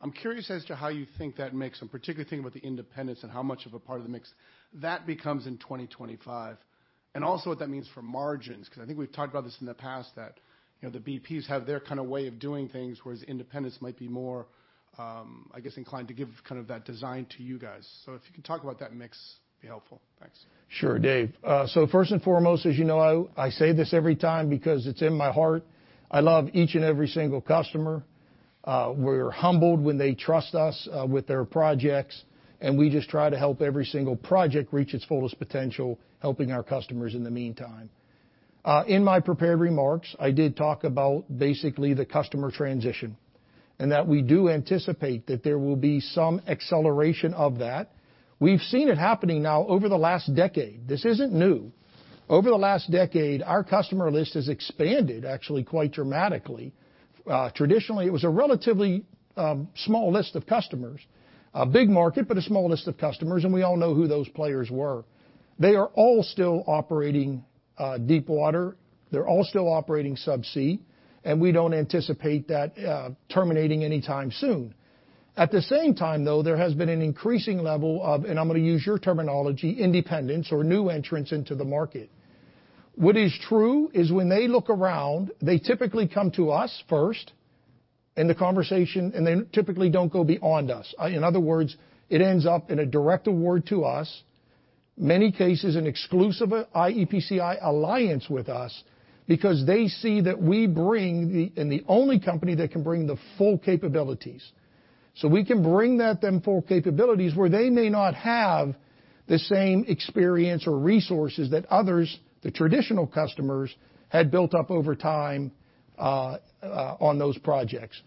I'm curious as to how you think that makes them, particularly thinking about the independents and how much of a part of the mix that becomes in 2025, and also what that means for margins. 'Cause I think we've talked about this in the past, that, you know, the BPs have their kind of way of doing things, whereas independents might be more, I guess, inclined to give kind of that design to you guys. If you can talk about that mix, it'd be helpful. Thanks. Sure, Dave. So first and foremost, as you know, I say this every time because it's in my heart, I love each and every single customer. We're humbled when they trust us with their projects, and we just try to help every single project reach its fullest potential, helping our customers in the meantime. In my prepared remarks, I did talk about basically the customer transition, and that we do anticipate that there will be some acceleration of that. We've seen it happening now over the last decade. This isn't new. Over the last decade, our customer list has expanded actually quite dramatically. Traditionally, it was a relatively small list of customers, a big market, but a small list of customers, and we all know who those players were. They are all still operating deep water. They're all still operating subsea, and we don't anticipate that terminating anytime soon. At the same time, though, there has been an increasing level of, and I'm gonna use your terminology, independence or new entrants into the market. What is true is when they look around, they typically come to us first in the conversation, and they typically don't go beyond us. In other words, it ends up in a direct award to us, in many cases, an exclusive iEPCI alliance with us because they see that we bring and the only company that can bring the full capabilities. We can bring them full capabilities where they may not have the same experience or resources that others, the traditional customers, had built up over time on those projects.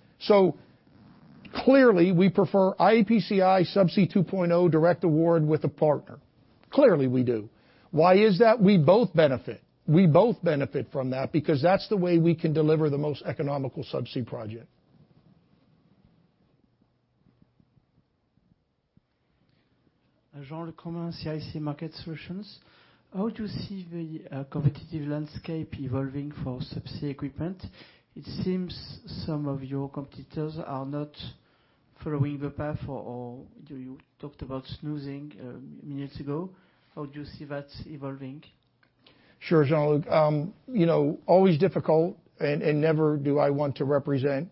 Clearly, we prefer iEPCI Subsea 2.0 direct award with a partner. Clearly, we do. Why is that? We both benefit. We both benefit from that because that's the way we can deliver the most economical subsea project. Jean-Luc Romain, CIC Market Solutions. How do you see the competitive landscape evolving for subsea equipment? It seems some of your competitors are not following the path or you talked about snoozing minutes ago. How do you see that evolving? Sure, Jean-Luc. You know, always difficult, and never do I want to represent,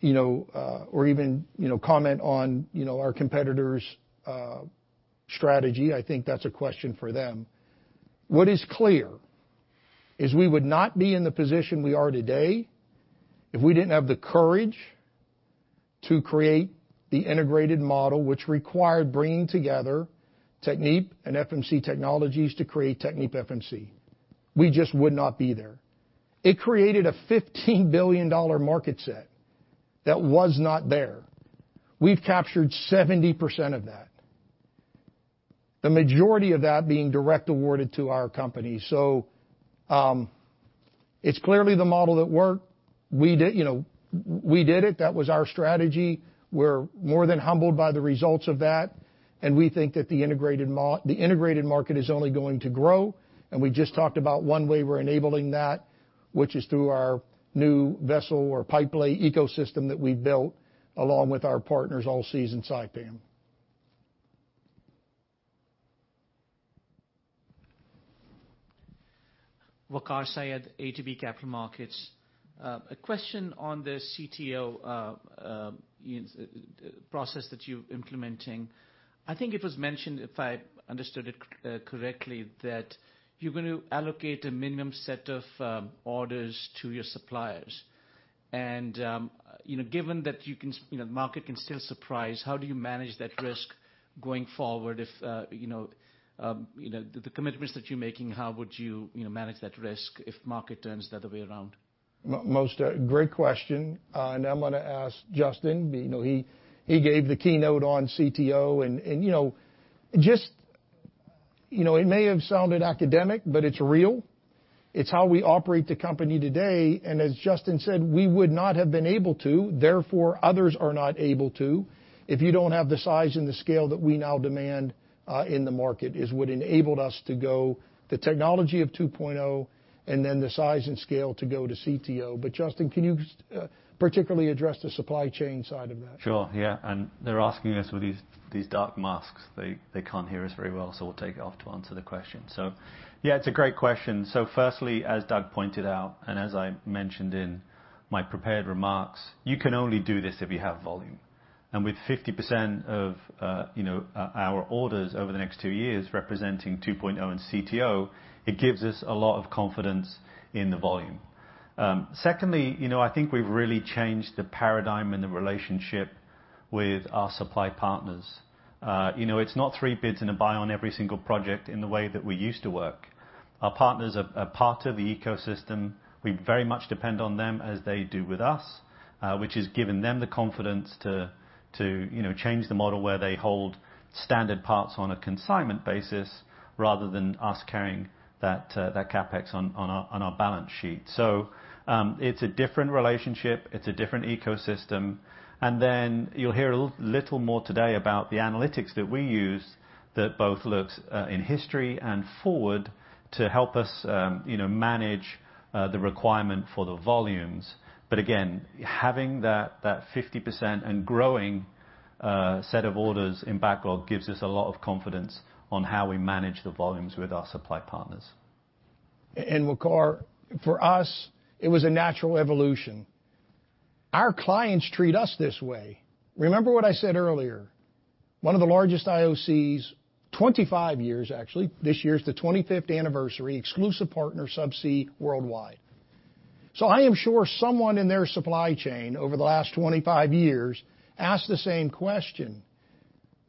you know, or even, you know, comment on, you know, our competitors' strategy. I think that's a question for them. What is clear is we would not be in the position we are today if we didn't have the courage to create the integrated model which required bringing together Technip and FMC Technologies to create TechnipFMC. We just would not be there. It created a $15 billion market set that was not there. We've captured 70% of that, the majority of that being directly awarded to our company. It's clearly the model that worked. We did, you know, we did it. That was our strategy. We're more than humbled by the results of that, and we think that the integrated market is only going to grow. We just talked about one way we're enabling that, which is through our new vessel, our pipelay ecosystem that we built along with our partners Allseas and Saipem. Waqar Syed, ATB Capital Markets. A question on the CTO process that you're implementing. I think it was mentioned, if I understood it correctly, that you're going to allocate a minimum set of orders to your suppliers. You know, given that you can, you know, the market can still surprise, how do you manage that risk going forward if you know, the commitments that you're making, how would you know, manage that risk if market turns the other way around? Most great question. I'm gonna ask Justin. You know, he gave the keynote on CTO and, you know, just you know, it may have sounded academic, but it's real. It's how we operate the company today. As Justin said, we would not have been able to, therefore others are not able to, if you don't have the size and the scale that we now demand in the market, is what enabled us to go the technology of 2.0 and then the size and scale to go to CTO. Justin, can you particularly address the supply chain side of that? Sure, yeah. They're asking us with these dark masks, they can't hear us very well, so we'll take it off to answer the question. Yeah, it's a great question. Firstly, as Doug pointed out, and as I mentioned in my prepared remarks, you can only do this if you have volume. With 50% of, you know, our orders over the next two years representing 2.0 and CTO, it gives us a lot of confidence in the volume. Secondly, you know, I think we've really changed the paradigm and the relationship with our supply partners. You know, it's not three bids and a buy on every single project in the way that we used to work. Our partners are part of the ecosystem. We very much depend on them as they do with us, which has given them the confidence to, you know, change the model where they hold standard parts on a consignment basis rather than us carrying that CapEx on our balance sheet. It's a different relationship, it's a different ecosystem, and then you'll hear a little more today about the analytics that we use that both looks in history and forward to help us, you know, manage the requirement for the volumes. Again, having that 50% and growing set of orders in backlog gives us a lot of confidence on how we manage the volumes with our supply partners. Waqar, for us, it was a natural evolution. Our clients treat us this way. Remember what I said earlier, one of the largest IOCs, 25 years actually, this year is the 25th anniversary exclusive partner subsea worldwide. I am sure someone in their supply chain over the last 25 years asked the same question,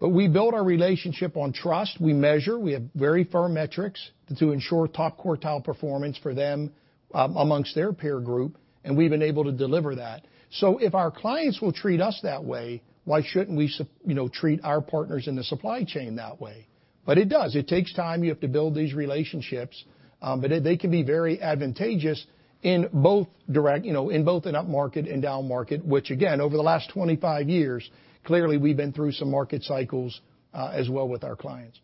but we built our relationship on trust. We measure, we have very firm metrics to ensure top quartile performance for them among their peer group, and we've been able to deliver that. If our clients will treat us that way, why shouldn't we, you know, treat our partners in the supply chain that way? It does. It takes time. You have to build these relationships, but they can be very advantageous in both directions, you know, in both an upmarket and downmarket, which again, over the last 25 years, clearly we've been through some market cycles, as well with our clients.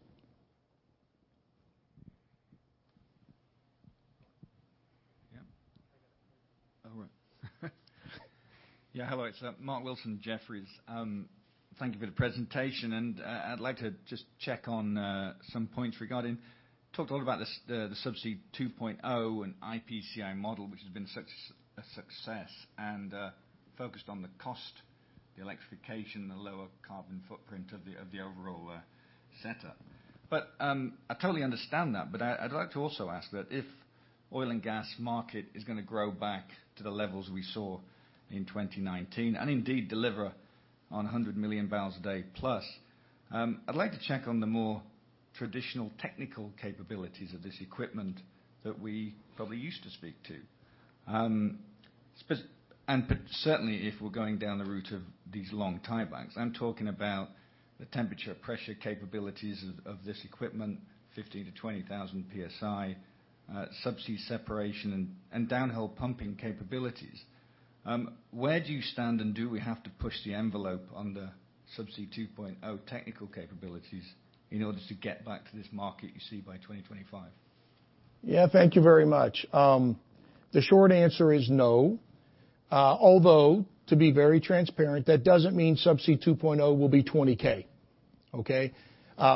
Yeah. All right. Yeah. Hello, it's Mark Wilson, Jefferies. Thank you for the presentation. I'd like to just check on some points regarding. Talked a lot about the Subsea 2.0 and iEPCI model, which has been such a success and focused on the cost, the electrification, the lower carbon footprint of the overall setup. I totally understand that, but I'd like to also ask if oil and gas market is gonna grow back to the levels we saw in 2019, and indeed deliver on 100 million barrels a day plus, I'd like to check on the more traditional technical capabilities of this equipment that we probably used to speak to. Certainly if we're going down the route of these long tiebacks, I'm talking about the temperature, pressure, capabilities of this equipment, 15,000-20,000 PSI, subsea separation and downhill pumping capabilities. Where do you stand, and do we have to push the envelope on the Subsea 2.0 technical capabilities in order to get back to this market you see by 2025? Yeah, thank you very much. The short answer is no. Although, to be very transparent, that doesn't mean Subsea 2.0 will be 20K. Okay?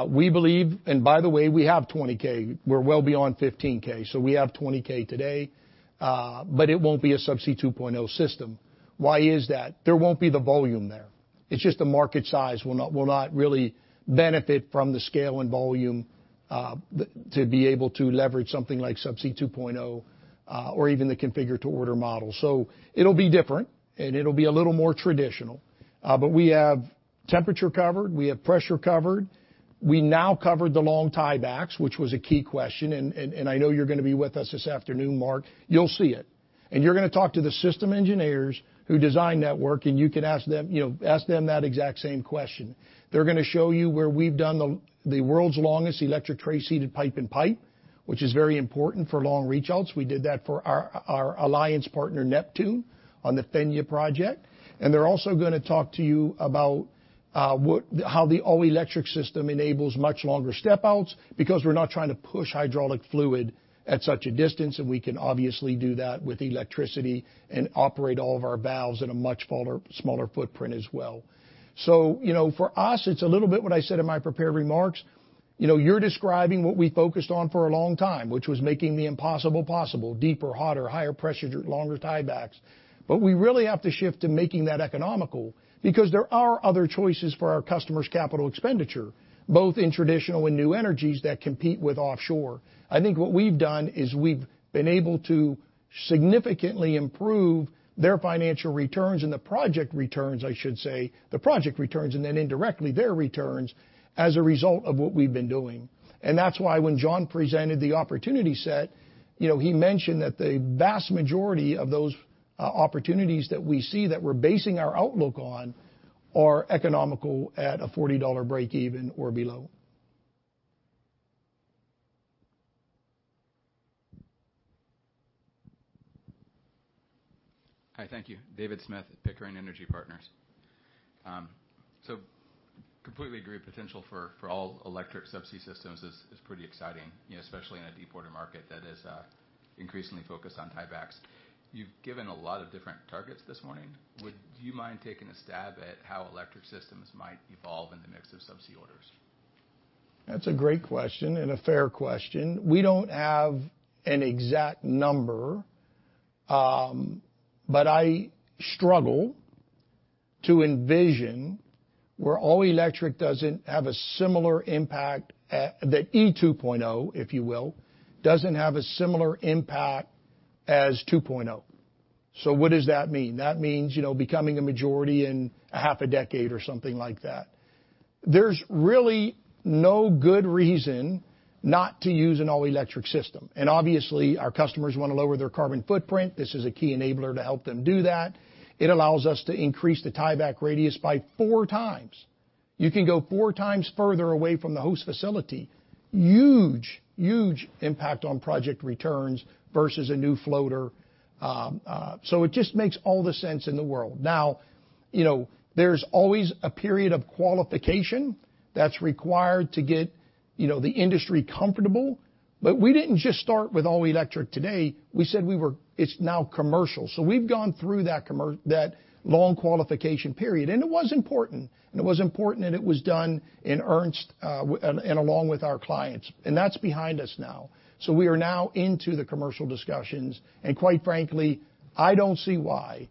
We believe, and by the way, we have 20K. We're well beyond 15K, so we have 20K today, but it won't be a Subsea 2.0 system. Why is that? There won't be the volume there. It's just the market size will not really benefit from the scale and volume to be able to leverage something like Subsea 2.0 or even the configure to order model. It'll be different, and it'll be a little more traditional. But we have temperature covered, we have pressure covered. We now covered the long tiebacks, which was a key question, and I know you're gonna be with us this afternoon, Mark. You'll see it. And you're gonna talk to the system engineers who design that work, and you can ask them, you know, ask them that exact same question. They're gonna show you where we've done the world's longest electrically trace-heated pipe-in-pipe, which is very important for long reach outs. We did that for our alliance partner, Neptune, on the Fenja project. They're also gonna talk to you about how the all-electric system enables much longer step outs because we're not trying to push hydraulic fluid at such a distance, and we can obviously do that with electricity and operate all of our valves in a much smaller footprint as well. You know, for us, it's a little bit what I said in my prepared remarks. You know, you're describing what we focused on for a long time, which was making the impossible possible, deeper, hotter, higher pressure, longer tiebacks. We really have to shift to making that economical because there are other choices for our customers' capital expenditure, both in traditional and new energies that compete with offshore. I think what we've done is we've been able to significantly improve their financial returns and the project returns, I should say, and then indirectly their returns as a result of what we've been doing. That's why when John presented the opportunity set, you know, he mentioned that the vast majority of those opportunities that we see that we're basing our outlook on are economical at a $40 break even or below. Hi. Thank you. David Smith at Pickering Energy Partners. I completely agree, potential for all-electric subsea systems is pretty exciting, you know, especially in a deepwater market that is increasingly focused on tiebacks. You've given a lot of different targets this morning. Would you mind taking a stab at how electric systems might evolve in the mix of subsea orders? That's a great question and a fair question. We don't have an exact number, but I struggle to envision where all-electric doesn't have a similar impact as the Subsea 2.0, if you will, doesn't have a similar impact as 2.0. What does that mean? That means, you know, becoming a majority in a half a decade or something like that. There's really no good reason not to use an all-electric system. Obviously, our customers wanna lower their carbon footprint. This is a key enabler to help them do that. It allows us to increase the tieback radius by 4x. You can go 4x further away from the host facility. Huge, huge impact on project returns versus a new floater. It just makes all the sense in the world. Now, you know, there's always a period of qualification that's required to get, you know, the industry comfortable, but we didn't just start with all-electric today. We said it's now commercial. We've gone through that long qualification period, and it was important. It was important that it was done in earnest, and along with our clients. That's behind us now. We are now into the commercial discussions. Quite frankly, I don't see why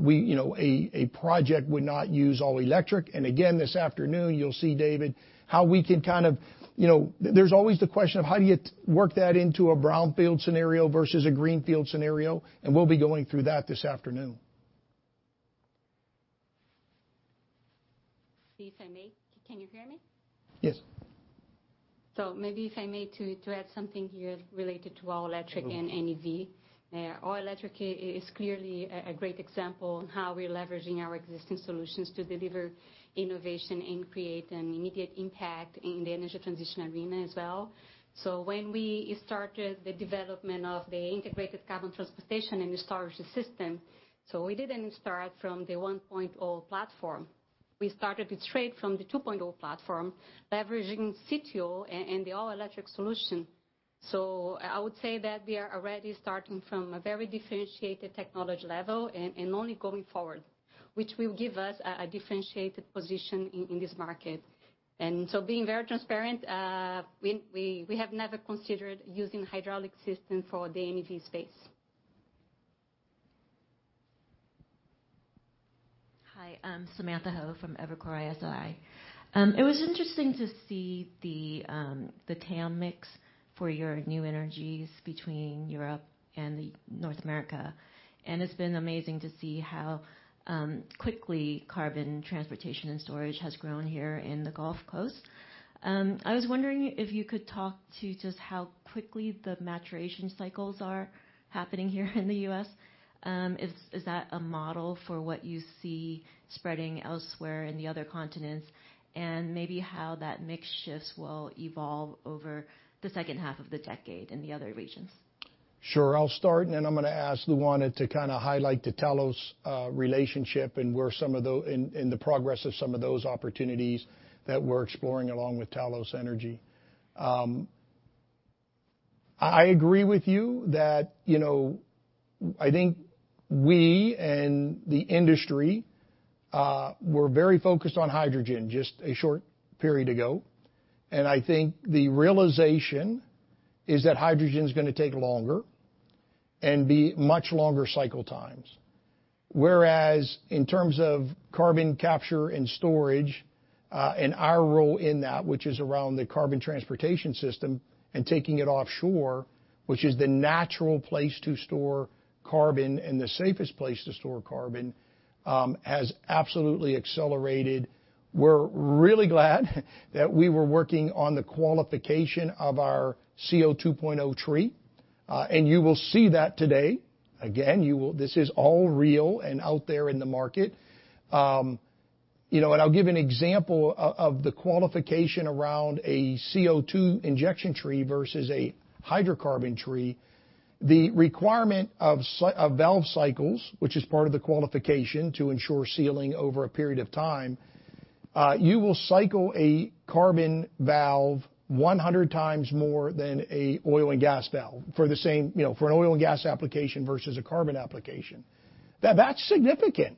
we, you know, a project would not use all electric. Again, this afternoon, you'll see, David, how we can. There's always the question of how do you work that into a brownfield scenario versus a greenfield scenario, and we'll be going through that this afternoon. If I may. Can you hear me? Yes. Maybe, if I may, to add something here related to all-electric. Mm-hmm. NEV. All-electric is clearly a great example on how we're leveraging our existing solutions to deliver innovation and create an immediate impact in the energy transition arena as well. When we started the development of the integrated carbon transportation and storage system, we didn't start from the 1.0 platform. We started it straight from the 2.0 platform, leveraging CTO and the all-electric solution. I would say that we are already starting from a very differentiated technology level and only going forward, which will give us a differentiated position in this market. Being very transparent, we have never considered using hydraulic system for the NEV space. Hi, Samantha Hoh from Evercore ISI. It was interesting to see the TAM mix for your new energies between Europe and North America. It's been amazing to see how quickly carbon transportation and storage has grown here in the Gulf Coast. I was wondering if you could talk to just how quickly the maturation cycles are happening here in the U.S. Is that a model for what you see spreading elsewhere in the other continents? Maybe how that mix shifts will evolve over the second half of the decade in the other regions. Sure. I'll start, and then I'm gonna ask Luana to kinda highlight the Talos relationship and where some of those opportunities that we're exploring along with Talos Energy. I agree with you that, you know, I think we and the industry were very focused on hydrogen just a short period ago, and I think the realization is that hydrogen's gonna take longer and be much longer cycle times. Whereas in terms of carbon capture and storage and our role in that, which is around the carbon transportation system and taking it offshore, which is the natural place to store carbon and the safest place to store carbon, has absolutely accelerated. We're really glad that we were working on the qualification of our CO2.0 tree. And you will see that today. This is all real and out there in the market. You know, and I'll give an example of the qualification around a CO2 injection tree versus a hydrocarbon tree. The requirement of valve cycles, which is part of the qualification to ensure sealing over a period of time, you will cycle a CO2 valve 100 times more than an oil and gas valve for the same, you know, for an oil and gas application versus a CO2 application. Now that's significant.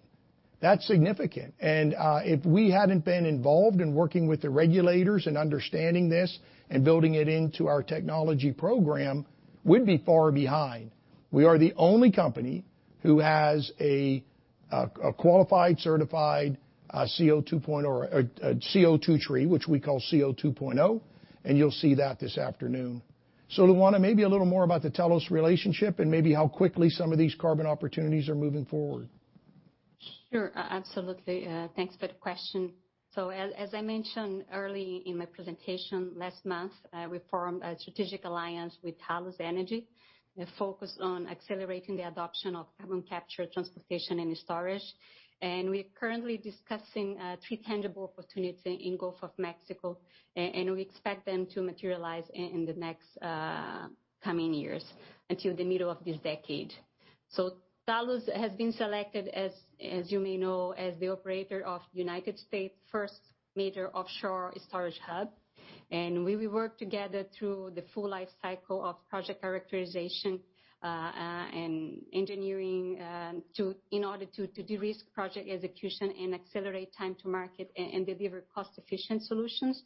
If we hadn't been involved in working with the regulators and understanding this and building it into our technology program, we'd be far behind. We are the only company who has a qualified, certified CO2.0 or a CO2 tree, which we call CO2.0, and you'll see that this afternoon. Luana, maybe a little more about the Talos relationship and maybe how quickly some of these carbon opportunities are moving forward. Sure. Absolutely. Thanks for the question. As I mentioned early in my presentation, last month, we formed a strategic alliance with Talos Energy, focused on accelerating the adoption of carbon capture, transportation, and storage. We're currently discussing three tangible opportunities in Gulf of Mexico, and we expect them to materialize in the next coming years until the middle of this decade. Talos has been selected, as you may know, as the operator of United States' first major offshore storage hub. We will work together through the full life cycle of project characterization and engineering in order to de-risk project execution and accelerate time to market and deliver cost-efficient solutions.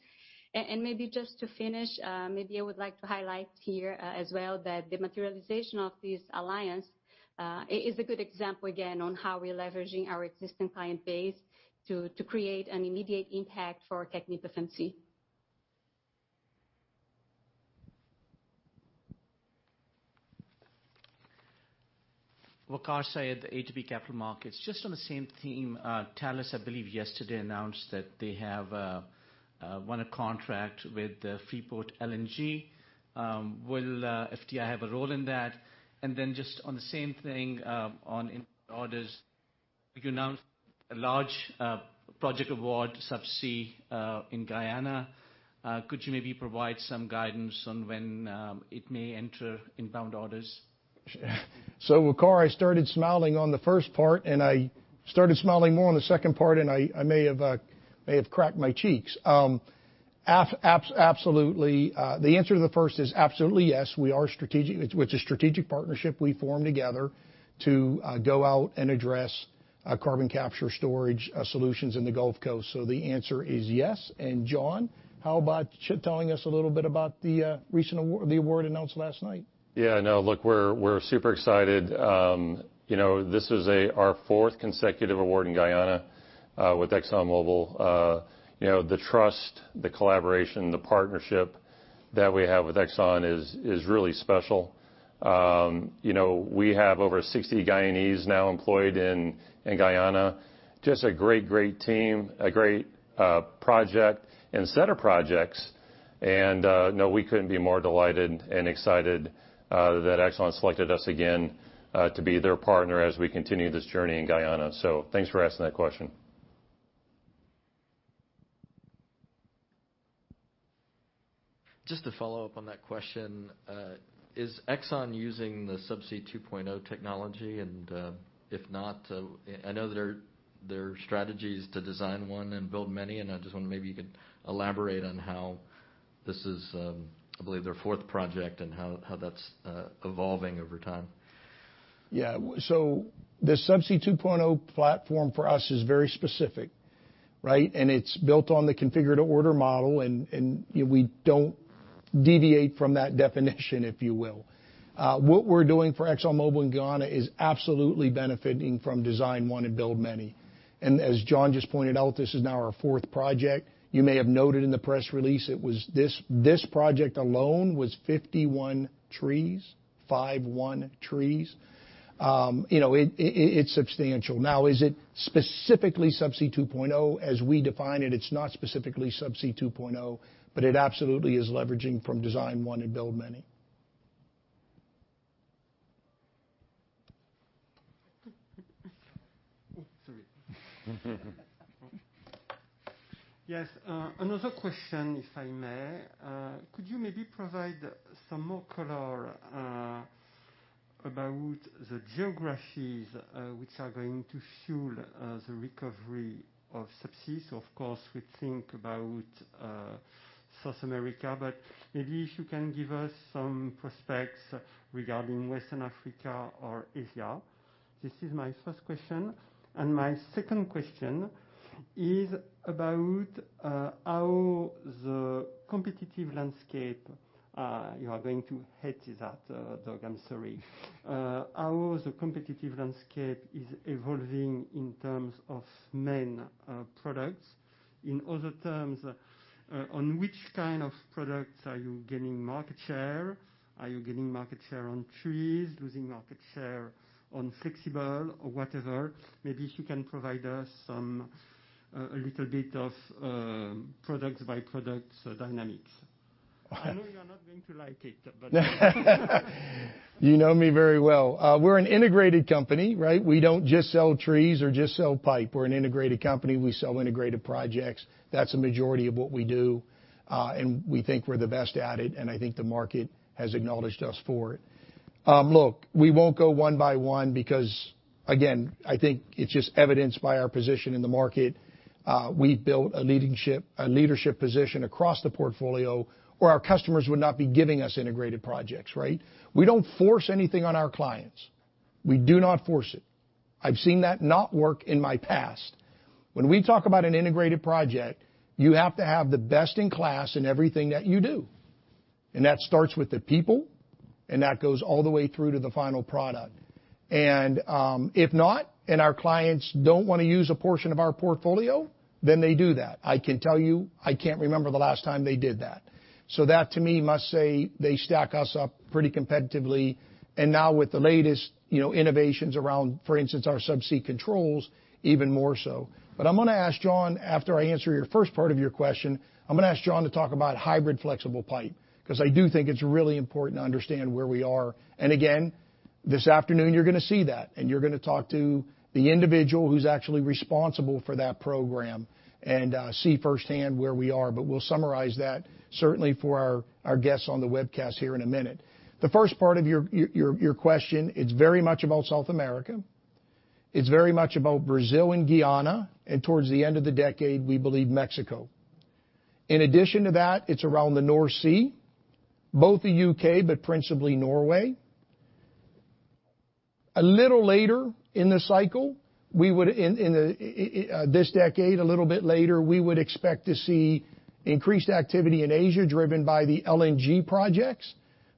Maybe just to finish, maybe I would like to highlight here, as well, that the materialization of this alliance is a good example again on how we're leveraging our existing client base to create an immediate impact for TechnipFMC. Waqar Syed, ATB Capital Markets. Just on the same theme, Talos, I believe yesterday announced that they have won a contract with Freeport LNG. Will FID have a role in that? Just on the same thing, on inbound orders, you announced a large project award in Subsea in Guyana. Could you maybe provide some guidance on when it may enter inbound orders? Waqar, I started smiling on the first part, and I started smiling more on the second part, and I may have cracked my cheeks. Absolutely, the answer to the first is absolutely yes. It's a strategic partnership we formed together to go out and address carbon capture storage solutions in the Gulf Coast. The answer is yes. Jonathan, how about telling us a little bit about the recent award, the award announced last night? No, look, we're super excited. You know, this is our fourth consecutive award in Guyana with ExxonMobil. You know, the trust, the collaboration, the partnership that we have with Exxon is really special. You know, we have over 60 Guyanese now employed in Guyana. Just a great team, a great project and set of projects, and no, we couldn't be more delighted and excited that Exxon selected us again to be their partner as we continue this journey in Guyana. Thanks for asking that question. Just to follow up on that question, is ExxonMobil using the Subsea 2.0 technology? If not, I know their strategy is to design one and build many, and I just wonder if maybe you could elaborate on how this is, I believe their fourth project, and how that's evolving over time. Yeah. The Subsea 2.0 platform for us is very specific, right? It's built on the configure to order model, and we don't deviate from that definition, if you will. What we're doing for ExxonMobil in Guyana is absolutely benefiting from design once and build many. As John just pointed out, this is now our fourth project. You may have noted in the press release it was this project alone was 51 trees. You know, it it's substantial. Now, is it specifically Subsea 2.0 as we define it? It's not specifically Subsea 2.0, but it absolutely is leveraging from design once and build many. Sorry. Yes, another question, if I may. Could you maybe provide some more color about the geographies which are going to fuel the recovery of Subsea? So of course, we think about South America, but maybe if you can give us some prospects regarding West Africa or Asia. This is my first question. My second question is about how the competitive landscape, you are going to hate that, Doug, I'm sorry, is evolving in terms of main products. In other terms, on which kind of products are you gaining market share? Are you gaining market share on trees? Losing market share on flexible or whatever? Maybe if you can provide us some a little bit of product-by-product dynamics. I know you're not going to like it, but You know me very well. We're an integrated company, right? We don't just sell trees or just sell pipe. We're an integrated company. We sell integrated projects. That's a majority of what we do, and we think we're the best at it, and I think the market has acknowledged us for it. Look, we won't go one by one because, again, I think it's just evidenced by our position in the market. We've built a leadership position across the portfolio or our customers would not be giving us integrated projects, right? We don't force anything on our clients. We do not force it. I've seen that not work in my past. When we talk about an integrated project, you have to have the best in class in everything that you do. That starts with the people, and that goes all the way through to the final product. If not, and our clients don't wanna use a portion of our portfolio, then they do that. I can tell you, I can't remember the last time they did that. That to me must say they stack us up pretty competitively and now with the latest, you know, innovations around, for instance, our subsea controls, even more so. I'm gonna ask John, after I answer your first part of your question, I'm gonna ask John to talk about Hybrid Flexible Pipe, 'cause I do think it's really important to understand where we are. Again, this afternoon you're gonna see that, and you're gonna talk to the individual who's actually responsible for that program and see firsthand where we are. We'll summarize that certainly for our guests on the webcast here in a minute. The first part of your question, it's very much about South America. It's very much about Brazil and Guyana, and towards the end of the decade, we believe Mexico. In addition to that, it's around the North Sea, both the U.K., but principally Norway. A little later in this decade, we would expect to see increased activity in Asia driven by the LNG projects,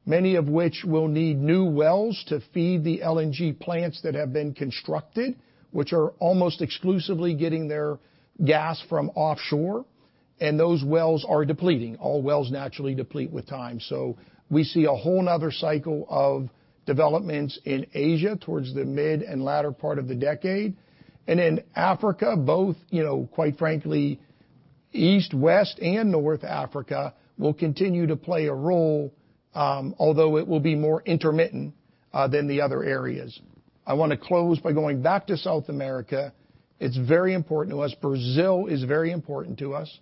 many of which will need new wells to feed the LNG plants that have been constructed, which are almost exclusively getting their gas from offshore, and those wells are depleting. All wells naturally deplete with time. We see a whole 'nother cycle of developments in Asia towards the mid and latter part of the decade. In Africa, both, you know, quite frankly, East, West, and North Africa will continue to play a role, although it will be more intermittent than the other areas. I wanna close by going back to South America. It's very important to us. Brazil is very important to us.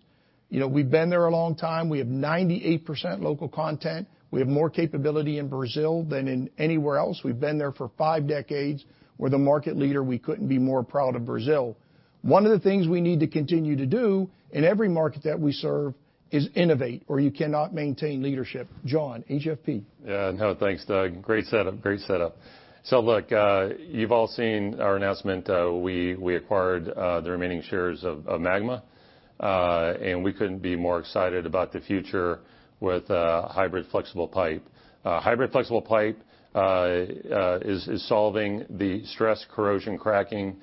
You know, we've been there a long time. We have 98% local content. We have more capability in Brazil than in anywhere else. We've been there for five decades. We're the market leader. We couldn't be more proud of Brazil. One of the things we need to continue to do in every market that we serve is innovate, or you cannot maintain leadership. Jonathan, HFP. Yeah. No, thanks, Doug. Great setup. Look, you've all seen our announcement. We acquired the remaining shares of Magma, and we couldn't be more excited about the future with hybrid flexible pipe. Hybrid flexible pipe is solving the stress corrosion cracking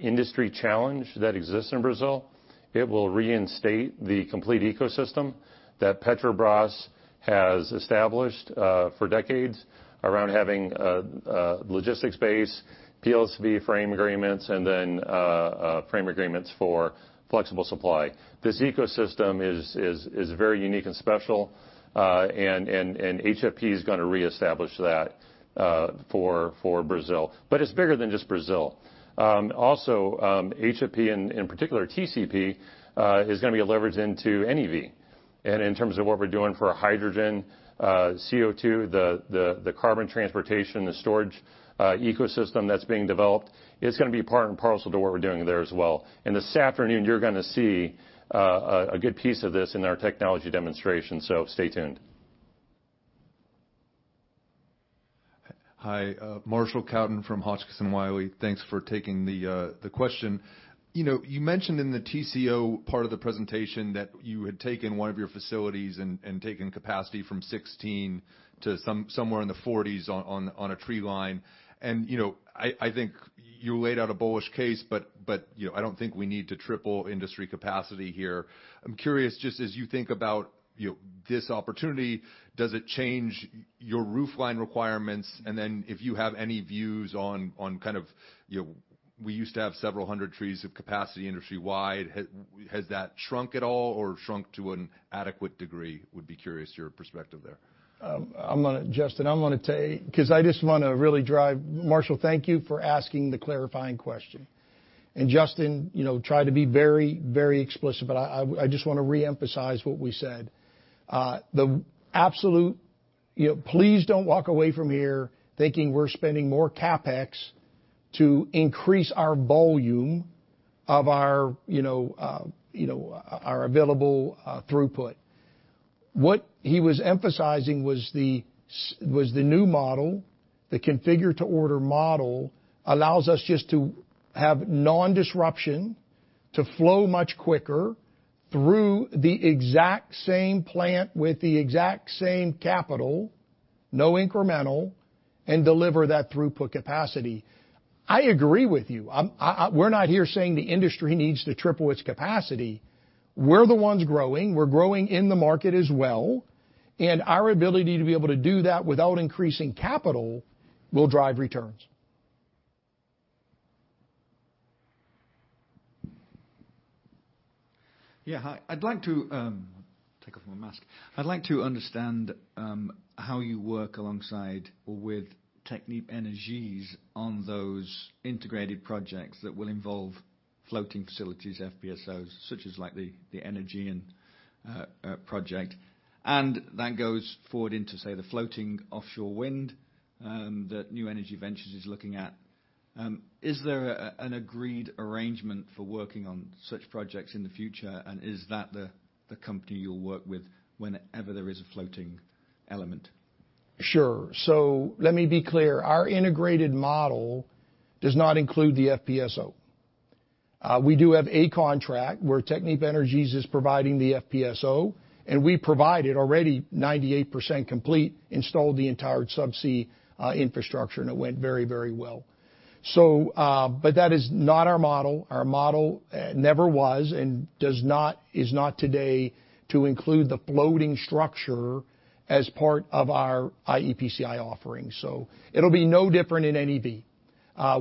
industry challenge that exists in Brazil. It will reinstate the complete ecosystem that Petrobras has established for decades around having a logistics base, PSV frame agreements, and then frame agreements for flexible supply. This ecosystem is very unique and special, and HFP is gonna reestablish that for Brazil. It's bigger than just Brazil. Also, HFP, in particular TCP, is gonna be a leverage into NEV. In terms of what we're doing for hydrogen, CO2, the carbon transportation, the storage ecosystem that's being developed, it's gonna be part and parcel to what we're doing there as well. This afternoon, you're gonna see a good piece of this in our technology demonstration, so stay tuned. Hi, Marshall Cowden from Hotchkis & Wiley. Thanks for taking the question. You know, you mentioned in the TCO part of the presentation that you had taken one of your facilities and taken capacity from 16 to somewhere in the 40s on a tree line. You know, I think you laid out a bullish case, but you know, I don't think we need to triple industry capacity here. I'm curious, just as you think about, you know, this opportunity, does it change your roofline requirements? Then if you have any views on kind of, you know, we used to have several hundred trees of capacity industry-wide. Has that shrunk at all or shrunk to an adequate degree? Would be curious your perspective there. Justin, I'm gonna take, because I just want to really drive Marshall, thank you for asking the clarifying question. Justin, you know, tried to be very, very explicit, but I just want to re-emphasize what we said. You know, please don't walk away from here thinking we're spending more CapEx to increase our volume of our, you know, our available throughput. What he was emphasizing was the new model. The configure to order model allows us just to have non-disruption to flow much quicker through the exact same plant with the exact same capital, no incremental, and deliver that throughput capacity. I agree with you. We're not here saying the industry needs to triple its capacity. We're the ones growing. We're growing in the market as well, and our ability to be able to do that without increasing capital will drive returns. Hi, I'd like to take off my mask. I'd like to understand how you work alongside or with Technip Energies on those integrated projects that will involve floating facilities, FPSOs, such as like the TEN project. That goes forward into, say, the floating offshore wind that New Energy Ventures is looking at. Is there an agreed arrangement for working on such projects in the future, and is that the company you'll work with whenever there is a floating element? Sure. Let me be clear. Our integrated model does not include the FPSO. We do have a contract where Technip Energies is providing the FPSO, and we provided already 98% complete installed the entire subsea infrastructure, and it went very, very well. That is not our model. Our model never was and does not, is not today to include the floating structure as part of our iEPCI offerings. It’ll be no different in NEV.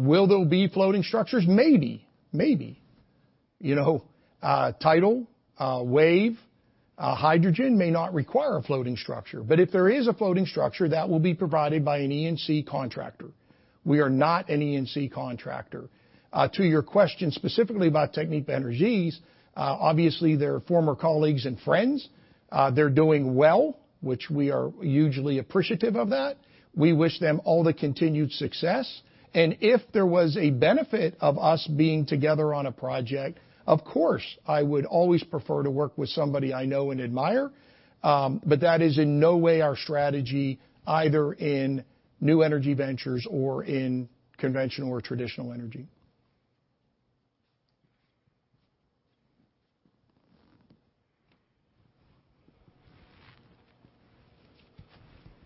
Will there be floating structures? Maybe. You know, tidal, wave, hydrogen may not require a floating structure. But if there is a floating structure, that will be provided by an E&C contractor. We are not an E&C contractor. To your question specifically about Technip Energies, obviously, they’re former colleagues and friends. They're doing well, which we are hugely appreciative of that. We wish them all the continued success. If there was a benefit of us being together on a project, of course, I would always prefer to work with somebody I know and admire. That is in no way our strategy, either in New Energy Ventures or in conventional or traditional energy.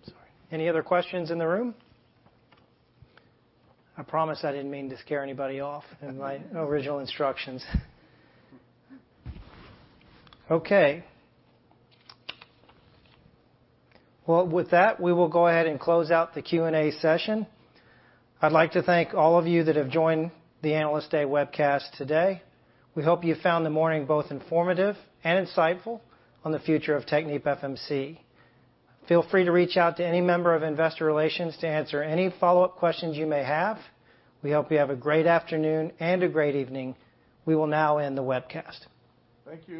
Sorry. Any other questions in the room? I promise I didn't mean to scare anybody off in my original instructions. Okay. Well, with that, we will go ahead and close out the Q&A session. I'd like to thank all of you that have joined the Analyst Day webcast today. We hope you found the morning both informative and insightful on the future of TechnipFMC. Feel free to reach out to any member of investor relations to answer any follow-up questions you may have. We hope you have a great afternoon and a great evening. We will now end the webcast. Thank you.